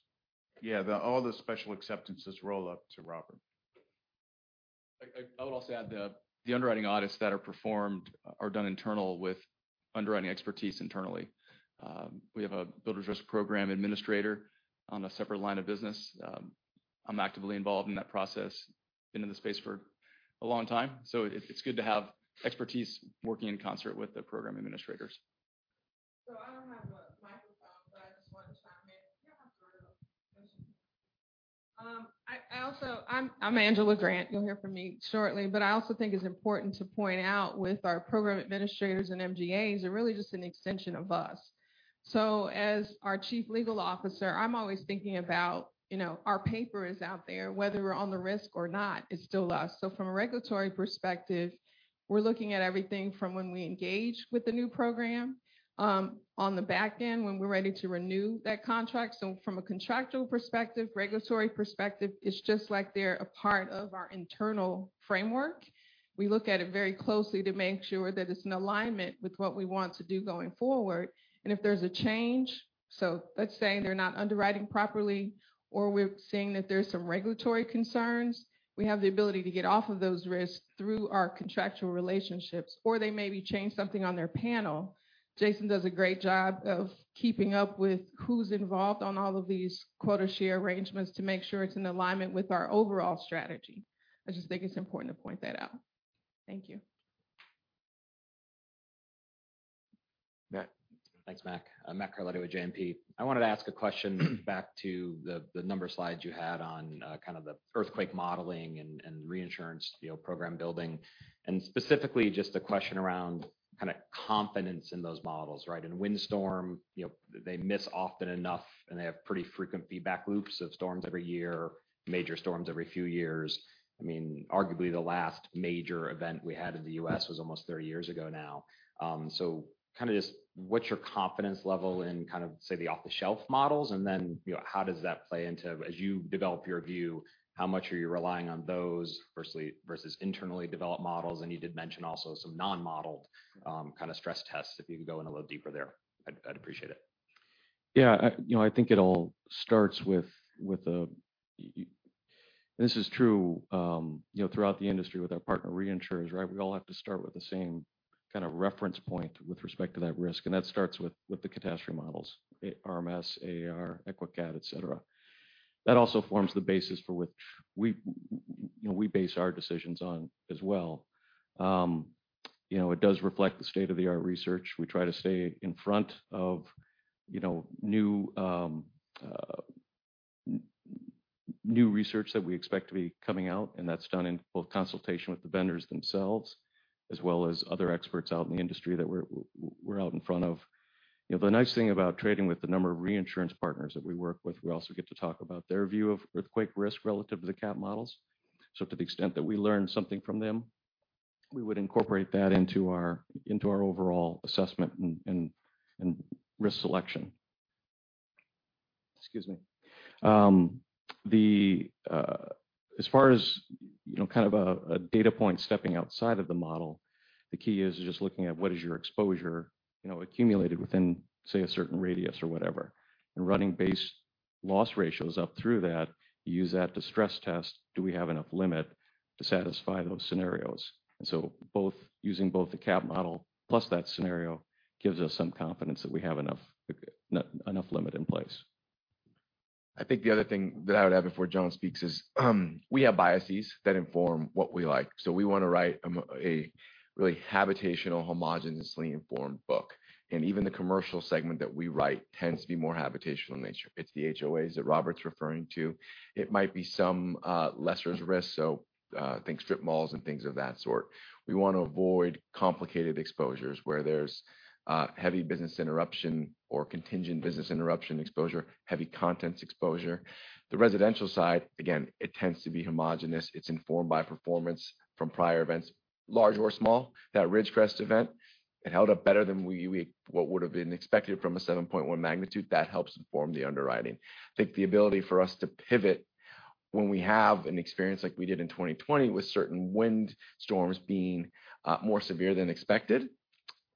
Yeah. All the special acceptances roll up to Robert Beyerle. I would also add the underwriting audits that are performed are done internal with underwriting expertise internally. We have a builder's risk program administrator on a separate line of business. I'm actively involved in that process. Been in the space for a long time, so it's good to have expertise working in concert with the program administrators. I don't have a microphone, but I just want to chime in. Yeah, that's all right. I'm Angela Grant. You'll hear from me shortly. I also think it's important to point out with our program administrators and MGAs, they're really just an extension of us. As our Chief Legal Officer, I'm always thinking about, you know, our paper is out there, whether we're on the risk or not, it's still us. From a regulatory perspective, we're looking at everything from when we engage with the new program, on the back end, when we're ready to renew that contract. From a contractual perspective, regulatory perspective, it's just like they're a part of our internal framework. We look at it very closely to make sure that it's in alignment with what we want to do going forward. If there's a change, so let's say they're not underwriting properly or we're seeing that there's some regulatory concerns, we have the ability to get off of those risks through our contractual relationships, or they may change something on their panel. Jason does a great job of keeping up with who's involved on all of these quota share arrangements to make sure it's in alignment with our overall strategy. I just think it's important to point that out. Thank you. Matt. Thanks, Mac. I'm Matt Carletti with JMP. I wanted to ask a question back to the number of slides you had on kind of the earthquake modeling and reinsurance, you know, program building, and specifically just a question around kinda confidence in those models, right? In windstorm, you know, they miss often enough, and they have pretty frequent feedback loops of storms every year, major storms every few years. I mean, arguably the last major event we had in the U.S. was almost 30 years ago now, so kinda just what's your confidence level in kind of, say, the off-the-shelf models? And then, you know, how does that play into, as you develop your view, how much are you relying on those firstly versus internally developed models? And you did mention also some non-modeled, kind of stress tests. If you could go in a little deeper there, I'd appreciate it. Yeah. You know, I think it all starts with yes, this is true, you know, throughout the industry with our partner reinsurers, right? We all have to start with the same kind of reference point with respect to that risk, and that starts with the catastrophe models, RMS, AIR, EQECAT, et cetera. That also forms the basis for which we, you know, base our decisions on as well. You know, it does reflect the state-of-the-art research. We try to stay in front of, you know, new research that we expect to be coming out, and that's done in both consultation with the vendors themselves, as well as other experts out in the industry that we're out in front of. You know, the nice thing about trading with the number of reinsurance partners that we work with, we also get to talk about their view of earthquake risk relative to the cat models. To the extent that we learn something from them, we would incorporate that into our overall assessment and risk selection. As far as, you know, kind of a data point stepping outside of the model, the key is just looking at what is your exposure, you know, accumulated within, say, a certain radius or whatever. Running base loss ratios up through that, use that to stress test, do we have enough limit to satisfy those scenarios? Using both the cat model plus that scenario gives us some confidence that we have enough limit in place. I think the other thing that I would add before John speaks is, we have biases that inform what we like. We want to write a really habitational, homogeneously informed book. Even the commercial segment that we write tends to be more habitational in nature. It's the HOAs that Robert Beyerle's referring to. It might be some lesser risks, so think strip malls and things of that sort. We want to avoid complicated exposures where there's heavy business interruption or contingent business interruption exposure, heavy contents exposure. The residential side, again, it tends to be homogenous. It's informed by performance from prior events, large or small. That Ridgecrest event, it held up better than what would have been expected from a 7.1 magnitude. That helps inform the underwriting. I think the ability for us to pivot when we have an experience like we did in 2020 with certain wind storms being more severe than expected,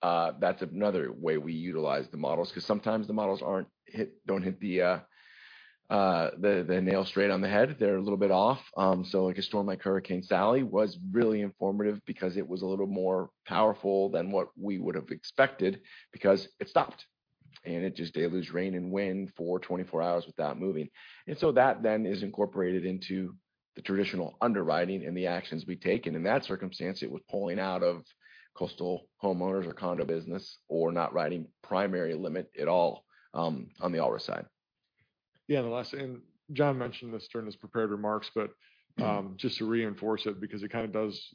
that's another way we utilize the models because sometimes the models don't hit the nail straight on the head. They're a little bit off. So like a storm like Hurricane Sally was really informative because it was a little more powerful than what we would have expected because it stopped and it just delivered rain and wind for 24 hours without moving. In that circumstance, it was pulling out of coastal homeowners or condo business or not writing primary limit at all on the E&S side. Yeah. The last thing, Jon Christianson mentioned this during his prepared remarks, but just to reinforce it because it kind of does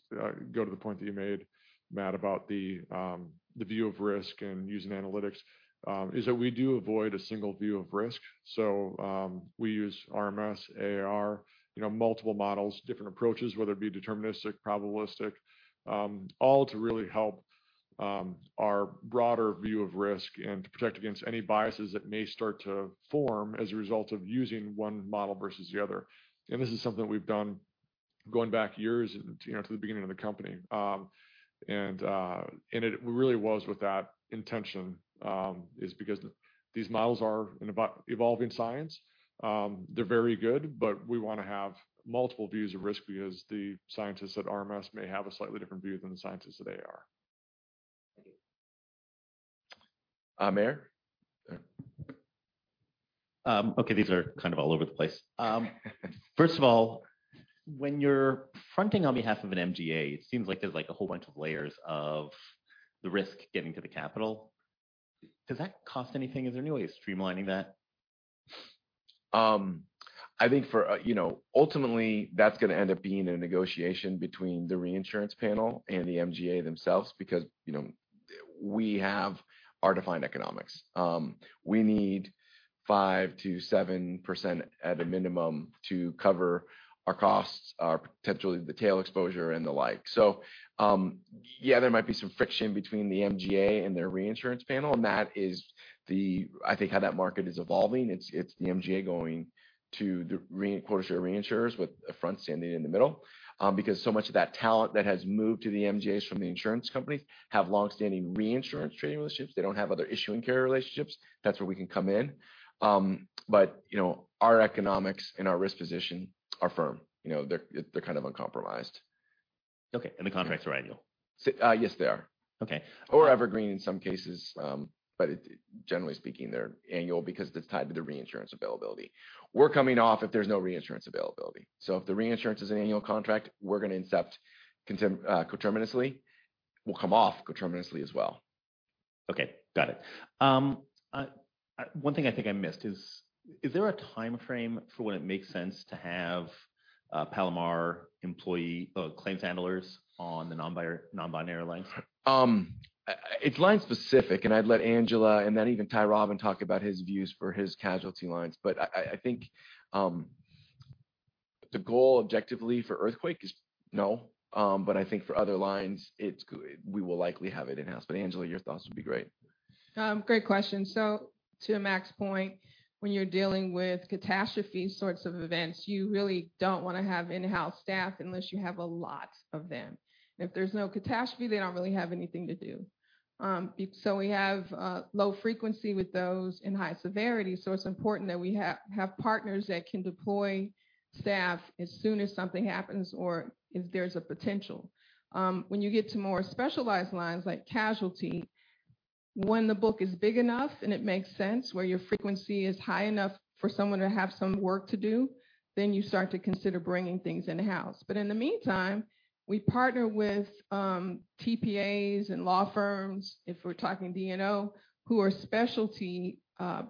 go to the point that you made, Matt Carletti, about the view of risk and using analytics, is that we do avoid a single view of risk. We use RMS, AIR, you know, multiple models, different approaches, whether it be deterministic, probabilistic, all to really help our broader view of risk and to protect against any biases that may start to form as a result of using one model versus the other. This is something we've done going back years, you know, to the beginning of the company. It really was with that intention because these models are an evolving science. They're very good, but we wanna have multiple views of risk because the scientists at RMS may have a slightly different view than the scientists at AIR. Meyer. Okay, these are kind of all over the place. First of all, when you're fronting on behalf of an MGA, it seems like there's like a whole bunch of layers of the risk getting to the capital. Does that cost anything? Is there any way of streamlining that? I think for, you know, ultimately, that's gonna end up being a negotiation between the reinsurance panel and the MGA themselves because, you know, we have our defined economics. We need 5%-7% at a minimum to cover our costs, our potentially the tail exposure and the like. Yeah, there might be some friction between the MGA and their reinsurance panel, and that is the, I think how that market is evolving. It's the MGA going to the reinsurers with a front standing in the middle. Because so much of that talent that has moved to the MGAs from the insurance companies have long-standing reinsurance trading relationships. They don't have other issuing carrier relationships. That's where we can come in. You know, our economics and our risk position are firm. You know, they're kind of uncompromised. Okay. The contracts are annual? Yes, they are. Okay. Evergreen in some cases, but generally speaking, they're annual because it's tied to the reinsurance availability. We're coming off if there's no reinsurance availability. If the reinsurance is an annual contract, we're gonna incept coterminously. We'll come off coterminously as well. Okay. Got it. One thing I think I missed is there a timeframe for when it makes sense to have Palomar employee claims handlers on the non-buyer, non-binary lines? It's line specific, and I'd let Angela and then even Ty Robben talk about his views for his casualty lines. I think the goal objectively for earthquake is no. I think for other lines, it's we will likely have it in-house. Angela, your thoughts would be great. Great question. To Max's point, when you're dealing with catastrophe sorts of events, you really don't wanna have in-house staff unless you have a lot of them. If there's no catastrophe, they don't really have anything to do. We have low frequency with those and high severity, so it's important that we have partners that can deploy staff as soon as something happens or if there's a potential. When you get to more specialized lines like casualty. When the book is big enough, and it makes sense where your frequency is high enough for someone to have some work to do, then you start to consider bringing things in-house. In the meantime, we partner with TPAs and law firms, if we're talking D&O, who are specialty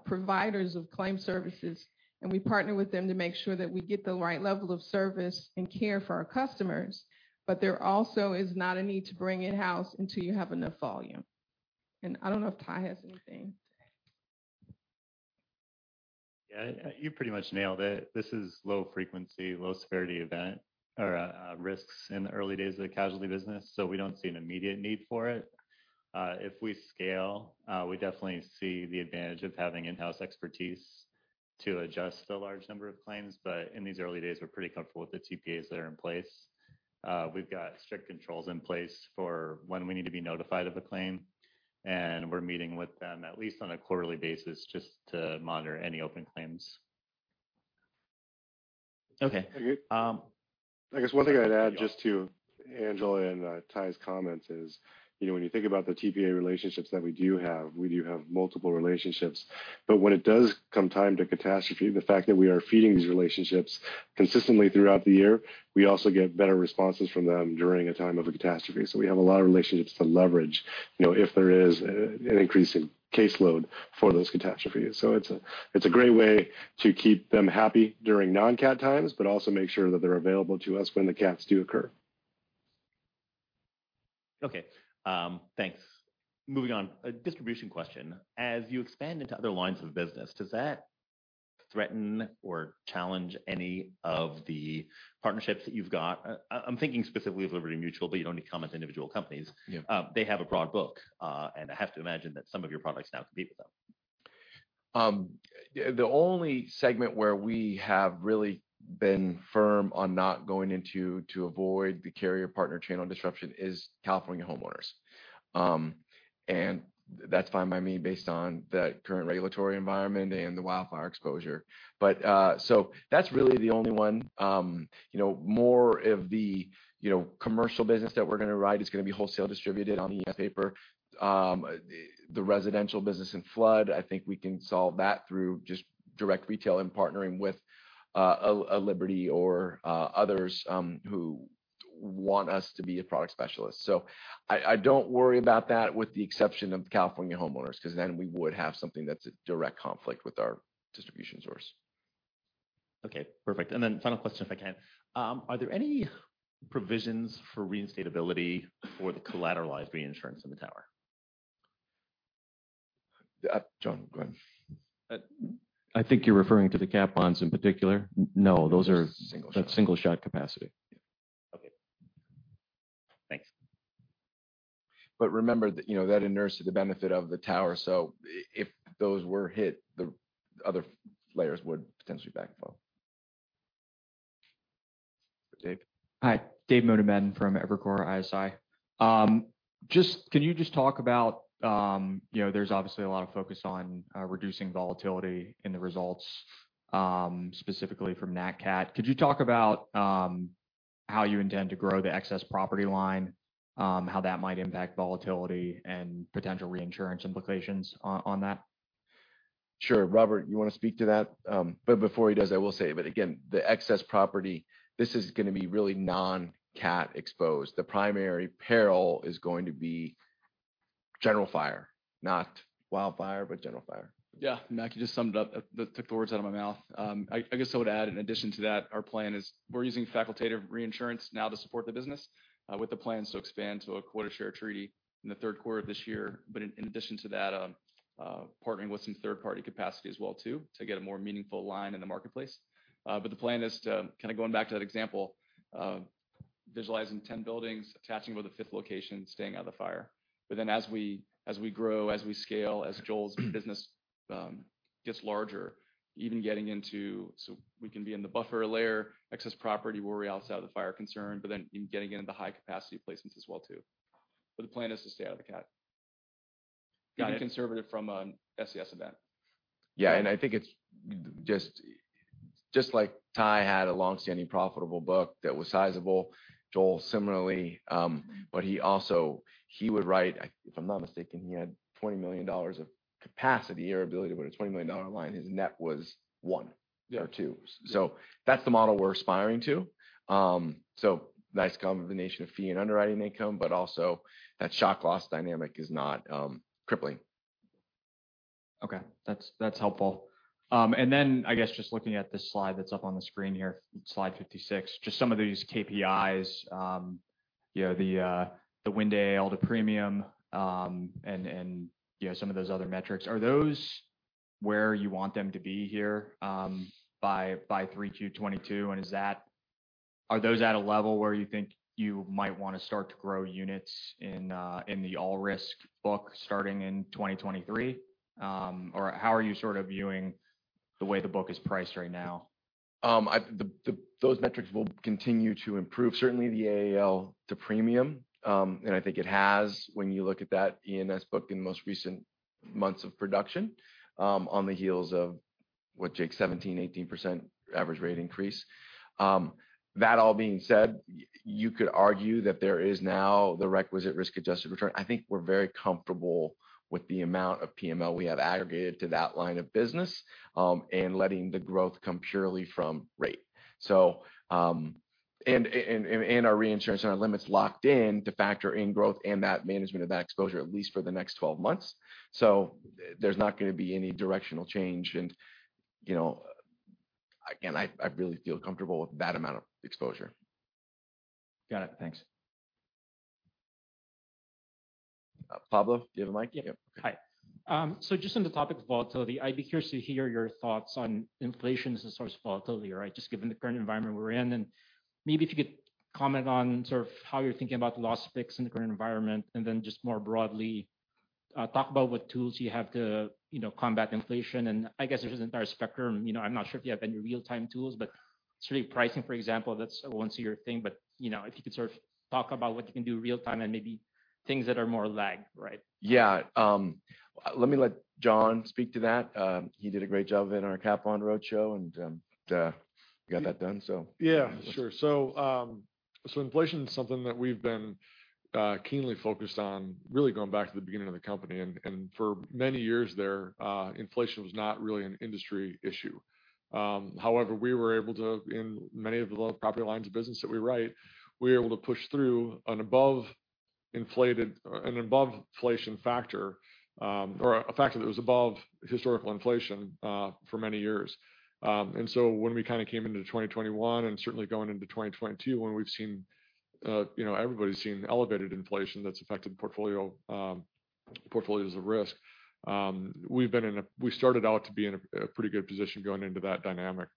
providers of claim services, and we partner with them to make sure that we get the right level of service and care for our customers. There also is not a need to bring in-house until you have enough volume. I don't know if Ty has anything. Yeah. You pretty much nailed it. This is low frequency, low severity event or risks in the early days of the casualty business, so we don't see an immediate need for it. If we scale, we definitely see the advantage of having in-house expertise to adjust the large number of claims. In these early days, we're pretty comfortable with the TPAs that are in place. We've got strict controls in place for when we need to be notified of a claim, and we're meeting with them at least on a quarterly basis just to monitor any open claims. Okay. I guess one thing I'd add just to Angela and Ty's comments is, you know, when you think about the TPA relationships that we do have, we do have multiple relationships. When it does come time to catastrophe, the fact that we are feeding these relationships consistently throughout the year, we also get better responses from them during a time of a catastrophe. We have a lot of relationships to leverage, you know, if there is an increase in caseload for those catastrophes. It's a great way to keep them happy during non-cat times, but also make sure that they're available to us when the cats do occur. Okay. Thanks. Moving on. A distribution question. As you expand into other lines of business, does that threaten or challenge any of the partnerships that you've got? I'm thinking specifically of Liberty Mutual, but you don't need to comment individual companies. Yeah. They have a broad book. I have to imagine that some of your products now compete with them. The only segment where we have really been firm on not going into to avoid the carrier partner channel disruption is California homeowners. That's fine by me based on the current regulatory environment and the wildfire exposure. That's really the only one. You know, more of the, you know, commercial business that we're gonna write is gonna be wholesale distributed on E&S paper. The residential business and flood, I think we can solve that through just direct retail and partnering with a Liberty or others who want us to be a product specialist. I don't worry about that, with the exception of California homeowners, 'cause then we would have something that's a direct conflict with our distribution source. Okay. Perfect. Final question, if I can. Are there any provisions for reinstatability for the collateralized reinsurance in the tower? John, go ahead. I think you're referring to the cat bonds in particular. No, those are. Single shot. That's single shot capacity. Okay. Thanks. Remember that, you know, that inures to the benefit of the tower, so if those were hit, the other layers would potentially backflow. Dave? Hi, Dave Motemaden from Evercore ISI. Can you just talk about, you know, there's obviously a lot of focus on reducing volatility in the results, specifically from Nat cat. Could you talk about how you intend to grow the excess property line, how that might impact volatility and potential reinsurance implications on that? Sure. Robert, you wanna speak to that? Before he does, I will say, but again, the excess property, this is gonna be really non-cat exposed. The primary peril is going to be general fire. Not wildfire, but general fire. Yeah. Mac, you just summed it up. That took the words out of my mouth. I guess I would add, in addition to that, our plan is we're using facultative reinsurance now to support the business, with the plans to expand to a quota share treaty in the third quarter of this year. In addition to that, partnering with some third-party capacity as well too, to get a more meaningful line in the marketplace. The plan is to, kind of going back to that example, visualizing 10 buildings, attaching with a fifth location, staying out of the fire. As we grow, as we scale, as Joel's business gets larger, even getting into. We can be in the buffer layer, excess property where we're outside of the fire concern, but then getting into the high capacity placements as well too. The plan is to stay out of the cat. Got it. Being conservative from an SCS event. I think it's just like Ty had a long-standing profitable book that was sizable, Joel similarly. But he also would write, if I'm not mistaken, he had $20 million of capacity or ability to write a $20 million line. His net was one- Yeah. Two. That's the model we're aspiring to. Nice combination of fee and underwriting income, but also that shock loss dynamic is not crippling. Okay. That's helpful. And then, I guess, just looking at this slide that's up on the screen here, slide 56. Just some of these KPIs, you know, the wind hail to premium, and you know, some of those other metrics. Are those where you want them to be here, by 3Q 2022? Are those at a level where you think you might wanna start to grow units in the all-risk book starting in 2023? Or how are you sort of viewing the way the book is priced right now? Those metrics will continue to improve. Certainly the AAL to premium, and I think it has when you look at that E&S book in the most recent months of production, on the heels of what, Jake? 17%-18% average rate increase. That all being said, you could argue that there is now the requisite risk-adjusted return. I think we're very comfortable with the amount of PML we have aggregated to that line of business, and letting the growth come purely from rate. Our reinsurance and our limits locked in to factor in growth and that management of that exposure at least for the next 12 months. There's not gonna be any directional change and, you know, again, I really feel comfortable with that amount of exposure. Got it. Thanks. Pablo, do you have a mic? Yeah. Yep. Hi. Just on the topic of volatility, I'd be curious to hear your thoughts on inflation as a source of volatility, right? Just given the current environment we're in. Maybe if you could comment on sort of how you're thinking about loss picks in the current environment. Then just more broadly, talk about what tools you have to, you know, combat inflation. I guess there's an entire spectrum. You know, I'm not sure if you have any real-time tools, but sort of pricing, for example, that's a once a year thing. You know, if you could sort of talk about what you can do real time and maybe things that are more lag, right? Yeah. Let John speak to that. He did a great job in our Cap on Roadshow and got that done so. Yeah, sure. Inflation is something that we've been keenly focused on really going back to the beginning of the company. For many years there, inflation was not really an industry issue. However, we were able to, in many of the home property lines of business that we write, push through an above inflation factor, or a factor that was above historical inflation, for many years. When we kind of came into 2021 and certainly going into 2022, when we've seen, you know, everybody's seen elevated inflation that's affected portfolios of risk, we've been in a pretty good position going into that dynamic.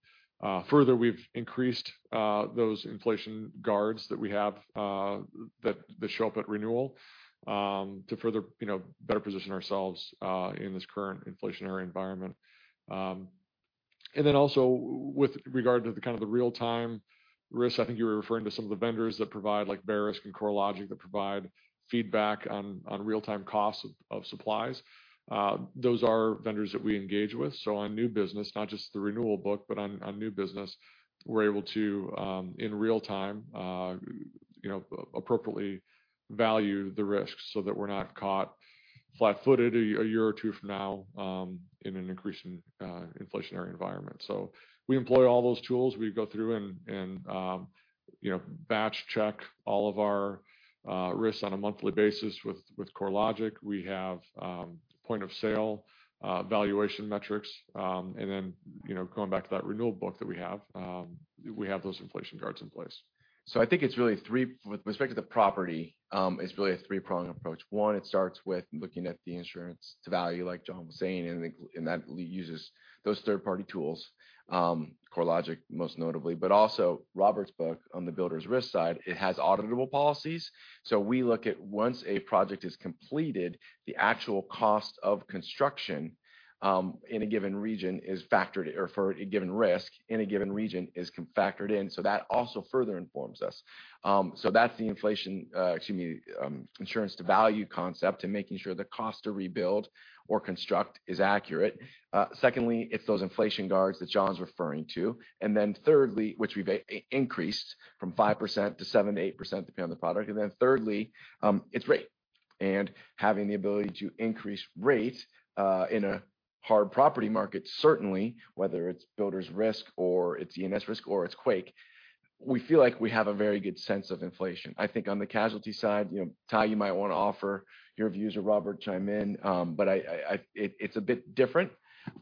Further, we've increased those inflation guards that we have that show up at renewal to further, you know, better position ourselves in this current inflationary environment. With regard to the kind of the real-time risk, I think you were referring to some of the vendors that provide like Verisk and CoreLogic that provide feedback on real-time costs of supplies. Those are vendors that we engage with. On new business, not just the renewal book, but on new business, we're able to in real time, you know, appropriately value the risks so that we're not caught flat-footed a year or two from now in an increasing inflationary environment. We employ all those tools. We go through and you know batch check all of our risks on a monthly basis with CoreLogic. We have point of sale valuation metrics. You know, going back to that renewal book that we have, we have those inflation guards in place. I think it's really three. With respect to the property, it's really a three-pronged approach. One, it starts with looking at the insurance to value, like John was saying, and that uses those third-party tools, CoreLogic most notably, but also Robert's book on the builder's risk side, it has auditable policies. We look at once a project is completed, the actual cost of construction, in a given region is factored or for a given risk in a given region is factored in. That also further informs us. That's the inflation, insurance to value concept and making sure the cost to rebuild or construct is accurate. Secondly, it's those inflation guards that John's referring to. Then thirdly, which we've increased from 5% to 7%-8%, depending on the product. Thirdly, it's rate. Having the ability to increase rate in a hard property market, certainly, whether it's builder's risk or it's E&S risk or it's quake, we feel like we have a very good sense of inflation. I think on the casualty side, you know, Ty, you might wanna offer your views or Robert chime in. It's a bit different,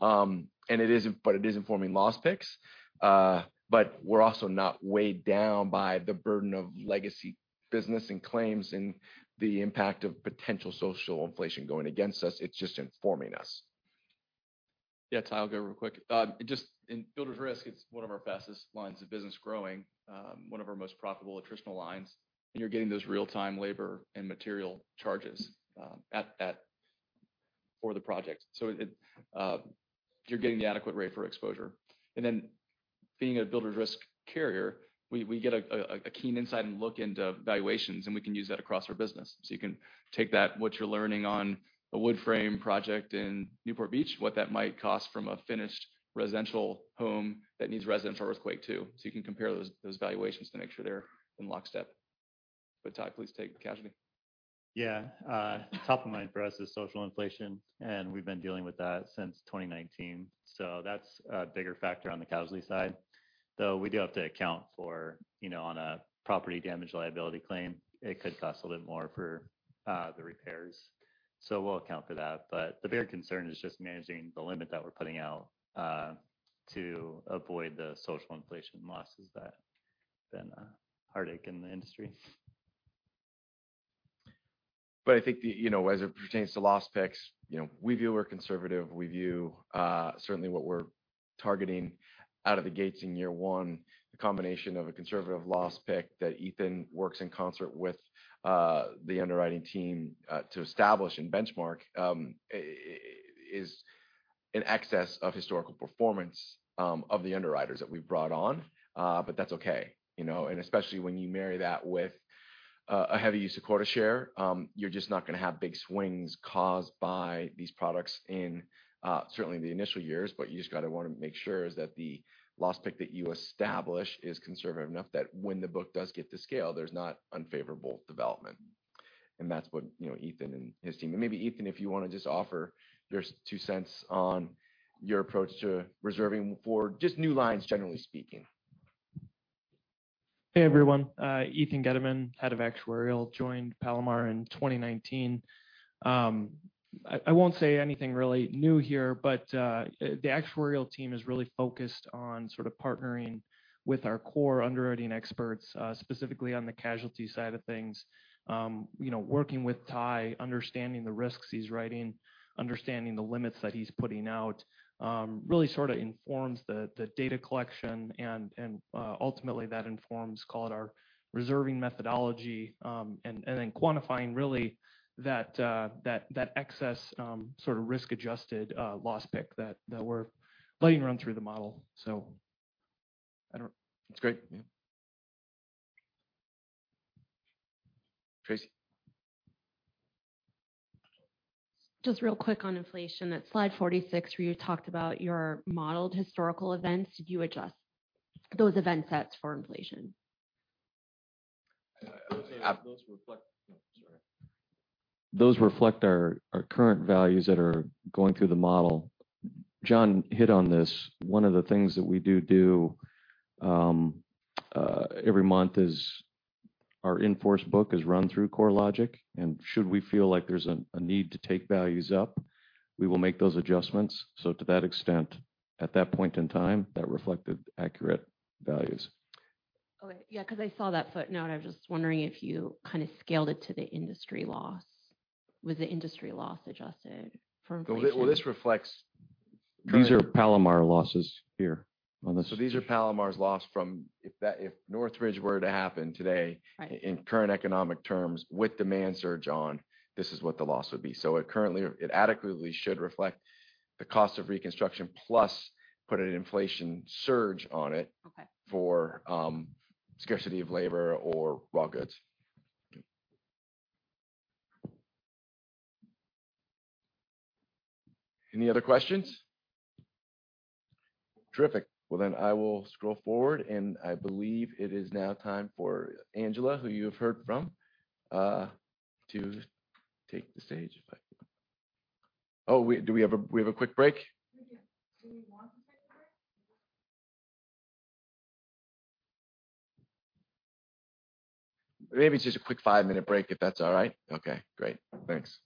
and it is informing loss picks. We're also not weighed down by the burden of legacy business and claims and the impact of potential social inflation going against us. It's just informing us. Yeah, Ty, I'll go real quick. Just in builder's risk, it's one of our fastest lines of business growing, one of our most profitable attritional lines. You're getting those real-time labor and material charges for the project. You're getting the adequate rate for exposure. Then being a builder's risk carrier, we get a keen insight and look into valuations, and we can use that across our business. You can take that, what you're learning on a wood frame project in Newport Beach, what that might cost from a finished residential home that needs insurance for earthquake too. You can compare those valuations to make sure they're in lockstep. Ty, please take the casualty. Yeah. Top of mind for us is social inflation, and we've been dealing with that since 2019, so that's a bigger factor on the casualty side, though we do have to account for, you know, on a property damage liability claim, it could cost a little more for the repairs. We'll account for that. The bigger concern is just managing the limit that we're putting out to avoid the social inflation losses that have been a heartache in the industry. I think, you know, as it pertains to loss picks, you know, we view we're conservative. We view, certainly what we're targeting out of the gates in year one, the combination of a conservative loss pick that Ethan works in concert with the underwriting team to establish and benchmark, is in excess of historical performance of the underwriters that we've brought on. But that's okay, you know. Especially when you marry that with a heavy use of quota share, you're just not gonna have big swings caused by these products in certainly the initial years. You just gotta wanna make sure is that the loss pick that you establish is conservative enough that when the book does get to scale, there's not unfavorable development. That's what, you know, Ethan and his team. Maybe Ethan, if you wanna just offer your two cents on your approach to reserving for just new lines, generally speaking. Hey, everyone. Ethan Genteman, Head of Actuarial, joined Palomar in 2019. I won't say anything really new here, but the actuarial team is really focused on sort of partnering with our core underwriting experts, specifically on the Casualty side of things. You know, working with Ty, understanding the risks he's writing, understanding the limits that he's putting out, really sort of informs the data collection and ultimately that informs, call it our reserving methodology. And then quantifying really that excess sort of risk-adjusted loss pick that we're letting run through the model. I don't- That's great. Yeah. Tracy. Just real quick on inflation. At slide 46, where you talked about your modeled historical events, did you adjust those event sets for inflation? Uh, those reflect- Those reflect our current values that are going through the model. John hit on this. One of the things that we do every month is our in-force book is run through CoreLogic, and should we feel like there's a need to take values up, we will make those adjustments. To that extent, at that point in time, that reflected accurate values. Okay. Yeah, 'cause I saw that footnote. I was just wondering if you kind of scaled it to the industry loss. Was the industry loss adjusted for inflation? Well, this reflects current. These are Palomar losses here on this. These are Palomar's loss from if Northridge were to happen today. Right In current economic terms with demand surge on, this is what the loss would be. It currently adequately should reflect the cost of reconstruction plus put an inflation surge on it. Okay ...for scarcity of labor or raw goods. Any other questions? Terrific. Well, I will scroll forward. I believe it is now time for Angela, who you have heard from, to take the stage. Oh, wait, do we have a quick break? We do. Do we want to take a break? Maybe it's just a quick five-minute break, if that's all right. Okay, great. Thanks.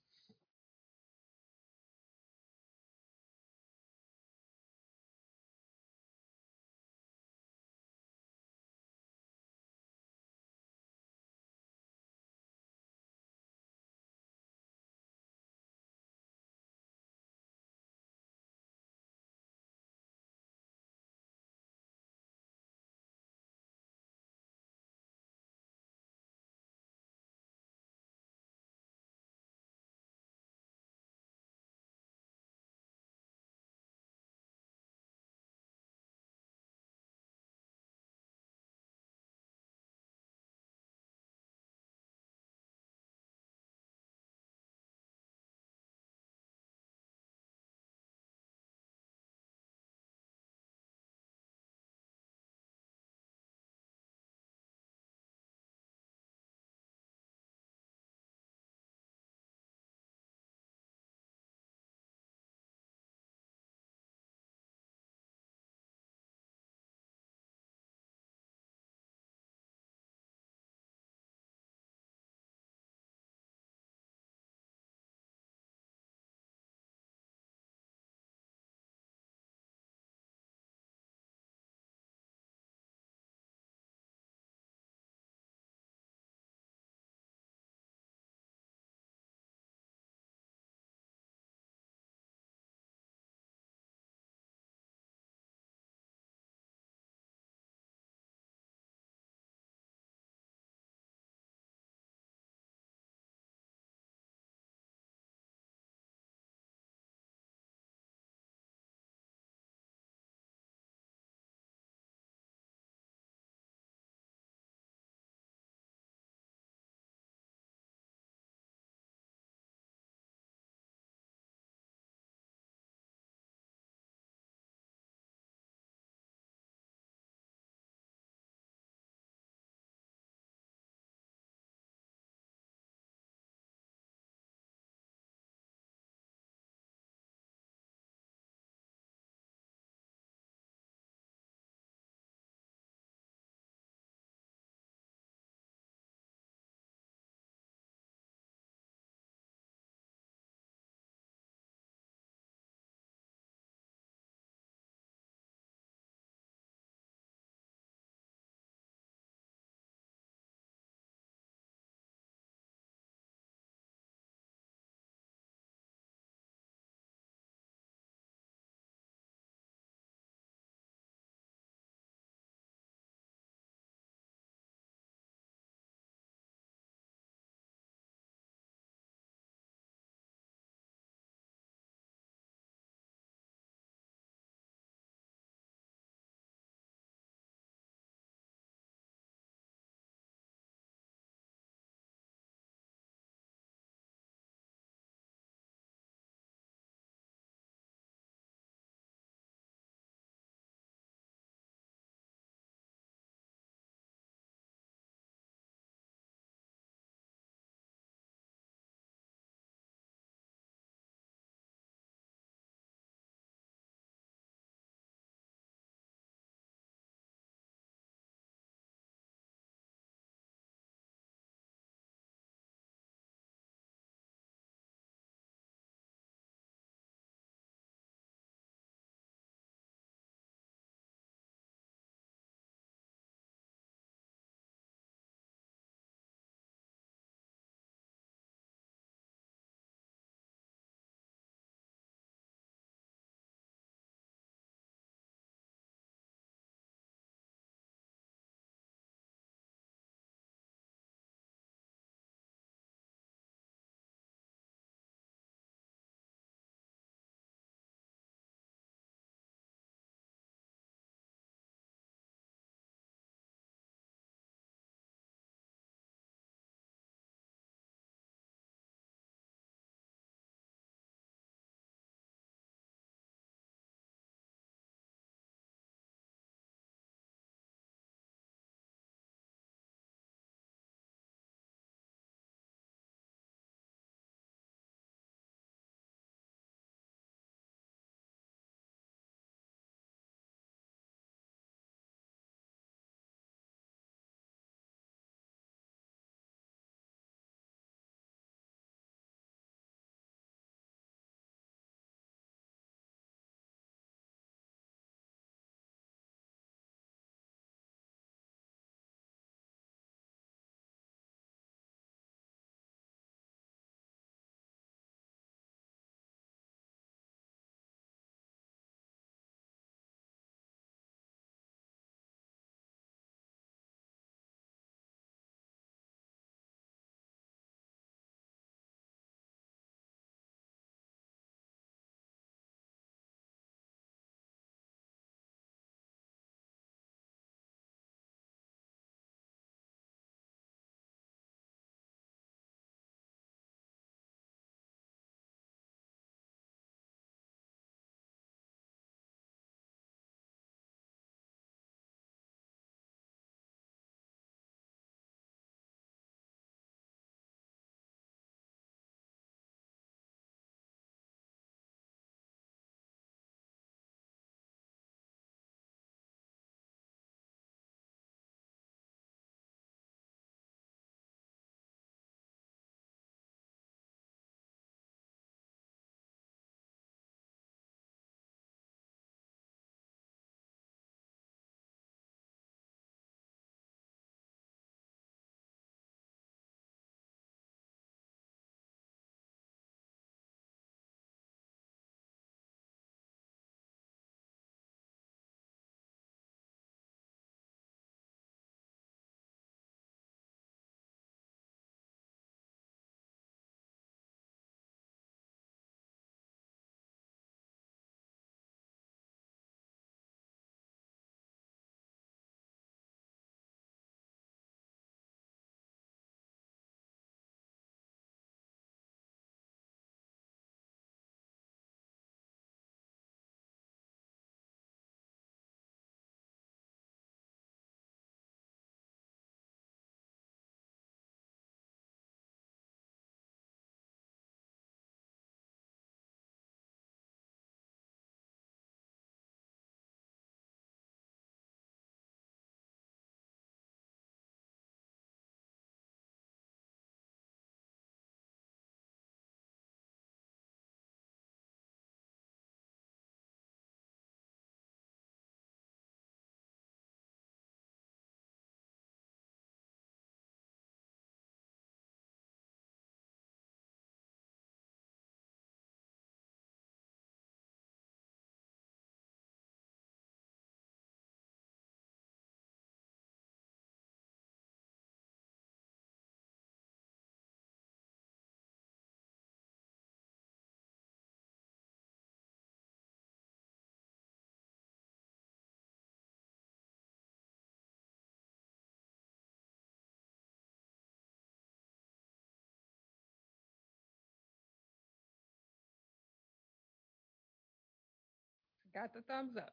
Got the thumbs up.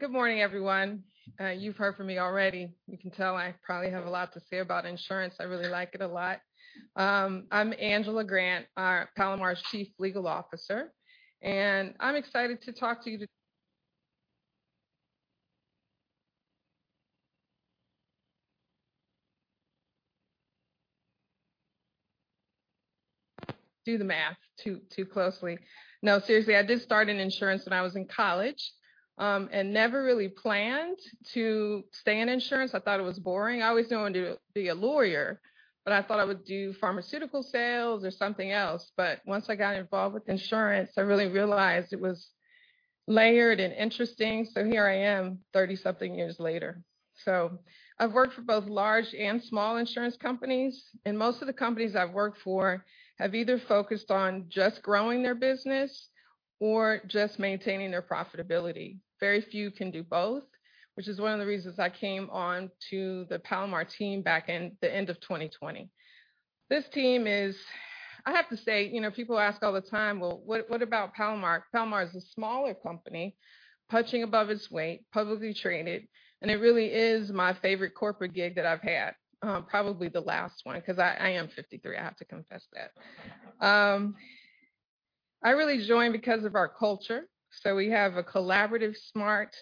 Good morning, everyone. You've heard from me already. You can tell I probably have a lot to say about insurance. I really like it a lot. I'm Angela Grant, Palomar's Chief Legal Officer, and I'm excited to talk to you. Do the math too closely. No, seriously, I did start in insurance when I was in college, and never really planned to stay in insurance. I thought it was boring. I always knew I wanted to be a lawyer, but I thought I would do pharmaceutical sales or something else. But once I got involved with insurance, I really realized it was layered and interesting. Here I am thirty-something years later. I've worked for both large and small insurance companies, and most of the companies I've worked for have either focused on just growing their business or just maintaining their profitability. Very few can do both, which is one of the reasons I came on to the Palomar team back in the end of 2020. This team is, I have to say, you know, people ask all the time, "Well, what about Palomar?" Palomar is a smaller company, punching above its weight, publicly traded, and it really is my favorite corporate gig that I've had. Probably the last one, 'cause I am 53. I have to confess that. I really joined because of our culture. We have a collaborative, smart,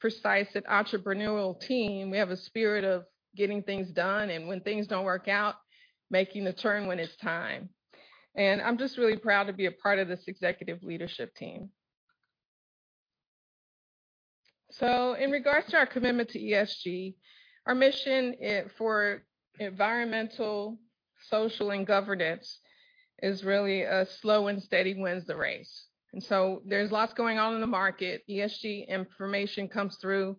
precise and entrepreneurial team. We have a spirit of getting things done and when things don't work out, making the turn when it's time. I'm just really proud to be a part of this executive leadership team. In regards to our commitment to ESG, our mission for environmental, social and governance is really, slow and steady wins the race. There's lots going on in the market. ESG information comes through.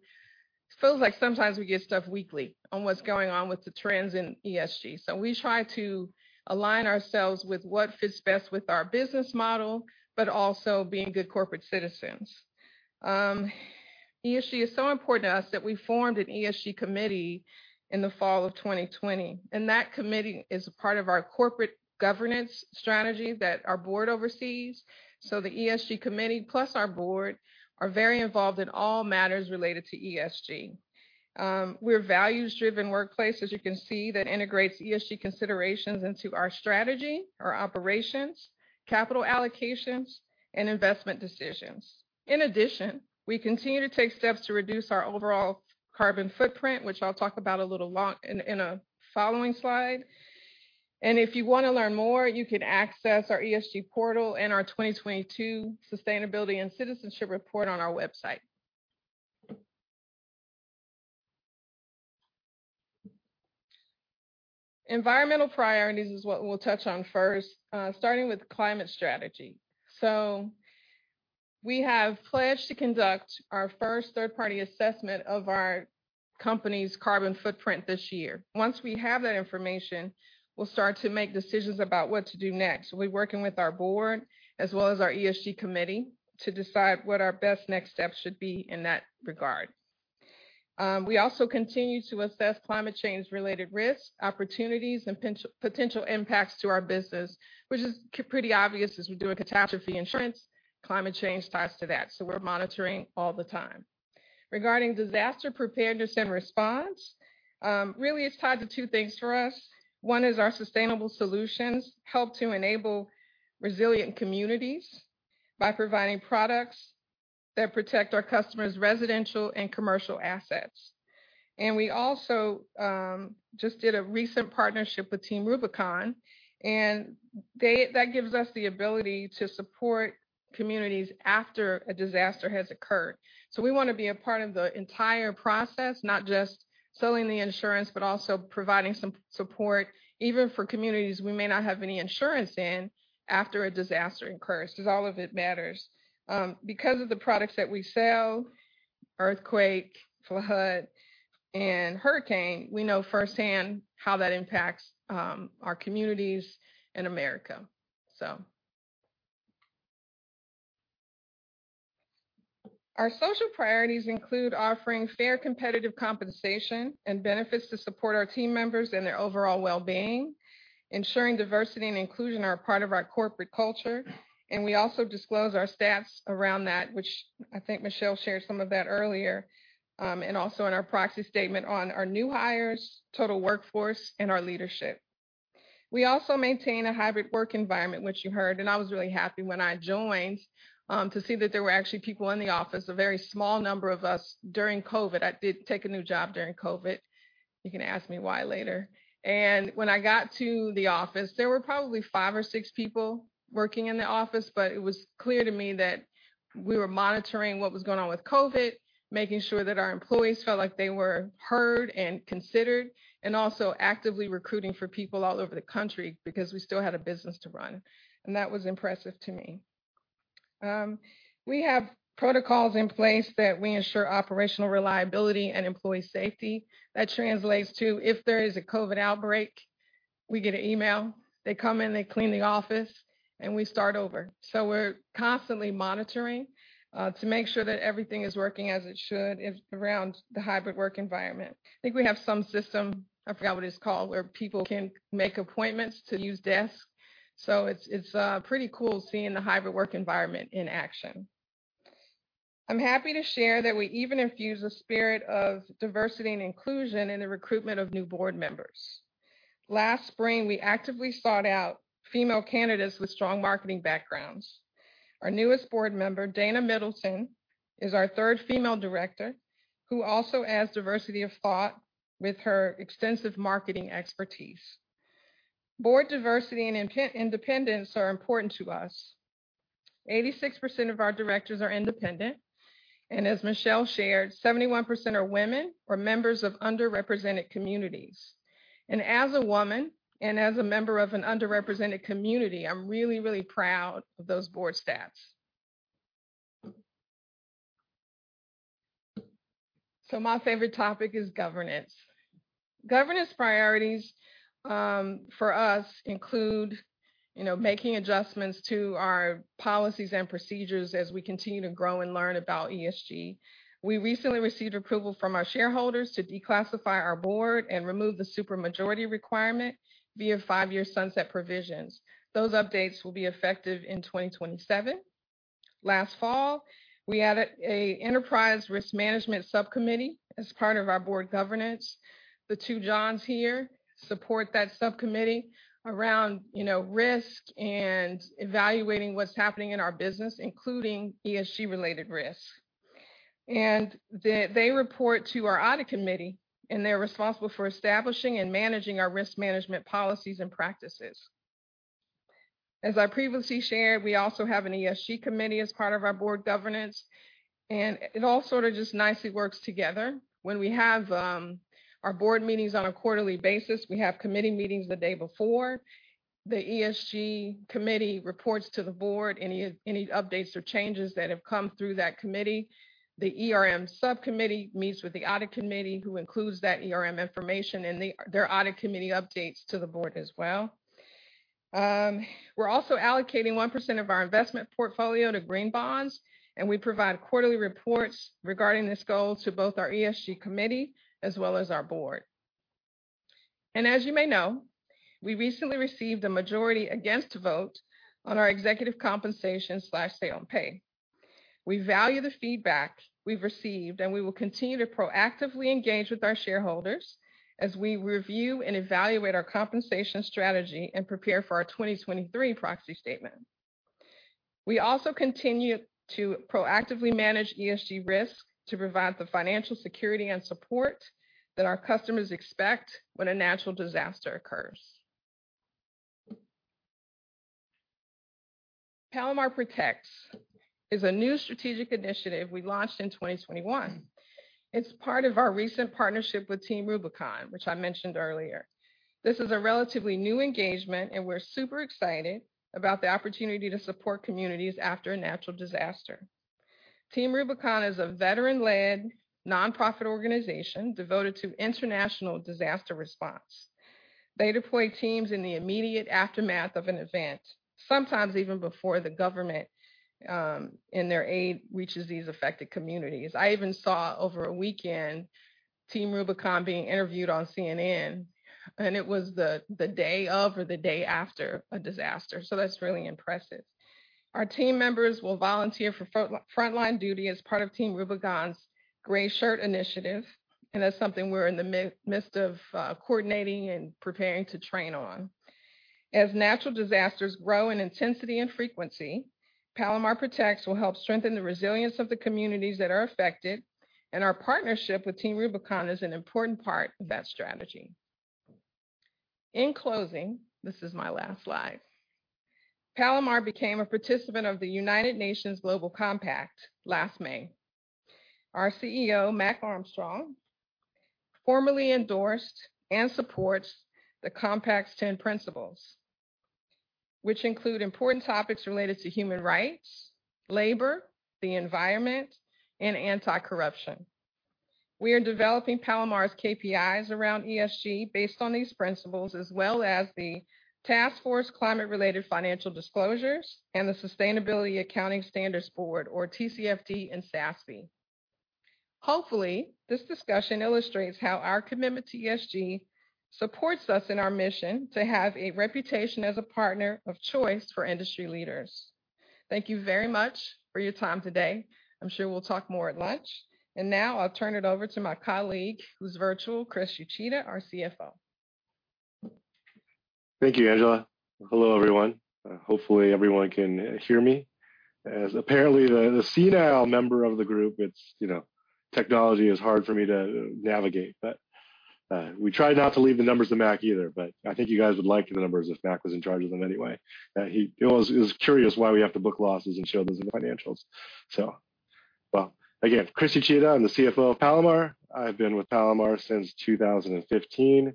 Feels like sometimes we get stuff weekly on what's going on with the trends in ESG. We try to align ourselves with what fits best with our business model, but also being good corporate citizens. ESG is so important to us that we formed an ESG committee in the fall of 2020, and that committee is a part of our corporate governance strategy that our board oversees. The ESG committee, plus our board, are very involved in all matters related to ESG. We're a values-driven workplace, as you can see, that integrates ESG considerations into our strategy, our operations, capital allocations, and investment decisions. In addition, we continue to take steps to reduce our overall carbon footprint, which I'll talk about in a following slide. If you wanna learn more, you can access our ESG portal and our 2022 Sustainability and Citizenship Report on our website. Environmental priorities is what we'll touch on first, starting with climate strategy. We have pledged to conduct our first third-party assessment of our company's carbon footprint this year. Once we have that information, we'll start to make decisions about what to do next. We're working with our board as well as our ESG committee to decide what our best next steps should be in that regard. We also continue to assess climate change-related risks, opportunities and potential impacts to our business, which is pretty obvious as we do a catastrophe insurance, climate change ties to that, so we're monitoring all the time. Regarding disaster preparedness and response, really it's tied to two things for us. One is our sustainable solutions help to enable resilient communities by providing products that protect our customers' residential and commercial assets. We also just did a recent partnership with Team Rubicon, and that gives us the ability to support communities after a disaster has occurred. We wanna be a part of the entire process, not just selling the insurance, but also providing some support even for communities we may not have any insurance in after a disaster occurs, 'cause all of it matters. Because of the products that we sell, earthquake, flood and hurricane, we know firsthand how that impacts our communities and America. Our social priorities include offering fair, competitive compensation and benefits to support our team members and their overall well-being, ensuring diversity and inclusion are a part of our corporate culture, and we also disclose our stats around that, which I think Michelle shared some of that earlier, and also in our proxy statement on our new hires, total workforce, and our leadership. We also maintain a hybrid work environment, which you heard, and I was really happy when I joined to see that there were actually people in the office, a very small number of us during COVID. I did take a new job during COVID. You can ask me why later. When I got to the office, there were probably five or six people working in the office, but it was clear to me that we were monitoring what was going on with COVID, making sure that our employees felt like they were heard and considered, and also actively recruiting for people all over the country because we still had a business to run, and that was impressive to me. We have protocols in place that we ensure operational reliability and employee safety. That translates to if there is a COVID outbreak, we get an email, they come in, they clean the office, and we start over. We're constantly monitoring to make sure that everything is working as it should around the hybrid work environment. I think we have some system, I forgot what it's called, where people can make appointments to use desks. It's pretty cool seeing the hybrid work environment in action. I'm happy to share that we even infuse a spirit of diversity and inclusion in the recruitment of new board members. Last spring, we actively sought out female candidates with strong marketing backgrounds. Our newest board member, Dana Middleton, is our third female director, who also adds diversity of thought with her extensive marketing expertise. Board diversity and independence are important to us. 86% of our directors are independent. As Michelle shared, 71% are women or members of underrepresented communities. As a woman and as a member of an underrepresented community, I'm really proud of those board stats. My favorite topic is governance. Governance priorities for us include, you know, making adjustments to our policies and procedures as we continue to grow and learn about ESG. We recently received approval from our shareholders to declassify our board and remove the super majority requirement via five-year sunset provisions. Those updates will be effective in 2027. Last fall, we added an enterprise risk management subcommittee as part of our board governance. The two Johns here support that subcommittee around, you know, risk and evaluating what's happening in our business, including ESG-related risks. They report to our audit committee, and they're responsible for establishing and managing our risk management policies and practices. As I previously shared, we also have an ESG committee as part of our board governance, and it all sort of just nicely works together. When we have our board meetings on a quarterly basis, we have committee meetings the day before. The ESG committee reports to the board any updates or changes that have come through that committee. The ERM subcommittee meets with the audit committee, who includes that ERM information in their audit committee updates to the board as well. We're also allocating 1% of our investment portfolio to green bonds, and we provide quarterly reports regarding this goal to both our ESG committee as well as our board. As you may know, we recently received a majority against vote on our executive compensation say on pay. We value the feedback we've received, and we will continue to proactively engage with our shareholders as we review and evaluate our compensation strategy and prepare for our 2023 proxy statement. We also continue to proactively manage ESG risk to provide the financial security and support that our customers expect when a natural disaster occurs. Palomar Protects is a new strategic initiative we launched in 2021. It's part of our recent partnership with Team Rubicon, which I mentioned earlier. This is a relatively new engagement, and we're super excited about the opportunity to support communities after a natural disaster. Team Rubicon is a veteran-led nonprofit organization devoted to international disaster response. They deploy teams in the immediate aftermath of an event, sometimes even before the government, and their aid reaches these affected communities. I even saw over a weekend Team Rubicon being interviewed on CNN, and it was the day of or the day after a disaster, so that's really impressive. Our team members will volunteer for frontline duty as part of Team Rubicon's Greyshirt initiative, and that's something we're in the midst of coordinating and preparing to train on. As natural disasters grow in intensity and frequency, Palomar Protects will help strengthen the resilience of the communities that are affected, and our partnership with Team Rubicon is an important part of that strategy. In closing, this is my last slide. Palomar became a participant of the United Nations Global Compact last May. Our CEO, Mac Armstrong, formally endorsed and supports the Compact's ten principles, which include important topics related to human rights, labor, the environment, and anti-corruption. We are developing Palomar's KPIs around ESG based on these principles, as well as the Task Force Climate-related Financial Disclosures and the Sustainability Accounting Standards Board or TCFD and SASB. Hopefully, this discussion illustrates how our commitment to ESG supports us in our mission to have a reputation as a partner of choice for industry leaders. Thank you very much for your time today. I'm sure we'll talk more at lunch. Now I'll turn it over to my colleague, who's virtual, Chris Uchida, our CFO. Thank you, Angela. Hello, everyone. Hopefully everyone can hear me, as apparently the senile member of the group, it's, you know, technology is hard for me to navigate. But we try not to leave the numbers to Mac either, but I think you guys would like the numbers if Mac was in charge of them anyway. He always is curious why we have to book losses and show those in financials. Again, Chris Uchida, I'm the CFO of Palomar. I've been with Palomar since 2015.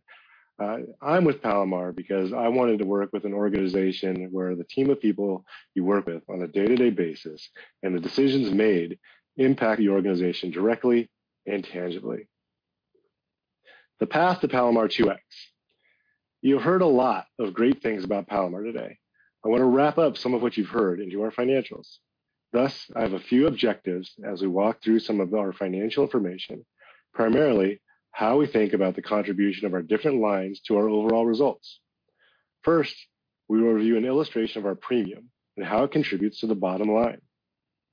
I'm with Palomar because I wanted to work with an organization where the team of people you work with on a day-to-day basis and the decisions made impact the organization directly and tangibly. The path to Palomar 2X. You heard a lot of great things about Palomar today. I want to wrap up some of what you've heard into our financials. Thus, I have a few objectives as we walk through some of our financial information, primarily how we think about the contribution of our different lines to our overall results. First, we will review an illustration of our premium and how it contributes to the bottom line.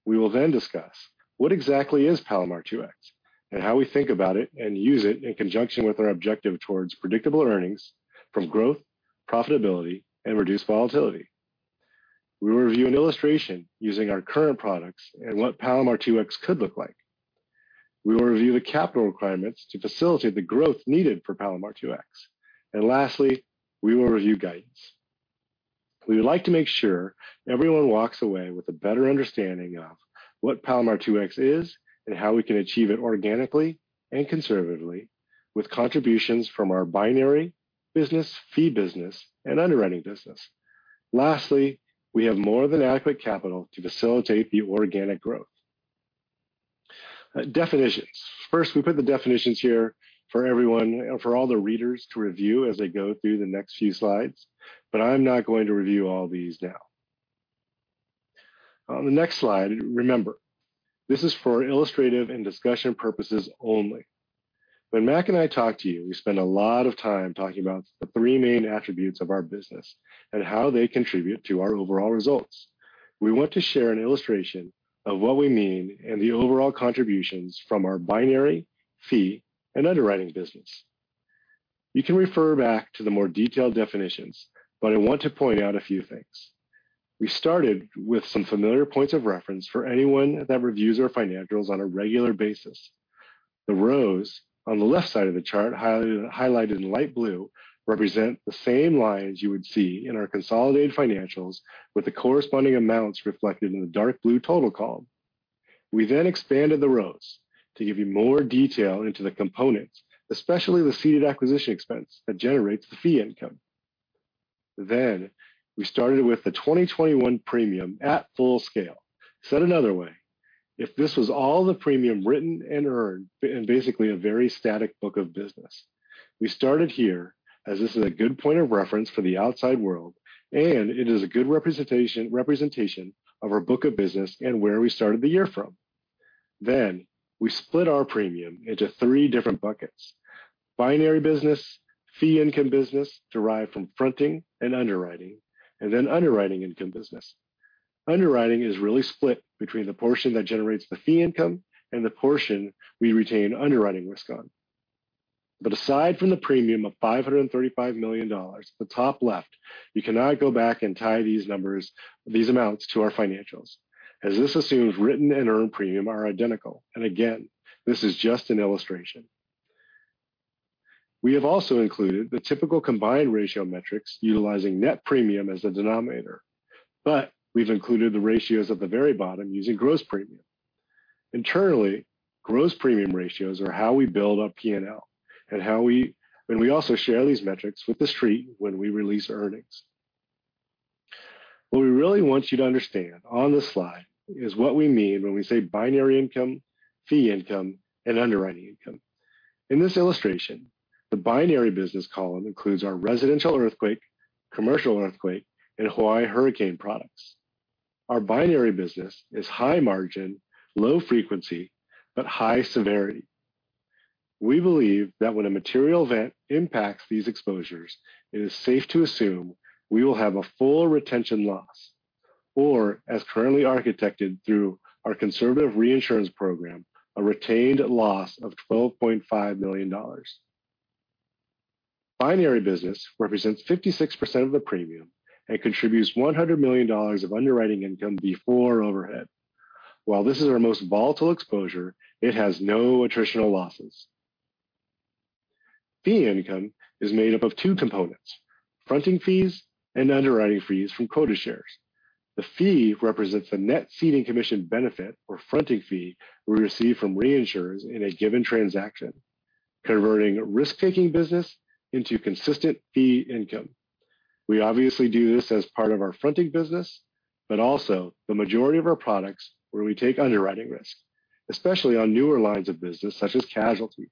We will then discuss what exactly is Palomar 2X and how we think about it and use it in conjunction with our objective towards predictable earnings from growth, profitability, and reduced volatility. We will review an illustration using our current products and what Palomar 2X could look like. We will review the capital requirements to facilitate the growth needed for Palomar 2X. Lastly, we will review guidance. We would like to make sure everyone walks away with a better understanding of what Palomar 2X is and how we can achieve it organically and conservatively with contributions from our binary business, fee business, and underwriting business. Lastly, we have more than adequate capital to facilitate the organic growth. Definitions. First, we put the definitions here for everyone, you know, for all the readers to review as they go through the next few slides, but I'm not going to review all these now. On the next slide, remember, this is for illustrative and discussion purposes only. When Mac and I talk to you, we spend a lot of time talking about the three main attributes of our business and how they contribute to our overall results. We want to share an illustration of what we mean and the overall contributions from our binary, fee, and underwriting business. You can refer back to the more detailed definitions, but I want to point out a few things. We started with some familiar points of reference for anyone that reviews our financials on a regular basis. The rows on the left side of the chart highlighted in light blue represent the same lines you would see in our consolidated financials with the corresponding amounts reflected in the dark blue total column. We then expanded the rows to give you more detail into the components, especially the ceded acquisition expense that generates the fee income. We started with the 2021 premium at full scale. Said another way, if this was all the premium written and earned in basically a very static book of business, we started here as this is a good point of reference for the outside world, and it is a good representation of our book of business and where we started the year from. We split our premium into three different buckets. Binary business, fee income business derived from fronting and underwriting, and then underwriting income business. Underwriting is really split between the portion that generates the fee income and the portion we retain underwriting risk on. Aside from the premium of $535 million at the top left, you can now go back and tie these numbers, these amounts to our financials, as this assumes written and earned premium are identical. Again, this is just an illustration. We have also included the typical combined ratio metrics utilizing net premium as the denominator, but we've included the ratios at the very bottom using gross premium. Internally, gross premium ratios are how we build up P&L. We also share these metrics with The Street when we release earnings. What we really want you to understand on this slide is what we mean when we say binary income, fee income, and underwriting income. In this illustration, the binary business column includes our residential earthquake, commercial earthquake, and Hawaii hurricane products. Our binary business is high margin, low frequency, but high severity. We believe that when a material event impacts these exposures, it is safe to assume we will have a full retention loss, or as currently architected through our conservative reinsurance program, a retained loss of $12.5 million. Binary business represents 56% of the premium and contributes $100 million of underwriting income before overhead. While this is our most volatile exposure, it has no attritional losses. Fee income is made up of two components, fronting fees and underwriting fees from quota shares. The fee represents the net ceding commission benefit or fronting fee we receive from reinsurers in a given transaction, converting risk-taking business into consistent fee income. We obviously do this as part of our fronting business, but also the majority of our products where we take underwriting risk, especially on newer lines of business such as casualty.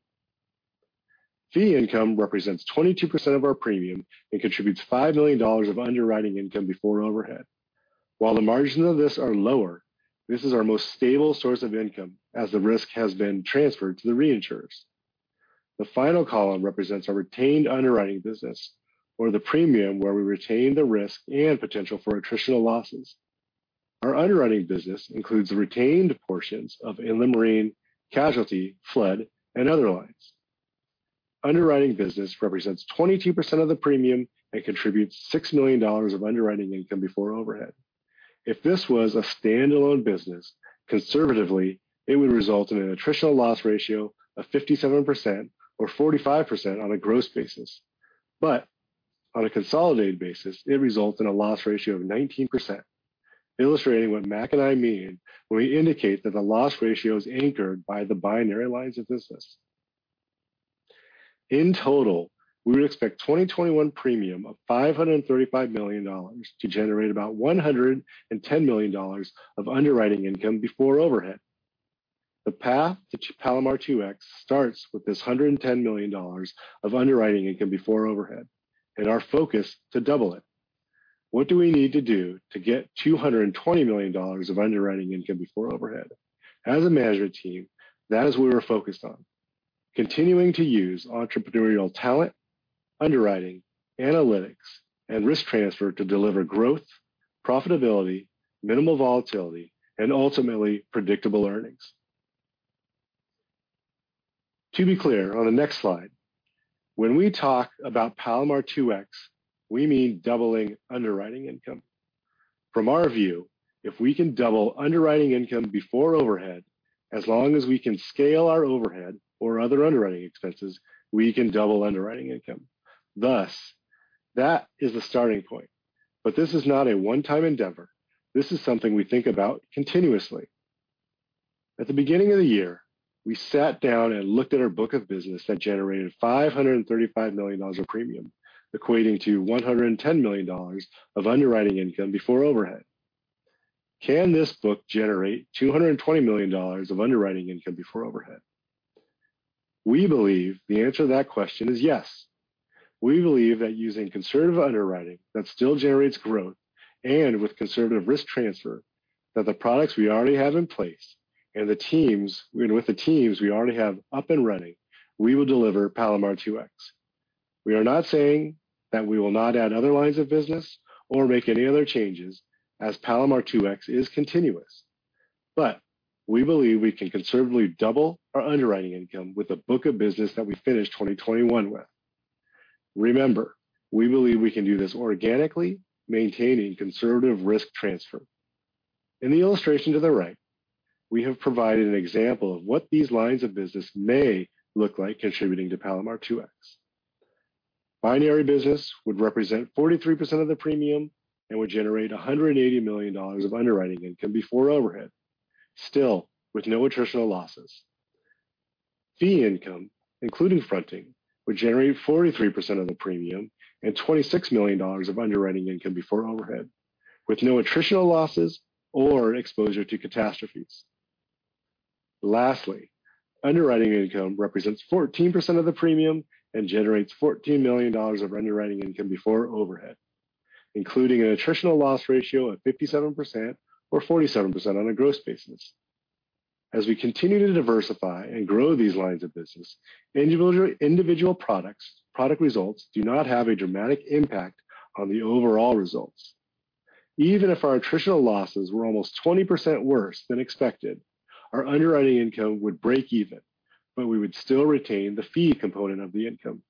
Fee income represents 22% of our premium and contributes $5 million of underwriting income before overhead. While the margins of this are lower, this is our most stable source of income as the risk has been transferred to the reinsurers. The final column represents our retained underwriting business or the premium where we retain the risk and potential for attritional losses. Our underwriting business includes the retained portions of inland marine, casualty, flood, and other lines. Underwriting business represents 22% of the premium and contributes $6 million of underwriting income before overhead. If this was a standalone business, conservatively, it would result in an attritional loss ratio of 57% or 45% on a gross basis. On a consolidated basis, it results in a loss ratio of 19%, illustrating what Mac and I mean when we indicate that the loss ratio is anchored by the binary lines of business. In total, we would expect 2021 premium of $535 million to generate about $110 million of underwriting income before overhead. The path to Palomar 2X starts with this $110 million of underwriting income before overhead and our focus to double it. What do we need to do to get $220 million of underwriting income before overhead? As a management team, that is what we're focused on. Continuing to use entrepreneurial talent, underwriting, analytics, and risk transfer to deliver growth, profitability, minimal volatility, and ultimately predictable earnings. To be clear on the next slide, when we talk about Palomar 2X, we mean doubling underwriting income. From our view, if we can double underwriting income before overhead, as long as we can scale our overhead or other underwriting expenses, we can double underwriting income. Thus, that is a starting point, but this is not a one-time endeavor. This is something we think about continuously. At the beginning of the year, we sat down and looked at our book of business that generated $535 million of premium, equating to $110 million of underwriting income before overhead. Can this book generate $220 million of underwriting income before overhead? We believe the answer to that question is yes. We believe that using conservative underwriting that still generates growth and with conservative risk transfer, that the products we already have in place and the teams we already have up and running, we will deliver Palomar 2X. We are not saying that we will not add other lines of business or make any other changes as Palomar 2X is continuous. We believe we can conservatively double our underwriting income with a book of business that we finished 2021 with. Remember, we believe we can do this organically, maintaining conservative risk transfer. In the illustration to the right, we have provided an example of what these lines of business may look like contributing to Palomar 2X. Binary business would represent 43% of the premium and would generate $180 million of underwriting income before overhead, still with no attritional losses. Fee income, including fronting, would generate 43% of the premium and $26 million of underwriting income before overhead, with no attritional losses or exposure to catastrophes. Lastly, underwriting income represents 14% of the premium and generates $14 million of underwriting income before overhead, including an attritional loss ratio of 57% or 47% on a gross basis. As we continue to diversify and grow these lines of business, individual products, product results do not have a dramatic impact on the overall results. Even if our attritional losses were almost 20% worse than expected, our underwriting income would break even, but we would still retain the fee component of the income.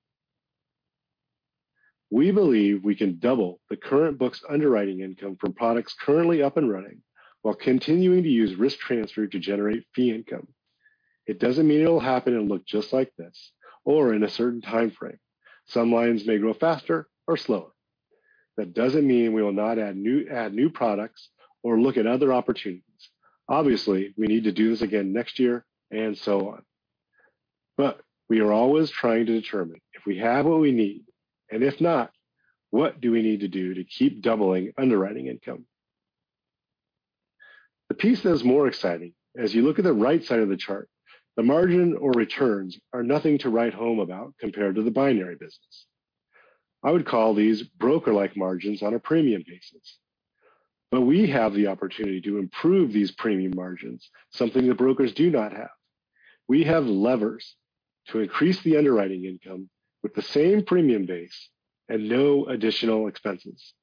We believe we can double the current book's underwriting income from products currently up and running while continuing to use risk transfer to generate fee income. It doesn't mean it'll happen and look just like this or in a certain timeframe. Some lines may grow faster or slower. That doesn't mean we will not add new products or look at other opportunities. Obviously, we need to do this again next year and so on. We are always trying to determine if we have what we need, and if not, what do we need to do to keep doubling underwriting income? The piece that is more exciting, as you look at the right side of the chart, the margin or returns are nothing to write home about compared to the binary business. I would call these broker-like margins on a premium basis. We have the opportunity to improve these premium margins, something the brokers do not have. We have levers to increase the underwriting income with the same premium base and no additional expenses.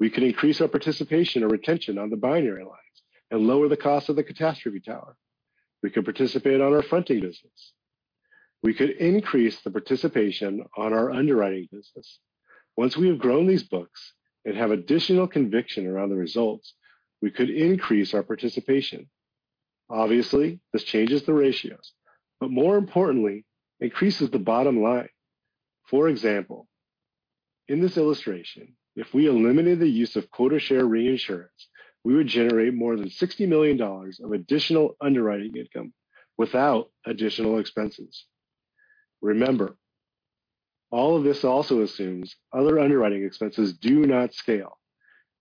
We can increase our participation or retention on the binary lines and lower the cost of the catastrophe tower. We could participate on our fronting business. We could increase the participation on our underwriting business. Once we have grown these books and have additional conviction around the results, we could increase our participation. Obviously, this changes the ratios, but more importantly, increases the bottom line. For example, in this illustration, if we eliminated the use of quota share reinsurance, we would generate more than $60 million of additional underwriting income without additional expenses. Remember, all of this also assumes other underwriting expenses do not scale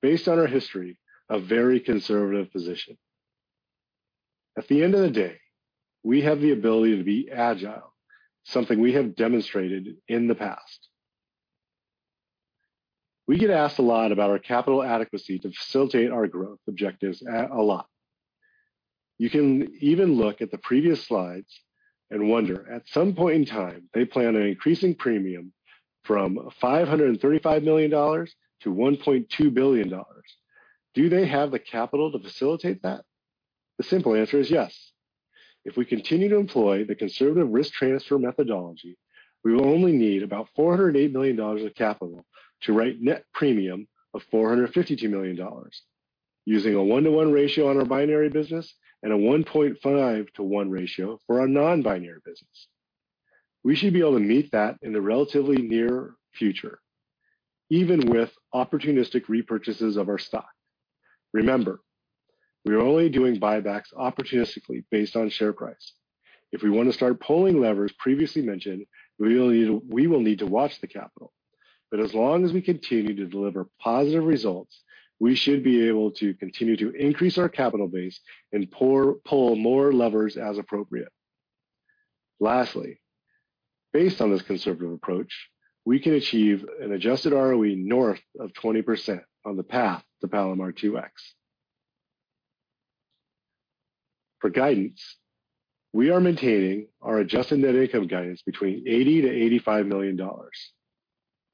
based on our history, a very conservative position. At the end of the day, we have the ability to be agile, something we have demonstrated in the past. We get asked a lot about our capital adequacy to facilitate our growth objectives a lot. You can even look at the previous slides and wonder, at some point in time, they plan on increasing premium from $535 million to $1.2 billion. Do they have the capital to facilitate that? The simple answer is yes. If we continue to employ the conservative risk transfer methodology, we will only need about $408 million of capital to write net premium of $452 million using a 1-to-1 ratio on our binary business and a 1.5-to-1 ratio for our non-binary business. We should be able to meet that in the relatively near future, even with opportunistic repurchases of our stock. Remember, we are only doing buybacks opportunistically based on share price. If we want to start pulling levers previously mentioned, we will need to watch the capital. But as long as we continue to deliver positive results, we should be able to continue to increase our capital base and pull more levers as appropriate. Lastly, based on this conservative approach, we can achieve an adjusted ROE north of 20% on the path to Palomar 2X. For guidance, we are maintaining our adjusted net income guidance between $80 million-$85 million.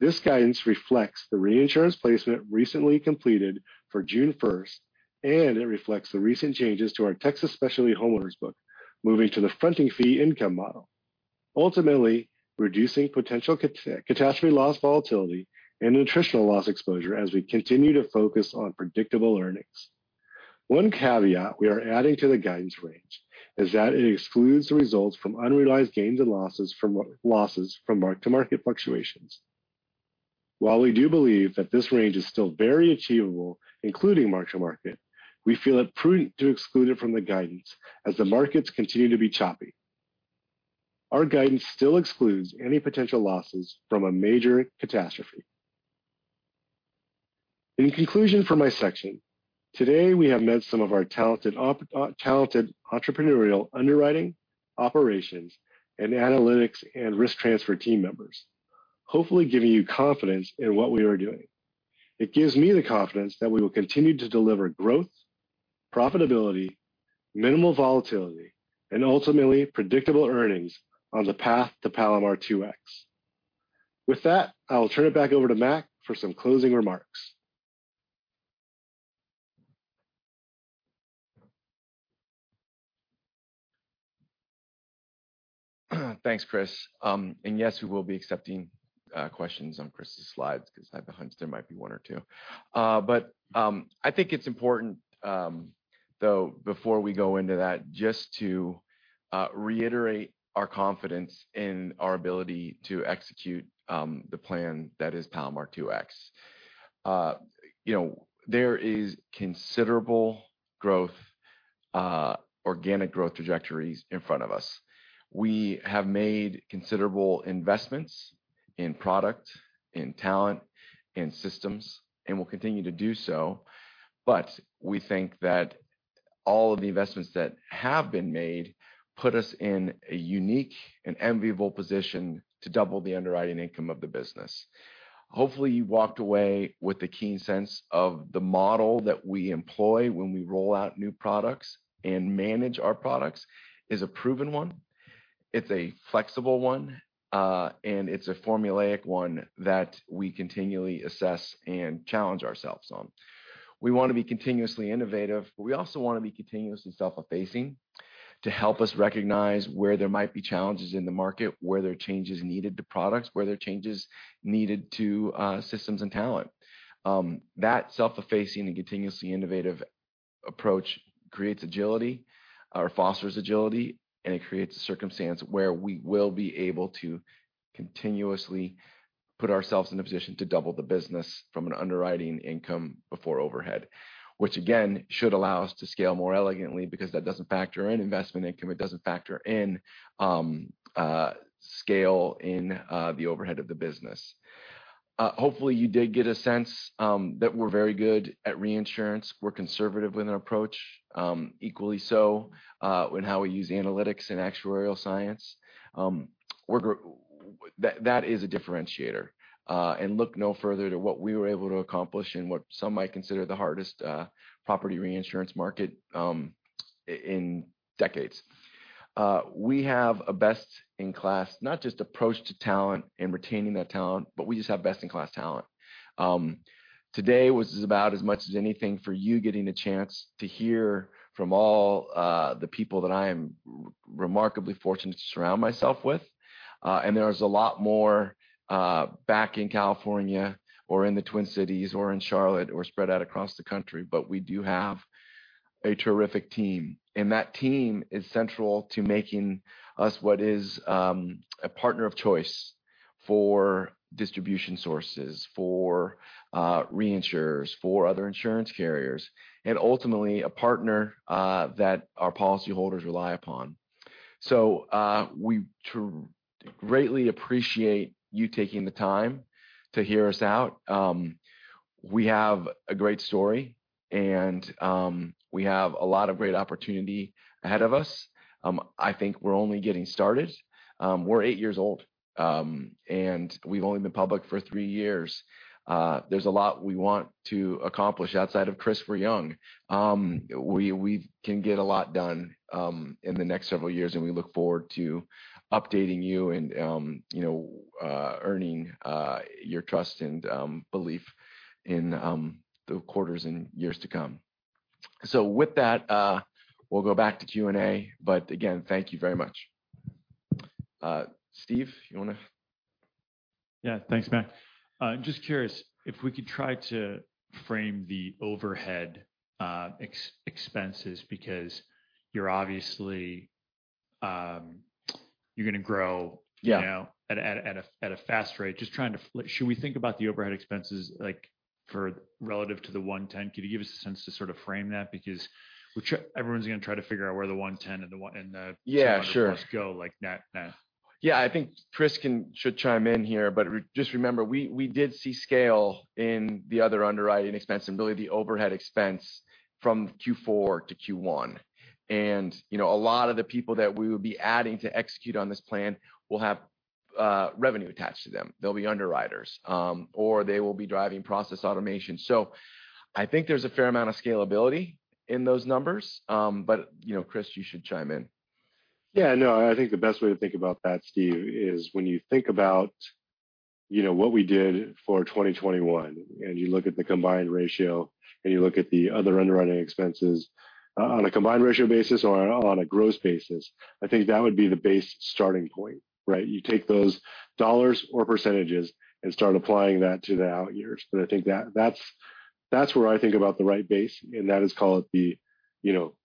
This guidance reflects the reinsurance placement recently completed for June first, and it reflects the recent changes to our Texas Specialty Homeowners book, moving to the fronting fee income model. Ultimately, reducing potential catastrophe loss volatility and nat cat loss exposure as we continue to focus on predictable earnings. One caveat we are adding to the guidance range is that it excludes the results from unrealized gains and losses from losses from mark-to-market fluctuations. While we do believe that this range is still very achievable, including mark-to-market, we feel it prudent to exclude it from the guidance as the markets continue to be choppy. Our guidance still excludes any potential losses from a major catastrophe. In conclusion for my section, today, we have met some of our talented entrepreneurial underwriting, operations, and analytics and risk transfer team members, hopefully giving you confidence in what we are doing. It gives me the confidence that we will continue to deliver growth, profitability, minimal volatility, and ultimately predictable earnings on the path to Palomar 2X. With that, I will turn it back over to Mac for some closing remarks. Thanks, Chris. Yes, we will be accepting questions on Chris's slides 'cause I have a hunch there might be one or two. I think it's important, though, before we go into that, just to reiterate our confidence in our ability to execute the plan that is Palomar 2X. You know, there is considerable growth, organic growth trajectories in front of us. We have made considerable investments in product, in talent, in systems, and we'll continue to do so, but we think that all of the investments that have been made put us in a unique and enviable position to double the underwriting income of the business. Hopefully, you walked away with a keen sense of the model that we employ when we roll out new products and manage our products is a proven one, it's a flexible one, and it's a formulaic one that we continually assess and challenge ourselves on. We wanna be continuously innovative, but we also wanna be continuously self-effacing to help us recognize where there might be challenges in the market, where there are changes needed to products, where there are changes needed to systems and talent. That self-effacing and continuously innovative approach creates agility or fosters agility, and it creates a circumstance where we will be able to continuously put ourselves in a position to double the business from an underwriting income before overhead, which again, should allow us to scale more elegantly because that doesn't factor in investment income, it doesn't factor in scaling the overhead of the business. Hopefully you did get a sense that we're very good at reinsurance. We're conservative with our approach, equally so in how we use analytics and actuarial science. That is a differentiator. Look no further than what we were able to accomplish in what some might consider the hardest property reinsurance market in decades. We have a best in class, not just approach to talent and retaining that talent, but we just have best in class talent. Today was about as much as anything for you getting the chance to hear from all the people that I am remarkably fortunate to surround myself with. There is a lot more back in California or in the Twin Cities or in Charlotte or spread out across the country, but we do have a terrific team, and that team is central to making us what is a partner of choice for distribution sources, for reinsurers, for other insurance carriers, and ultimately a partner that our policyholders rely upon. We greatly appreciate you taking the time to hear us out. We have a great story and, we have a lot of great opportunity ahead of us. I think we're only getting started. We're eight years old, and we've only been public for three years. There's a lot we want to accomplish outside of this, we're young. We can get a lot done in the next several years, and we look forward to updating you and, you know, earning your trust and belief in the quarters and years to come. With that, we'll go back to Q&A. Again, thank you very much. Steve, you wanna? Yeah. Thanks, Mac. I'm just curious if we could try to frame the overhead expenses because you're obviously gonna grow. Yeah... you know, at a fast rate. Should we think about the overhead expenses, like for relative to the $110? Could you give us a sense to sort of frame that? Because everyone's gonna try to figure out where the $110 and the $120. Yeah, sure. Go like net now. Yeah. I think Chris should chime in here, but just remember, we did see scale in the other underwriting expense and really the overhead expense from Q4 to Q1. You know, a lot of the people that we would be adding to execute on this plan will have revenue attached to them. They'll be underwriters, or they will be driving process automation. I think there's a fair amount of scalability in those numbers. You know, Chris, you should chime in. Yeah, no, I think the best way to think about that, Steve, is when you think about. You know what we did for 2021, and you look at the combined ratio, and you look at the other underwriting expenses on a combined ratio basis or on a gross basis. I think that would be the base starting point, right? You take those dollars or percentages and start applying that to the out years. I think that's where I think about the right base, and that is called, you know,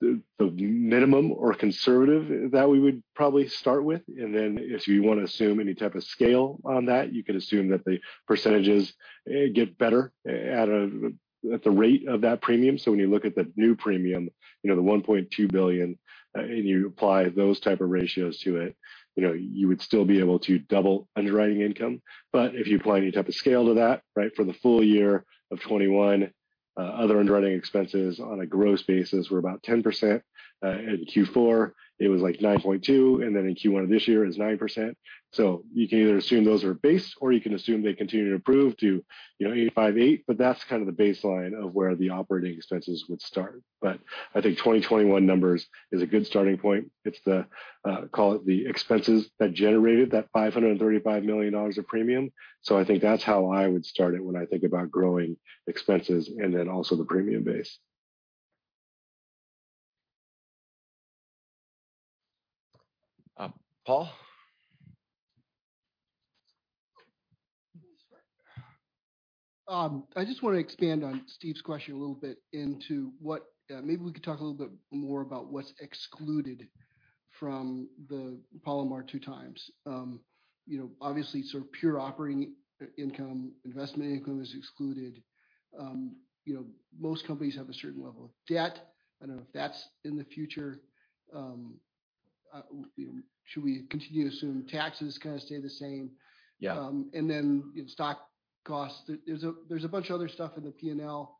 the minimum or conservative that we would probably start with. If you want to assume any type of scale on that, you could assume that the percentages get better at the rate of that premium. When you look at the new premium, you know, the $1.2 billion, and you apply those type of ratios to it, you know, you would still be able to double underwriting income. But if you apply any type of scale to that, right, for the full year of 2021, other underwriting expenses on a gross basis were about 10%. In Q4, it was like 9.2, and then in Q1 of this year it was 9%. You can either assume those are base or you can assume they continue to improve to, you know, eight ,five, eight but that's kind of the baseline of where the operating expenses would start. But I think 2021 numbers is a good starting point. It's the, call it the expenses that generated that $535 million of premium. I think that's how I would start it when I think about growing expenses and then also the premium base. Paul? I just want to expand on Steve's question a little bit. Maybe we could talk a little bit more about what's excluded from the Palomar 2X. You know, obviously sort of pure operating income, investment income is excluded. You know, most companies have a certain level of debt. I don't know if that's in the future. Should we continue to assume taxes kind of stay the same? Yeah. You know, stock costs. There's a bunch of other stuff in the P&L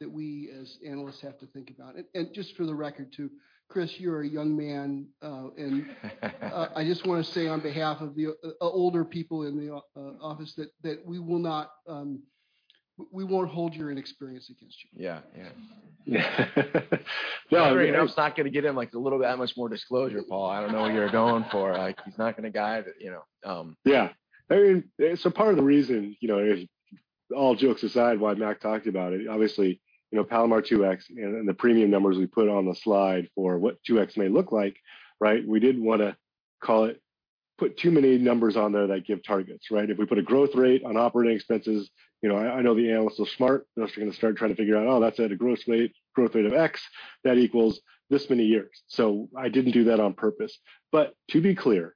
that we as analysts have to think about. Just for the record too, Chris, you're a young man. I just want to say on behalf of the older people in the office that we will not, we won't hold your inexperience against you. Yeah. Yeah. No, I mean, I'm not gonna get him like a little bit that much more disclosure, Paul. I don't know what you're going for. Like, he's not gonna guide, you know. Yeah. I mean, part of the reason, you know, all jokes aside, why Mac talked about it, obviously, you know, Palomar 2X and the premium numbers we put on the slide for what 2X may look like, right? We didn't want to put too many numbers on there that give targets, right? If we put a growth rate on operating expenses, you know, I know the analysts are smart. They're going to start trying to figure out, oh, that's at a growth rate of X that equals this many years. I didn't do that on purpose. To be clear,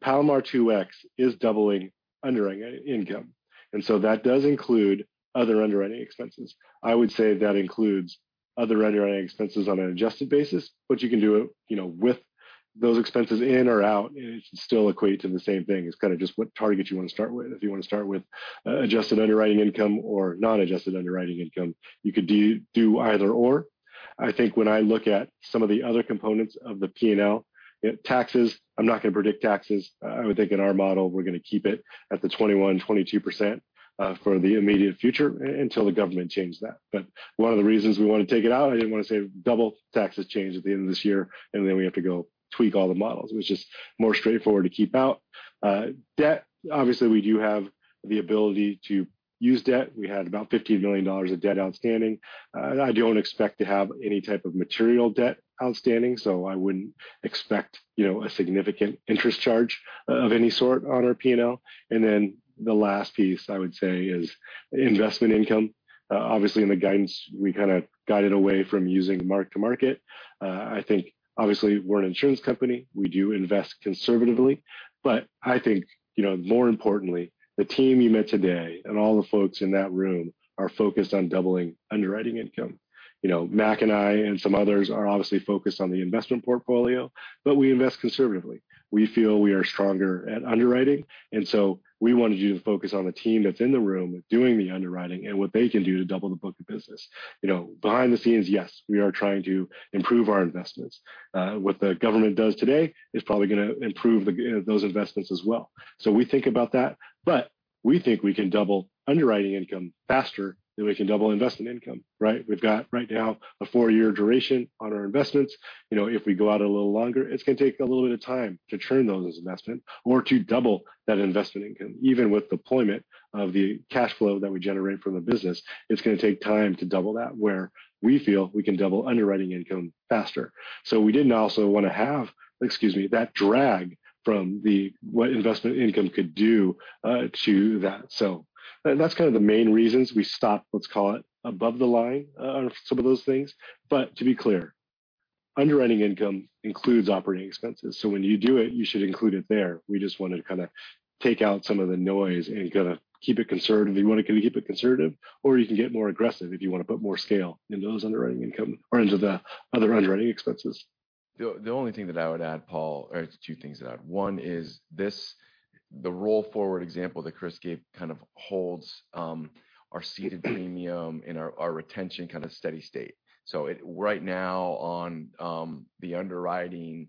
Palomar 2X is doubling underwriting income, and that does include other underwriting expenses. I would say that includes other underwriting expenses on an adjusted basis, but you can do, you know, with those expenses in or out, and it should still equate to the same thing. It's kind of just what target you want to start with. If you want to start with adjusted underwriting income or non-adjusted underwriting income, you could do either or. I think when I look at some of the other components of the P&L, taxes, I'm not going to predict taxes. I would think in our model, we're going to keep it at the 21-22% for the immediate future until the government changes that. One of the reasons we want to take it out, I didn't want to say double taxes change at the end of this year, and then we have to go tweak all the models. It was just more straightforward to keep out. Debt, obviously, we do have the ability to use debt. We had about $50 million of debt outstanding. I don't expect to have any type of material debt outstanding, so I wouldn't expect, you know, a significant interest charge of any sort on our P&L. The last piece I would say is investment income. Obviously in the guidance, we kind of guided away from using mark to market. I think obviously we're an insurance company. We do invest conservatively. But I think, you know, more importantly, the team you met today and all the folks in that room are focused on doubling underwriting income. You know, Mac and I and some others are obviously focused on the investment portfolio, but we invest conservatively. We feel we are stronger at underwriting, and so we want you to focus on the team that's in the room doing the underwriting and what they can do to double the book of business. You know, behind the scenes, yes, we are trying to improve our investments. What the government does today is probably gonna improve those investments as well. So we think about that, but we think we can double underwriting income faster than we can double investment income, right? We've got right now a four-year duration on our investments. You know, if we go out a little longer, it's gonna take a little bit of time to turn those investment or to double that investment income. Even with deployment of the cash flow that we generate from the business, it's gonna take time to double that where we feel we can double underwriting income faster. We didn't also want to have, excuse me, that drag from the—what investment income could do to that. That's kind of the main reasons we stopped, let's call it above the line, on some of those things. To be clear, underwriting income includes operating expenses. When you do it, you should include it there. We just wanted to kinda take out some of the noise and kinda keep it conservative. You want to keep it conservative, or you can get more aggressive if you want to put more scale into those underwriting income or into the other underwriting expenses. The only thing that I would add, Paul, or two things to add. One is this, the roll forward example that Chris gave kind of holds our ceded premium and our retention kind of steady state. So right now on the underwriting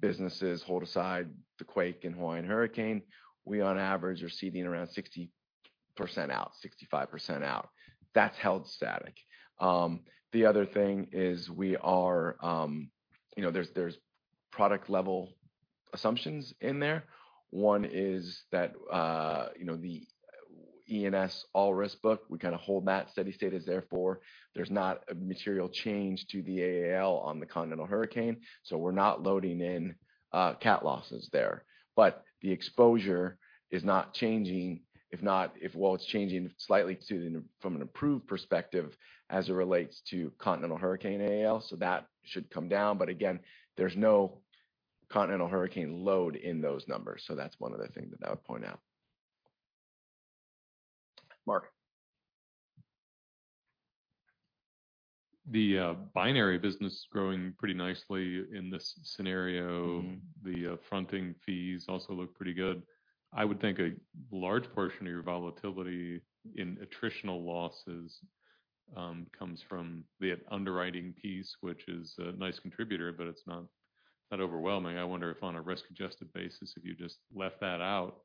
businesses hold aside the quake and Hawaiian hurricane, we on average are ceding around 60% out, 65% out. That's held static. The other thing is we are, you know, there's product level assumptions in there. One is that, you know, the E&S all risk book, we kind of hold that steady state is therefore there's not a material change to the AAL on the continental hurricane, so we're not loading in cat losses there. The exposure is not changing while it's changing slightly from an approved perspective as it relates to continental hurricane AAL, so that should come down. Again, there's no continental hurricane load in those numbers. That's one other thing that I would point out. Mark. The binary business is growing pretty nicely in this scenario. Mm-hmm. The fronting fees also look pretty good. I would think a large portion of your volatility in attritional losses comes from the underwriting piece, which is a nice contributor, but it's not overwhelming. I wonder if on a risk-adjusted basis if you just left that out,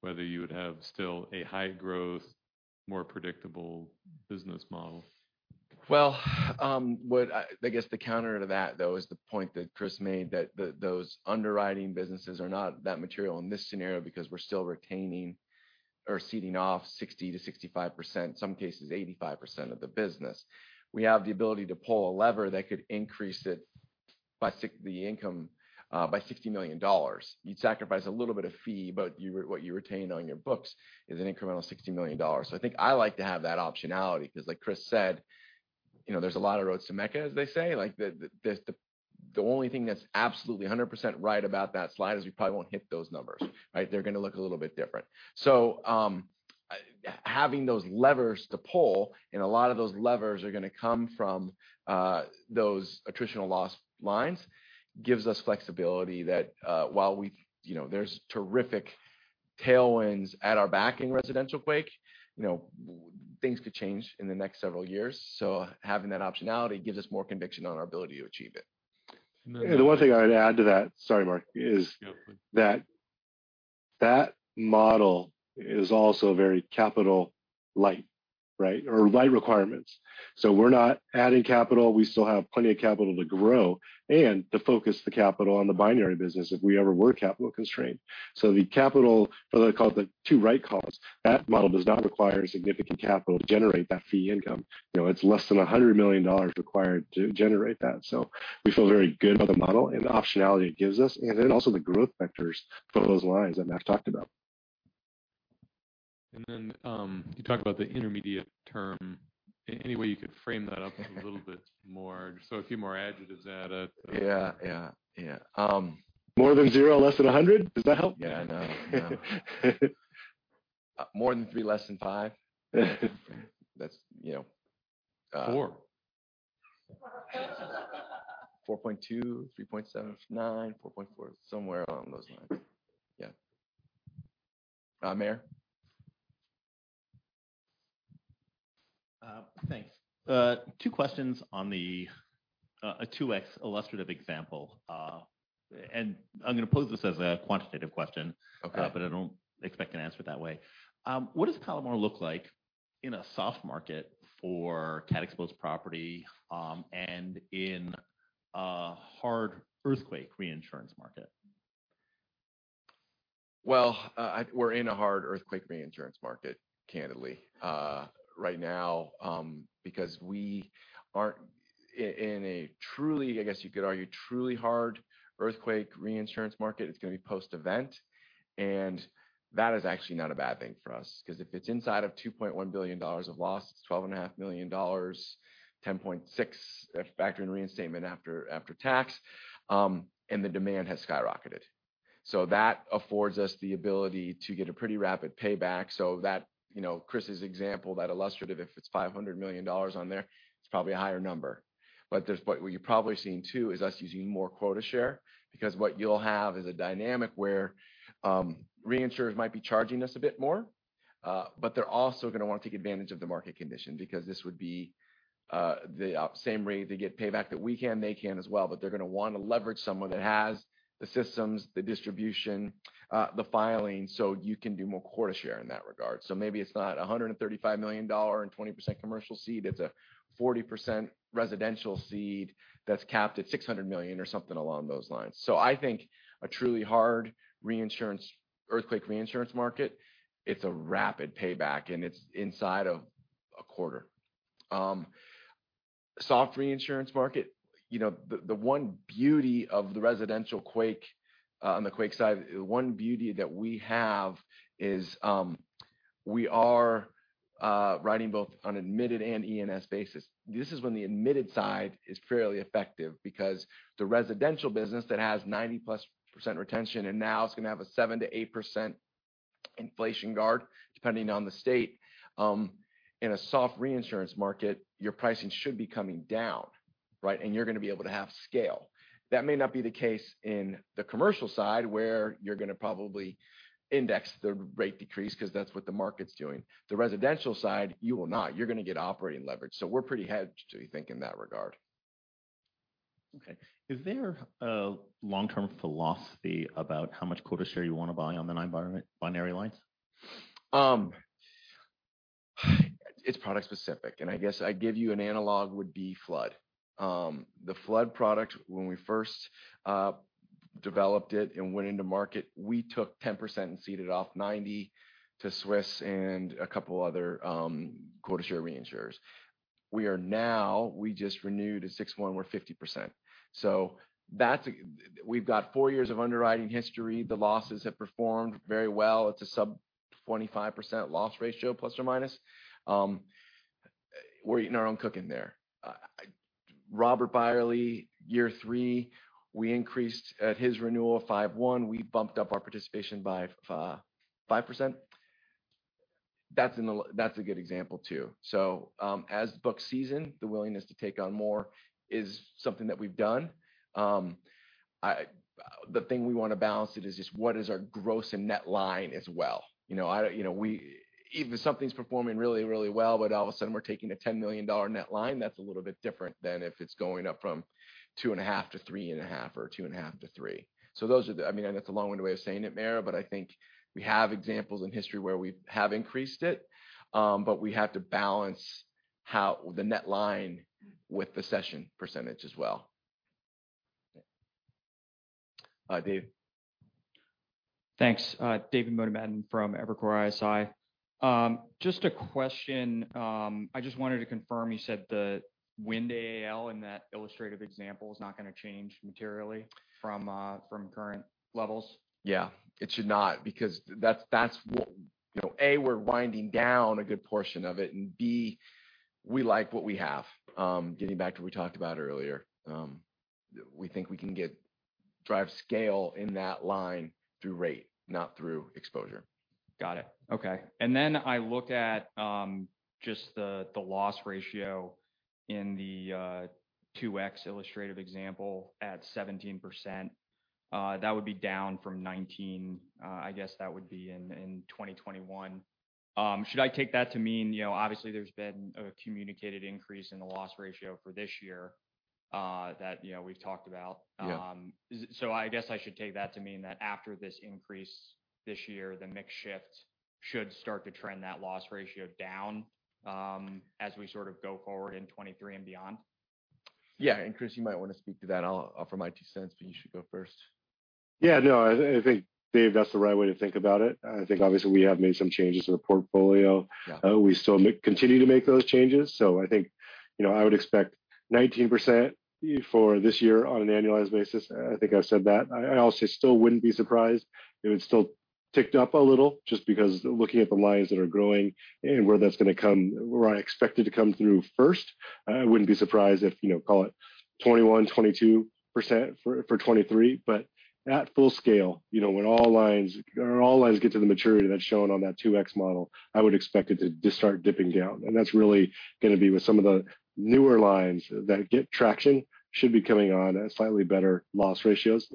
whether you would have still a high growth, more predictable business model. I guess the counter to that, though, is the point that Chris made, that those underwriting businesses are not that material in this scenario because we're still retaining or ceding off 60%-65%, some cases 85% of the business. We have the ability to pull a lever that could increase the income by $60 million. You'd sacrifice a little bit of fee, but what you retained on your books is an incremental $60 million. I think I like to have that optionality 'cause like Chris said, you know, there's a lot of roads to Mecca, as they say. The only thing that's absolutely 100% right about that slide is we probably won't hit those numbers, right? They're gonna look a little bit different. Having those levers to pull, and a lot of those levers are gonna come from those attritional loss lines, gives us flexibility that while we you know there's terrific tailwinds at our back in residential quake, you know, things could change in the next several years. Having that optionality gives us more conviction on our ability to achieve it. And then- The one thing I'd add to that, sorry Mark, is that that model is also very capital light, right? Or light requirements. We're not adding capital. We still have plenty of capital to grow and to focus the capital on the binary business if we ever were capital constrained. The capital for the two right calls, that model does not require significant capital to generate that fee income. You know, it's less than $100 million required to generate that. We feel very good about the model and the optionality it gives us, and then also the growth vectors for those lines that Matt talked about. You talked about the intermediate term. Any way you could frame that up a little bit more? Just throw a few more adjectives at it. Yeah, yeah. More than 0, less than 100. Does that help? Yeah, I know. More than three, less than five. That's, you know, Four. 4.2, 3.79, 4.4, somewhere along those lines. Yeah. Meyer. Thanks. Two questions on the 2X illustrative example. I'm gonna pose this as a quantitative question. Okay. I don't expect an answer that way. What does Palomar look like in a soft market for cat-exposed property, and in a hard earthquake reinsurance market? Well, we're in a hard earthquake reinsurance market, candidly, right now, because we aren't in a truly, I guess you could argue, truly hard earthquake reinsurance market. It's gonna be post-event, and that is actually not a bad thing for us, 'cause if it's inside of $2.1 billion of loss, it's $12.5 million, $10.6 if factor in reinstatement after tax, and the demand has skyrocketed. That affords us the ability to get a pretty rapid payback so that, you know, Chris' example, that illustrative, if it's $500 million on there, it's probably a higher number. What you're probably seeing too is us using more quota share because what you'll have is a dynamic where reinsurers might be charging us a bit more, but they're also gonna want to take advantage of the market condition because this would be the same rate. They get payback that we can, they can as well, but they're gonna wanna leverage someone that has the systems, the distribution, the filing, so you can do more quota share in that regard. So maybe it's not a $135 million and 20% commercial cede. It's a 40% residential cede that's capped at $600 million or something along those lines. So I think a truly hard reinsurance earthquake reinsurance market, it's a rapid payback, and it's inside of a quarter. Soft reinsurance market, you know, the one beauty of the residential quake, on the quake side, one beauty that we have is, we are riding both on admitted and E&S basis. This is when the admitted side is fairly effective because the residential business that has 90%+ retention and now it's gonna have a 7%-8% inflation guard, depending on the state, in a soft reinsurance market, your pricing should be coming down, right? And you're gonna be able to have scale. That may not be the case in the commercial side, where you're gonna probably index the rate decrease 'cause that's what the market's doing. The residential side, you will not. You're gonna get operating leverage. We're pretty hedged, we think, in that regard. Okay. Is there a long-term philosophy about how much quota share you want to buy on the non-environmental binary lines? It's product specific, and I guess I'd give you an analogy would be flood. The flood product, when we first developed it and went to market, we took 10% and ceded off 90 to Swiss Re and a couple other quota share reinsurers. We just renewed at 6/1, we're 50%. We've got 4 years of underwriting history. The losses have performed very well. It's a sub 25% loss ratio, ±. We're eating our own cooking there. Robert Beyerle, year three, we increased at his renewal 5/1, we bumped up our participation by 5%. That's a good example too. As book season, the willingness to take on more is something that we've done. The thing we wanna balance is just what is our gross and net line as well. You know, you know, if something's performing really well, but all of a sudden we're taking a $10 million net line, that's a little bit different than if it's going up from $2.5 million to $3.5 million or $2.5 million to $3 million. Those are the. I mean, that's a long-winded way of saying it, Mayer, but I think we have examples in history where we have increased it, but we have to balance the net line with the cession percentage as well. Hi, Dave. Thanks. David Motemaden from Evercore ISI. Just a question, I just wanted to confirm, you said the wind AAL in that illustrative example is not gonna change materially from current levels? Yeah. It should not, because that's what, you know, A, we're winding down a good portion of it, and B, we like what we have. Getting back to what we talked about earlier, we think we can get drive scale in that line through rate, not through exposure. Got it. Okay. I look at just the loss ratio in the 2X illustrative example at 17%, that would be down from 19%, I guess that would be in 2021. Should I take that to mean, you know, obviously there's been a communicated increase in the loss ratio for this year, that, you know, we've talked about. Yeah. I guess I should take that to mean that after this increase this year, the mix shift should start to trend that loss ratio down, as we sort of go forward in 2023 and beyond. Yeah. Chris, you might want to speak to that. I'll offer my two cents, but you should go first. Yeah, no. I think, Dave, that's the right way to think about it. I think obviously we have made some changes to the portfolio. Yeah. We still continue to make those changes. I think, you know, I would expect 19% for this year on an annualized basis. I think I've said that. I also still wouldn't be surprised if it's still ticked up a little just because looking at the lines that are growing and where that's gonna come, where I expect it to come through first, I wouldn't be surprised if, you know, call it 21, 22% for 2023. At full scale, you know, when all lines get to the maturity that's shown on that 2X model, I would expect it to just start dipping down. That's really gonna be with some of the newer lines that get traction should be coming on at slightly better loss ratios.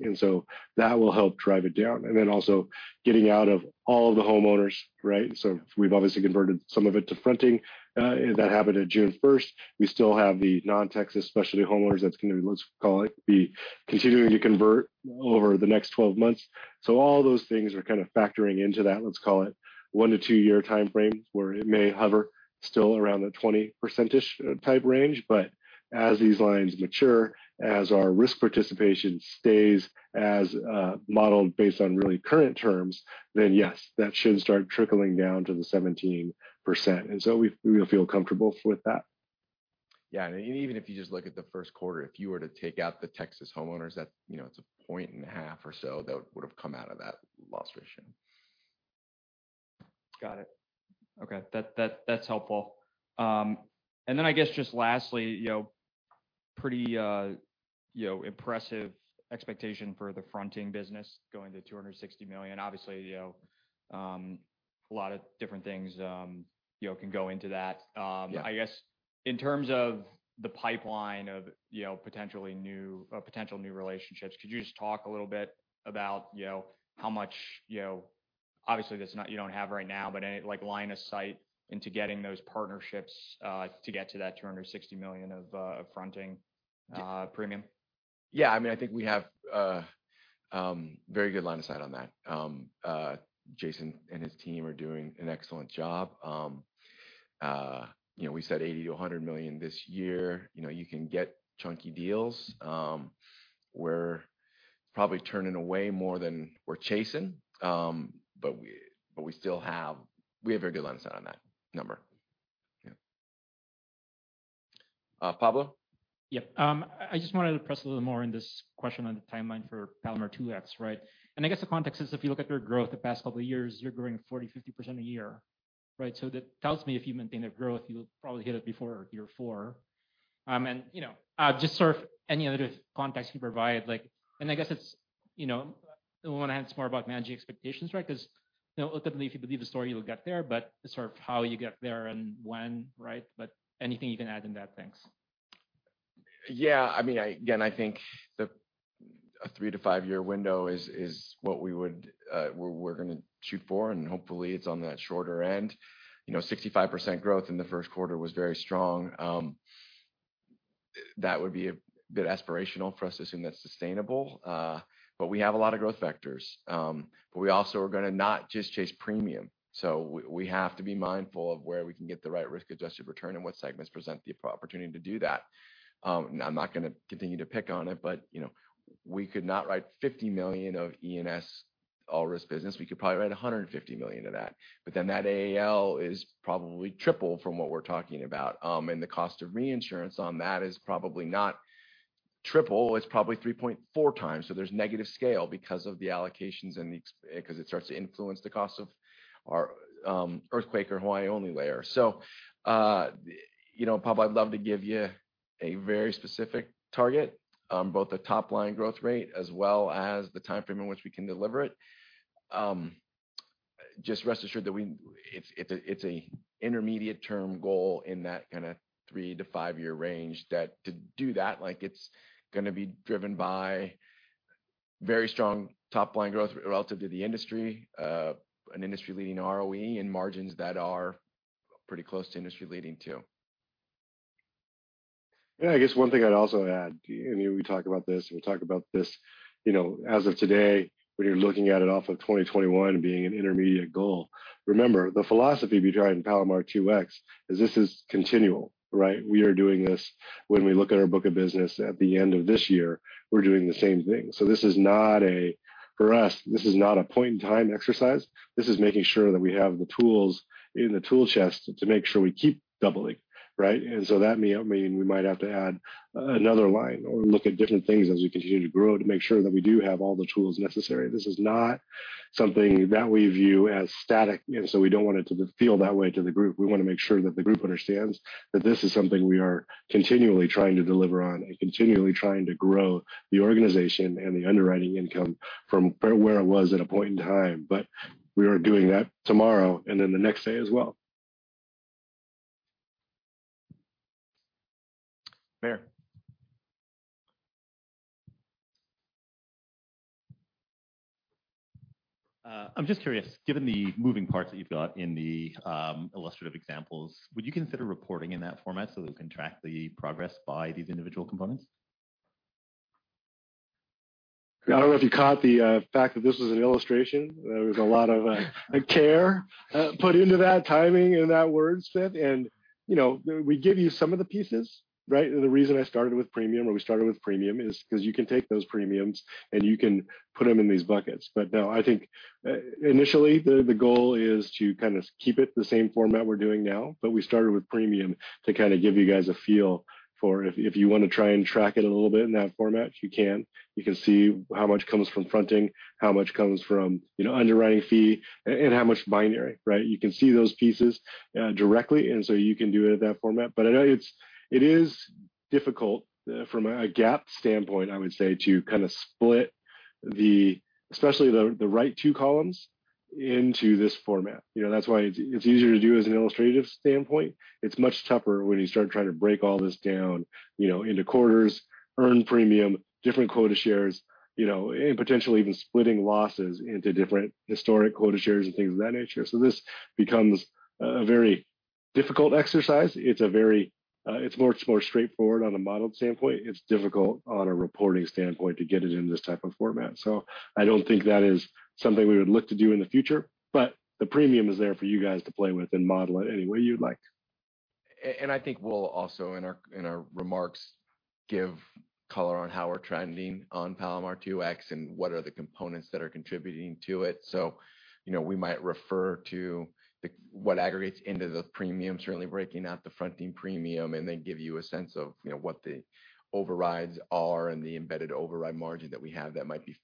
That will help drive it down. Also getting out of all the homeowners, right? We've obviously converted some of it to fronting, that happened at June first. We still have the non-Texas specialty homeowners that's gonna be, let's call it, be continuing to convert over the next 12 months. All those things are kind of factoring into that, let's call it one to two-year timeframe, where it may hover still around the 20%ish type range. As these lines mature, as our risk participation stays as, modeled based on really current terms, then yes, that should start trickling down to the 17%. We feel comfortable with that. Yeah. Even if you just look at the first quarter, if you were to take out the Texas homeowners, that, you know, it's 1.5 or so that would've come out of that loss ratio. Got it. Okay. That's helpful. I guess just lastly, you know, pretty, you know, impressive expectation for the fronting business going to $260 million. Obviously, you know, a lot of different things, you know, can go into that. Yeah. I guess in terms of the pipeline of, you know, potential new relationships, could you just talk a little bit about, you know, how much, you know, obviously that's not you don't have right now, but any, like, line of sight into getting those partnerships to get to that $260 million of fronting premium? Yeah. I mean, I think we have very good line of sight on that. Jason and his team are doing an excellent job. You know, we said $80 million-$100 million this year. You know, you can get chunky deals. We're probably turning away more than we're chasing. But we still have a very good line of sight on that number. Yeah. Pablo? Yeah. I just wanted to press a little more on this question on the timeline for Palomar 2X, right? I guess the context is if you look at your growth the past couple of years, you're growing 40, 50% a year, right? That tells me if you maintain that growth, you'll probably hit it before year four. You know, just sort of any other context you can provide, like. I guess it's, you know, I wanna ask more about managing expectations, right? 'Cause, you know, ultimately, if you believe the story, you'll get there. Sort of how you get there and when, right? Anything you can add in that. Thanks. I mean, again, I think the 3-5-year window is what we would, we're gonna shoot for, and hopefully it's on that shorter end. You know, 65% growth in the first quarter was very strong. That would be a bit aspirational for us to assume that's sustainable. But we have a lot of growth vectors. But we also are gonna not just chase premium, so we have to be mindful of where we can get the right risk-adjusted return and what segments present the opportunity to do that. I'm not gonna continue to pick on it, but you know, we could not write $50 million of E&S all-risk business. We could probably write $150 million of that. But then that AAL is probably triple from what we're talking about. The cost of reinsurance on that is probably not triple, it's probably 3.4 times. There's negative scale because of the allocations and the 'cause it starts to influence the cost of our earthquake or Hawaii only layer. You know, Pablo, I'd love to give you a very specific target on both the top line growth rate as well as the timeframe in which we can deliver it. Just rest assured that it's an intermediate term goal in that kinda three to five-year range that to do that, like it's gonna be driven by very strong top line growth relative to the industry, an industry-leading ROE and margins that are pretty close to industry-leading too. Yeah, I guess one thing I'd also add, you know, we talk about this, you know, as of today, when you're looking at it off of 2021 being an intermediate goal, remember the philosophy behind Palomar 2X is this is continual, right? We are doing this when we look at our book of business at the end of this year, we're doing the same thing. This is not a point in time exercise for us. This is making sure that we have the tools in the tool chest to make sure we keep doubling, right? That may mean we might have to add another line or look at different things as we continue to grow to make sure that we do have all the tools necessary. This is not something that we view as static, and so we don't want it to feel that way to the group. We wanna make sure that the group understands that this is something we are continually trying to deliver on and continually trying to grow the organization and the underwriting income from where it was at a point in time. We are doing that tomorrow and then the next day as well. Mayor. I'm just curious, given the moving parts that you've got in the illustrative examples, would you consider reporting in that format so that we can track the progress by these individual components? I don't know if you caught the fact that this was an illustration. There was a lot of care put into that timing and that word fit. You know, we give you some of the pieces, right? The reason I started with premium, or we started with premium is 'cause you can take those premiums and you can put them in these buckets. No, I think initially the goal is to kind of keep it the same format we're doing now, but we started with premium to kind of give you guys a feel for if you want to try and track it a little bit in that format, you can. You can see how much comes from fronting, how much comes from, you know, underwriting fee and how much binary, right? You can see those pieces directly, and so you can do it in that format. I know it is difficult from a GAAP standpoint, I would say, to kind of split the especially the right two columns into this format. You know, that's why it's easier to do as an illustrative standpoint. It's much tougher when you start trying to break all this down, you know, into quarters, earn premium, different quota shares, you know, and potentially even splitting losses into different historic quota shares and things of that nature. This becomes a very difficult exercise. It's more straightforward on a modeled standpoint. It's difficult on a reporting standpoint to get it in this type of format. I don't think that is something we would look to do in the future, but the premium is there for you guys to play with and model it any way you'd like. I think we'll also in our remarks give color on how we're trending on Palomar 2X and what are the components that are contributing to it. You know, we might refer to what aggregates into the premium, certainly breaking out the fronting premium, and then give you a sense of, you know, what the overrides are and the embedded override margin that we have that might be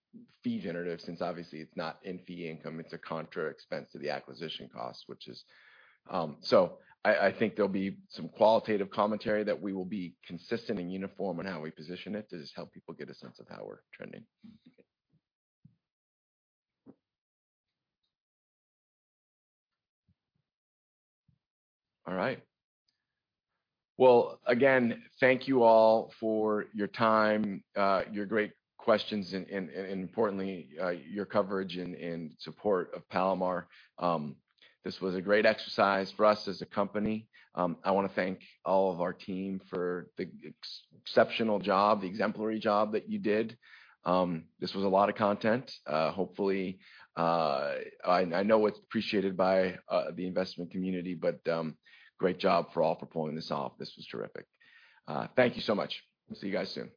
fee generative, since obviously it's not fee income, it's a contra expense to the acquisition cost. I think there'll be some qualitative commentary that we will be consistent and uniform in how we position it to just help people get a sense of how we're trending. All right. Well, again, thank you all for your time, your great questions and importantly, your coverage and support of Palomar. This was a great exercise for us as a company. I wanna thank all of our team for the exceptional job, the exemplary job that you did. This was a lot of content. Hopefully, I know it's appreciated by the investment community, but great job for all for pulling this off. This was terrific. Thank you so much. We'll see you guys soon.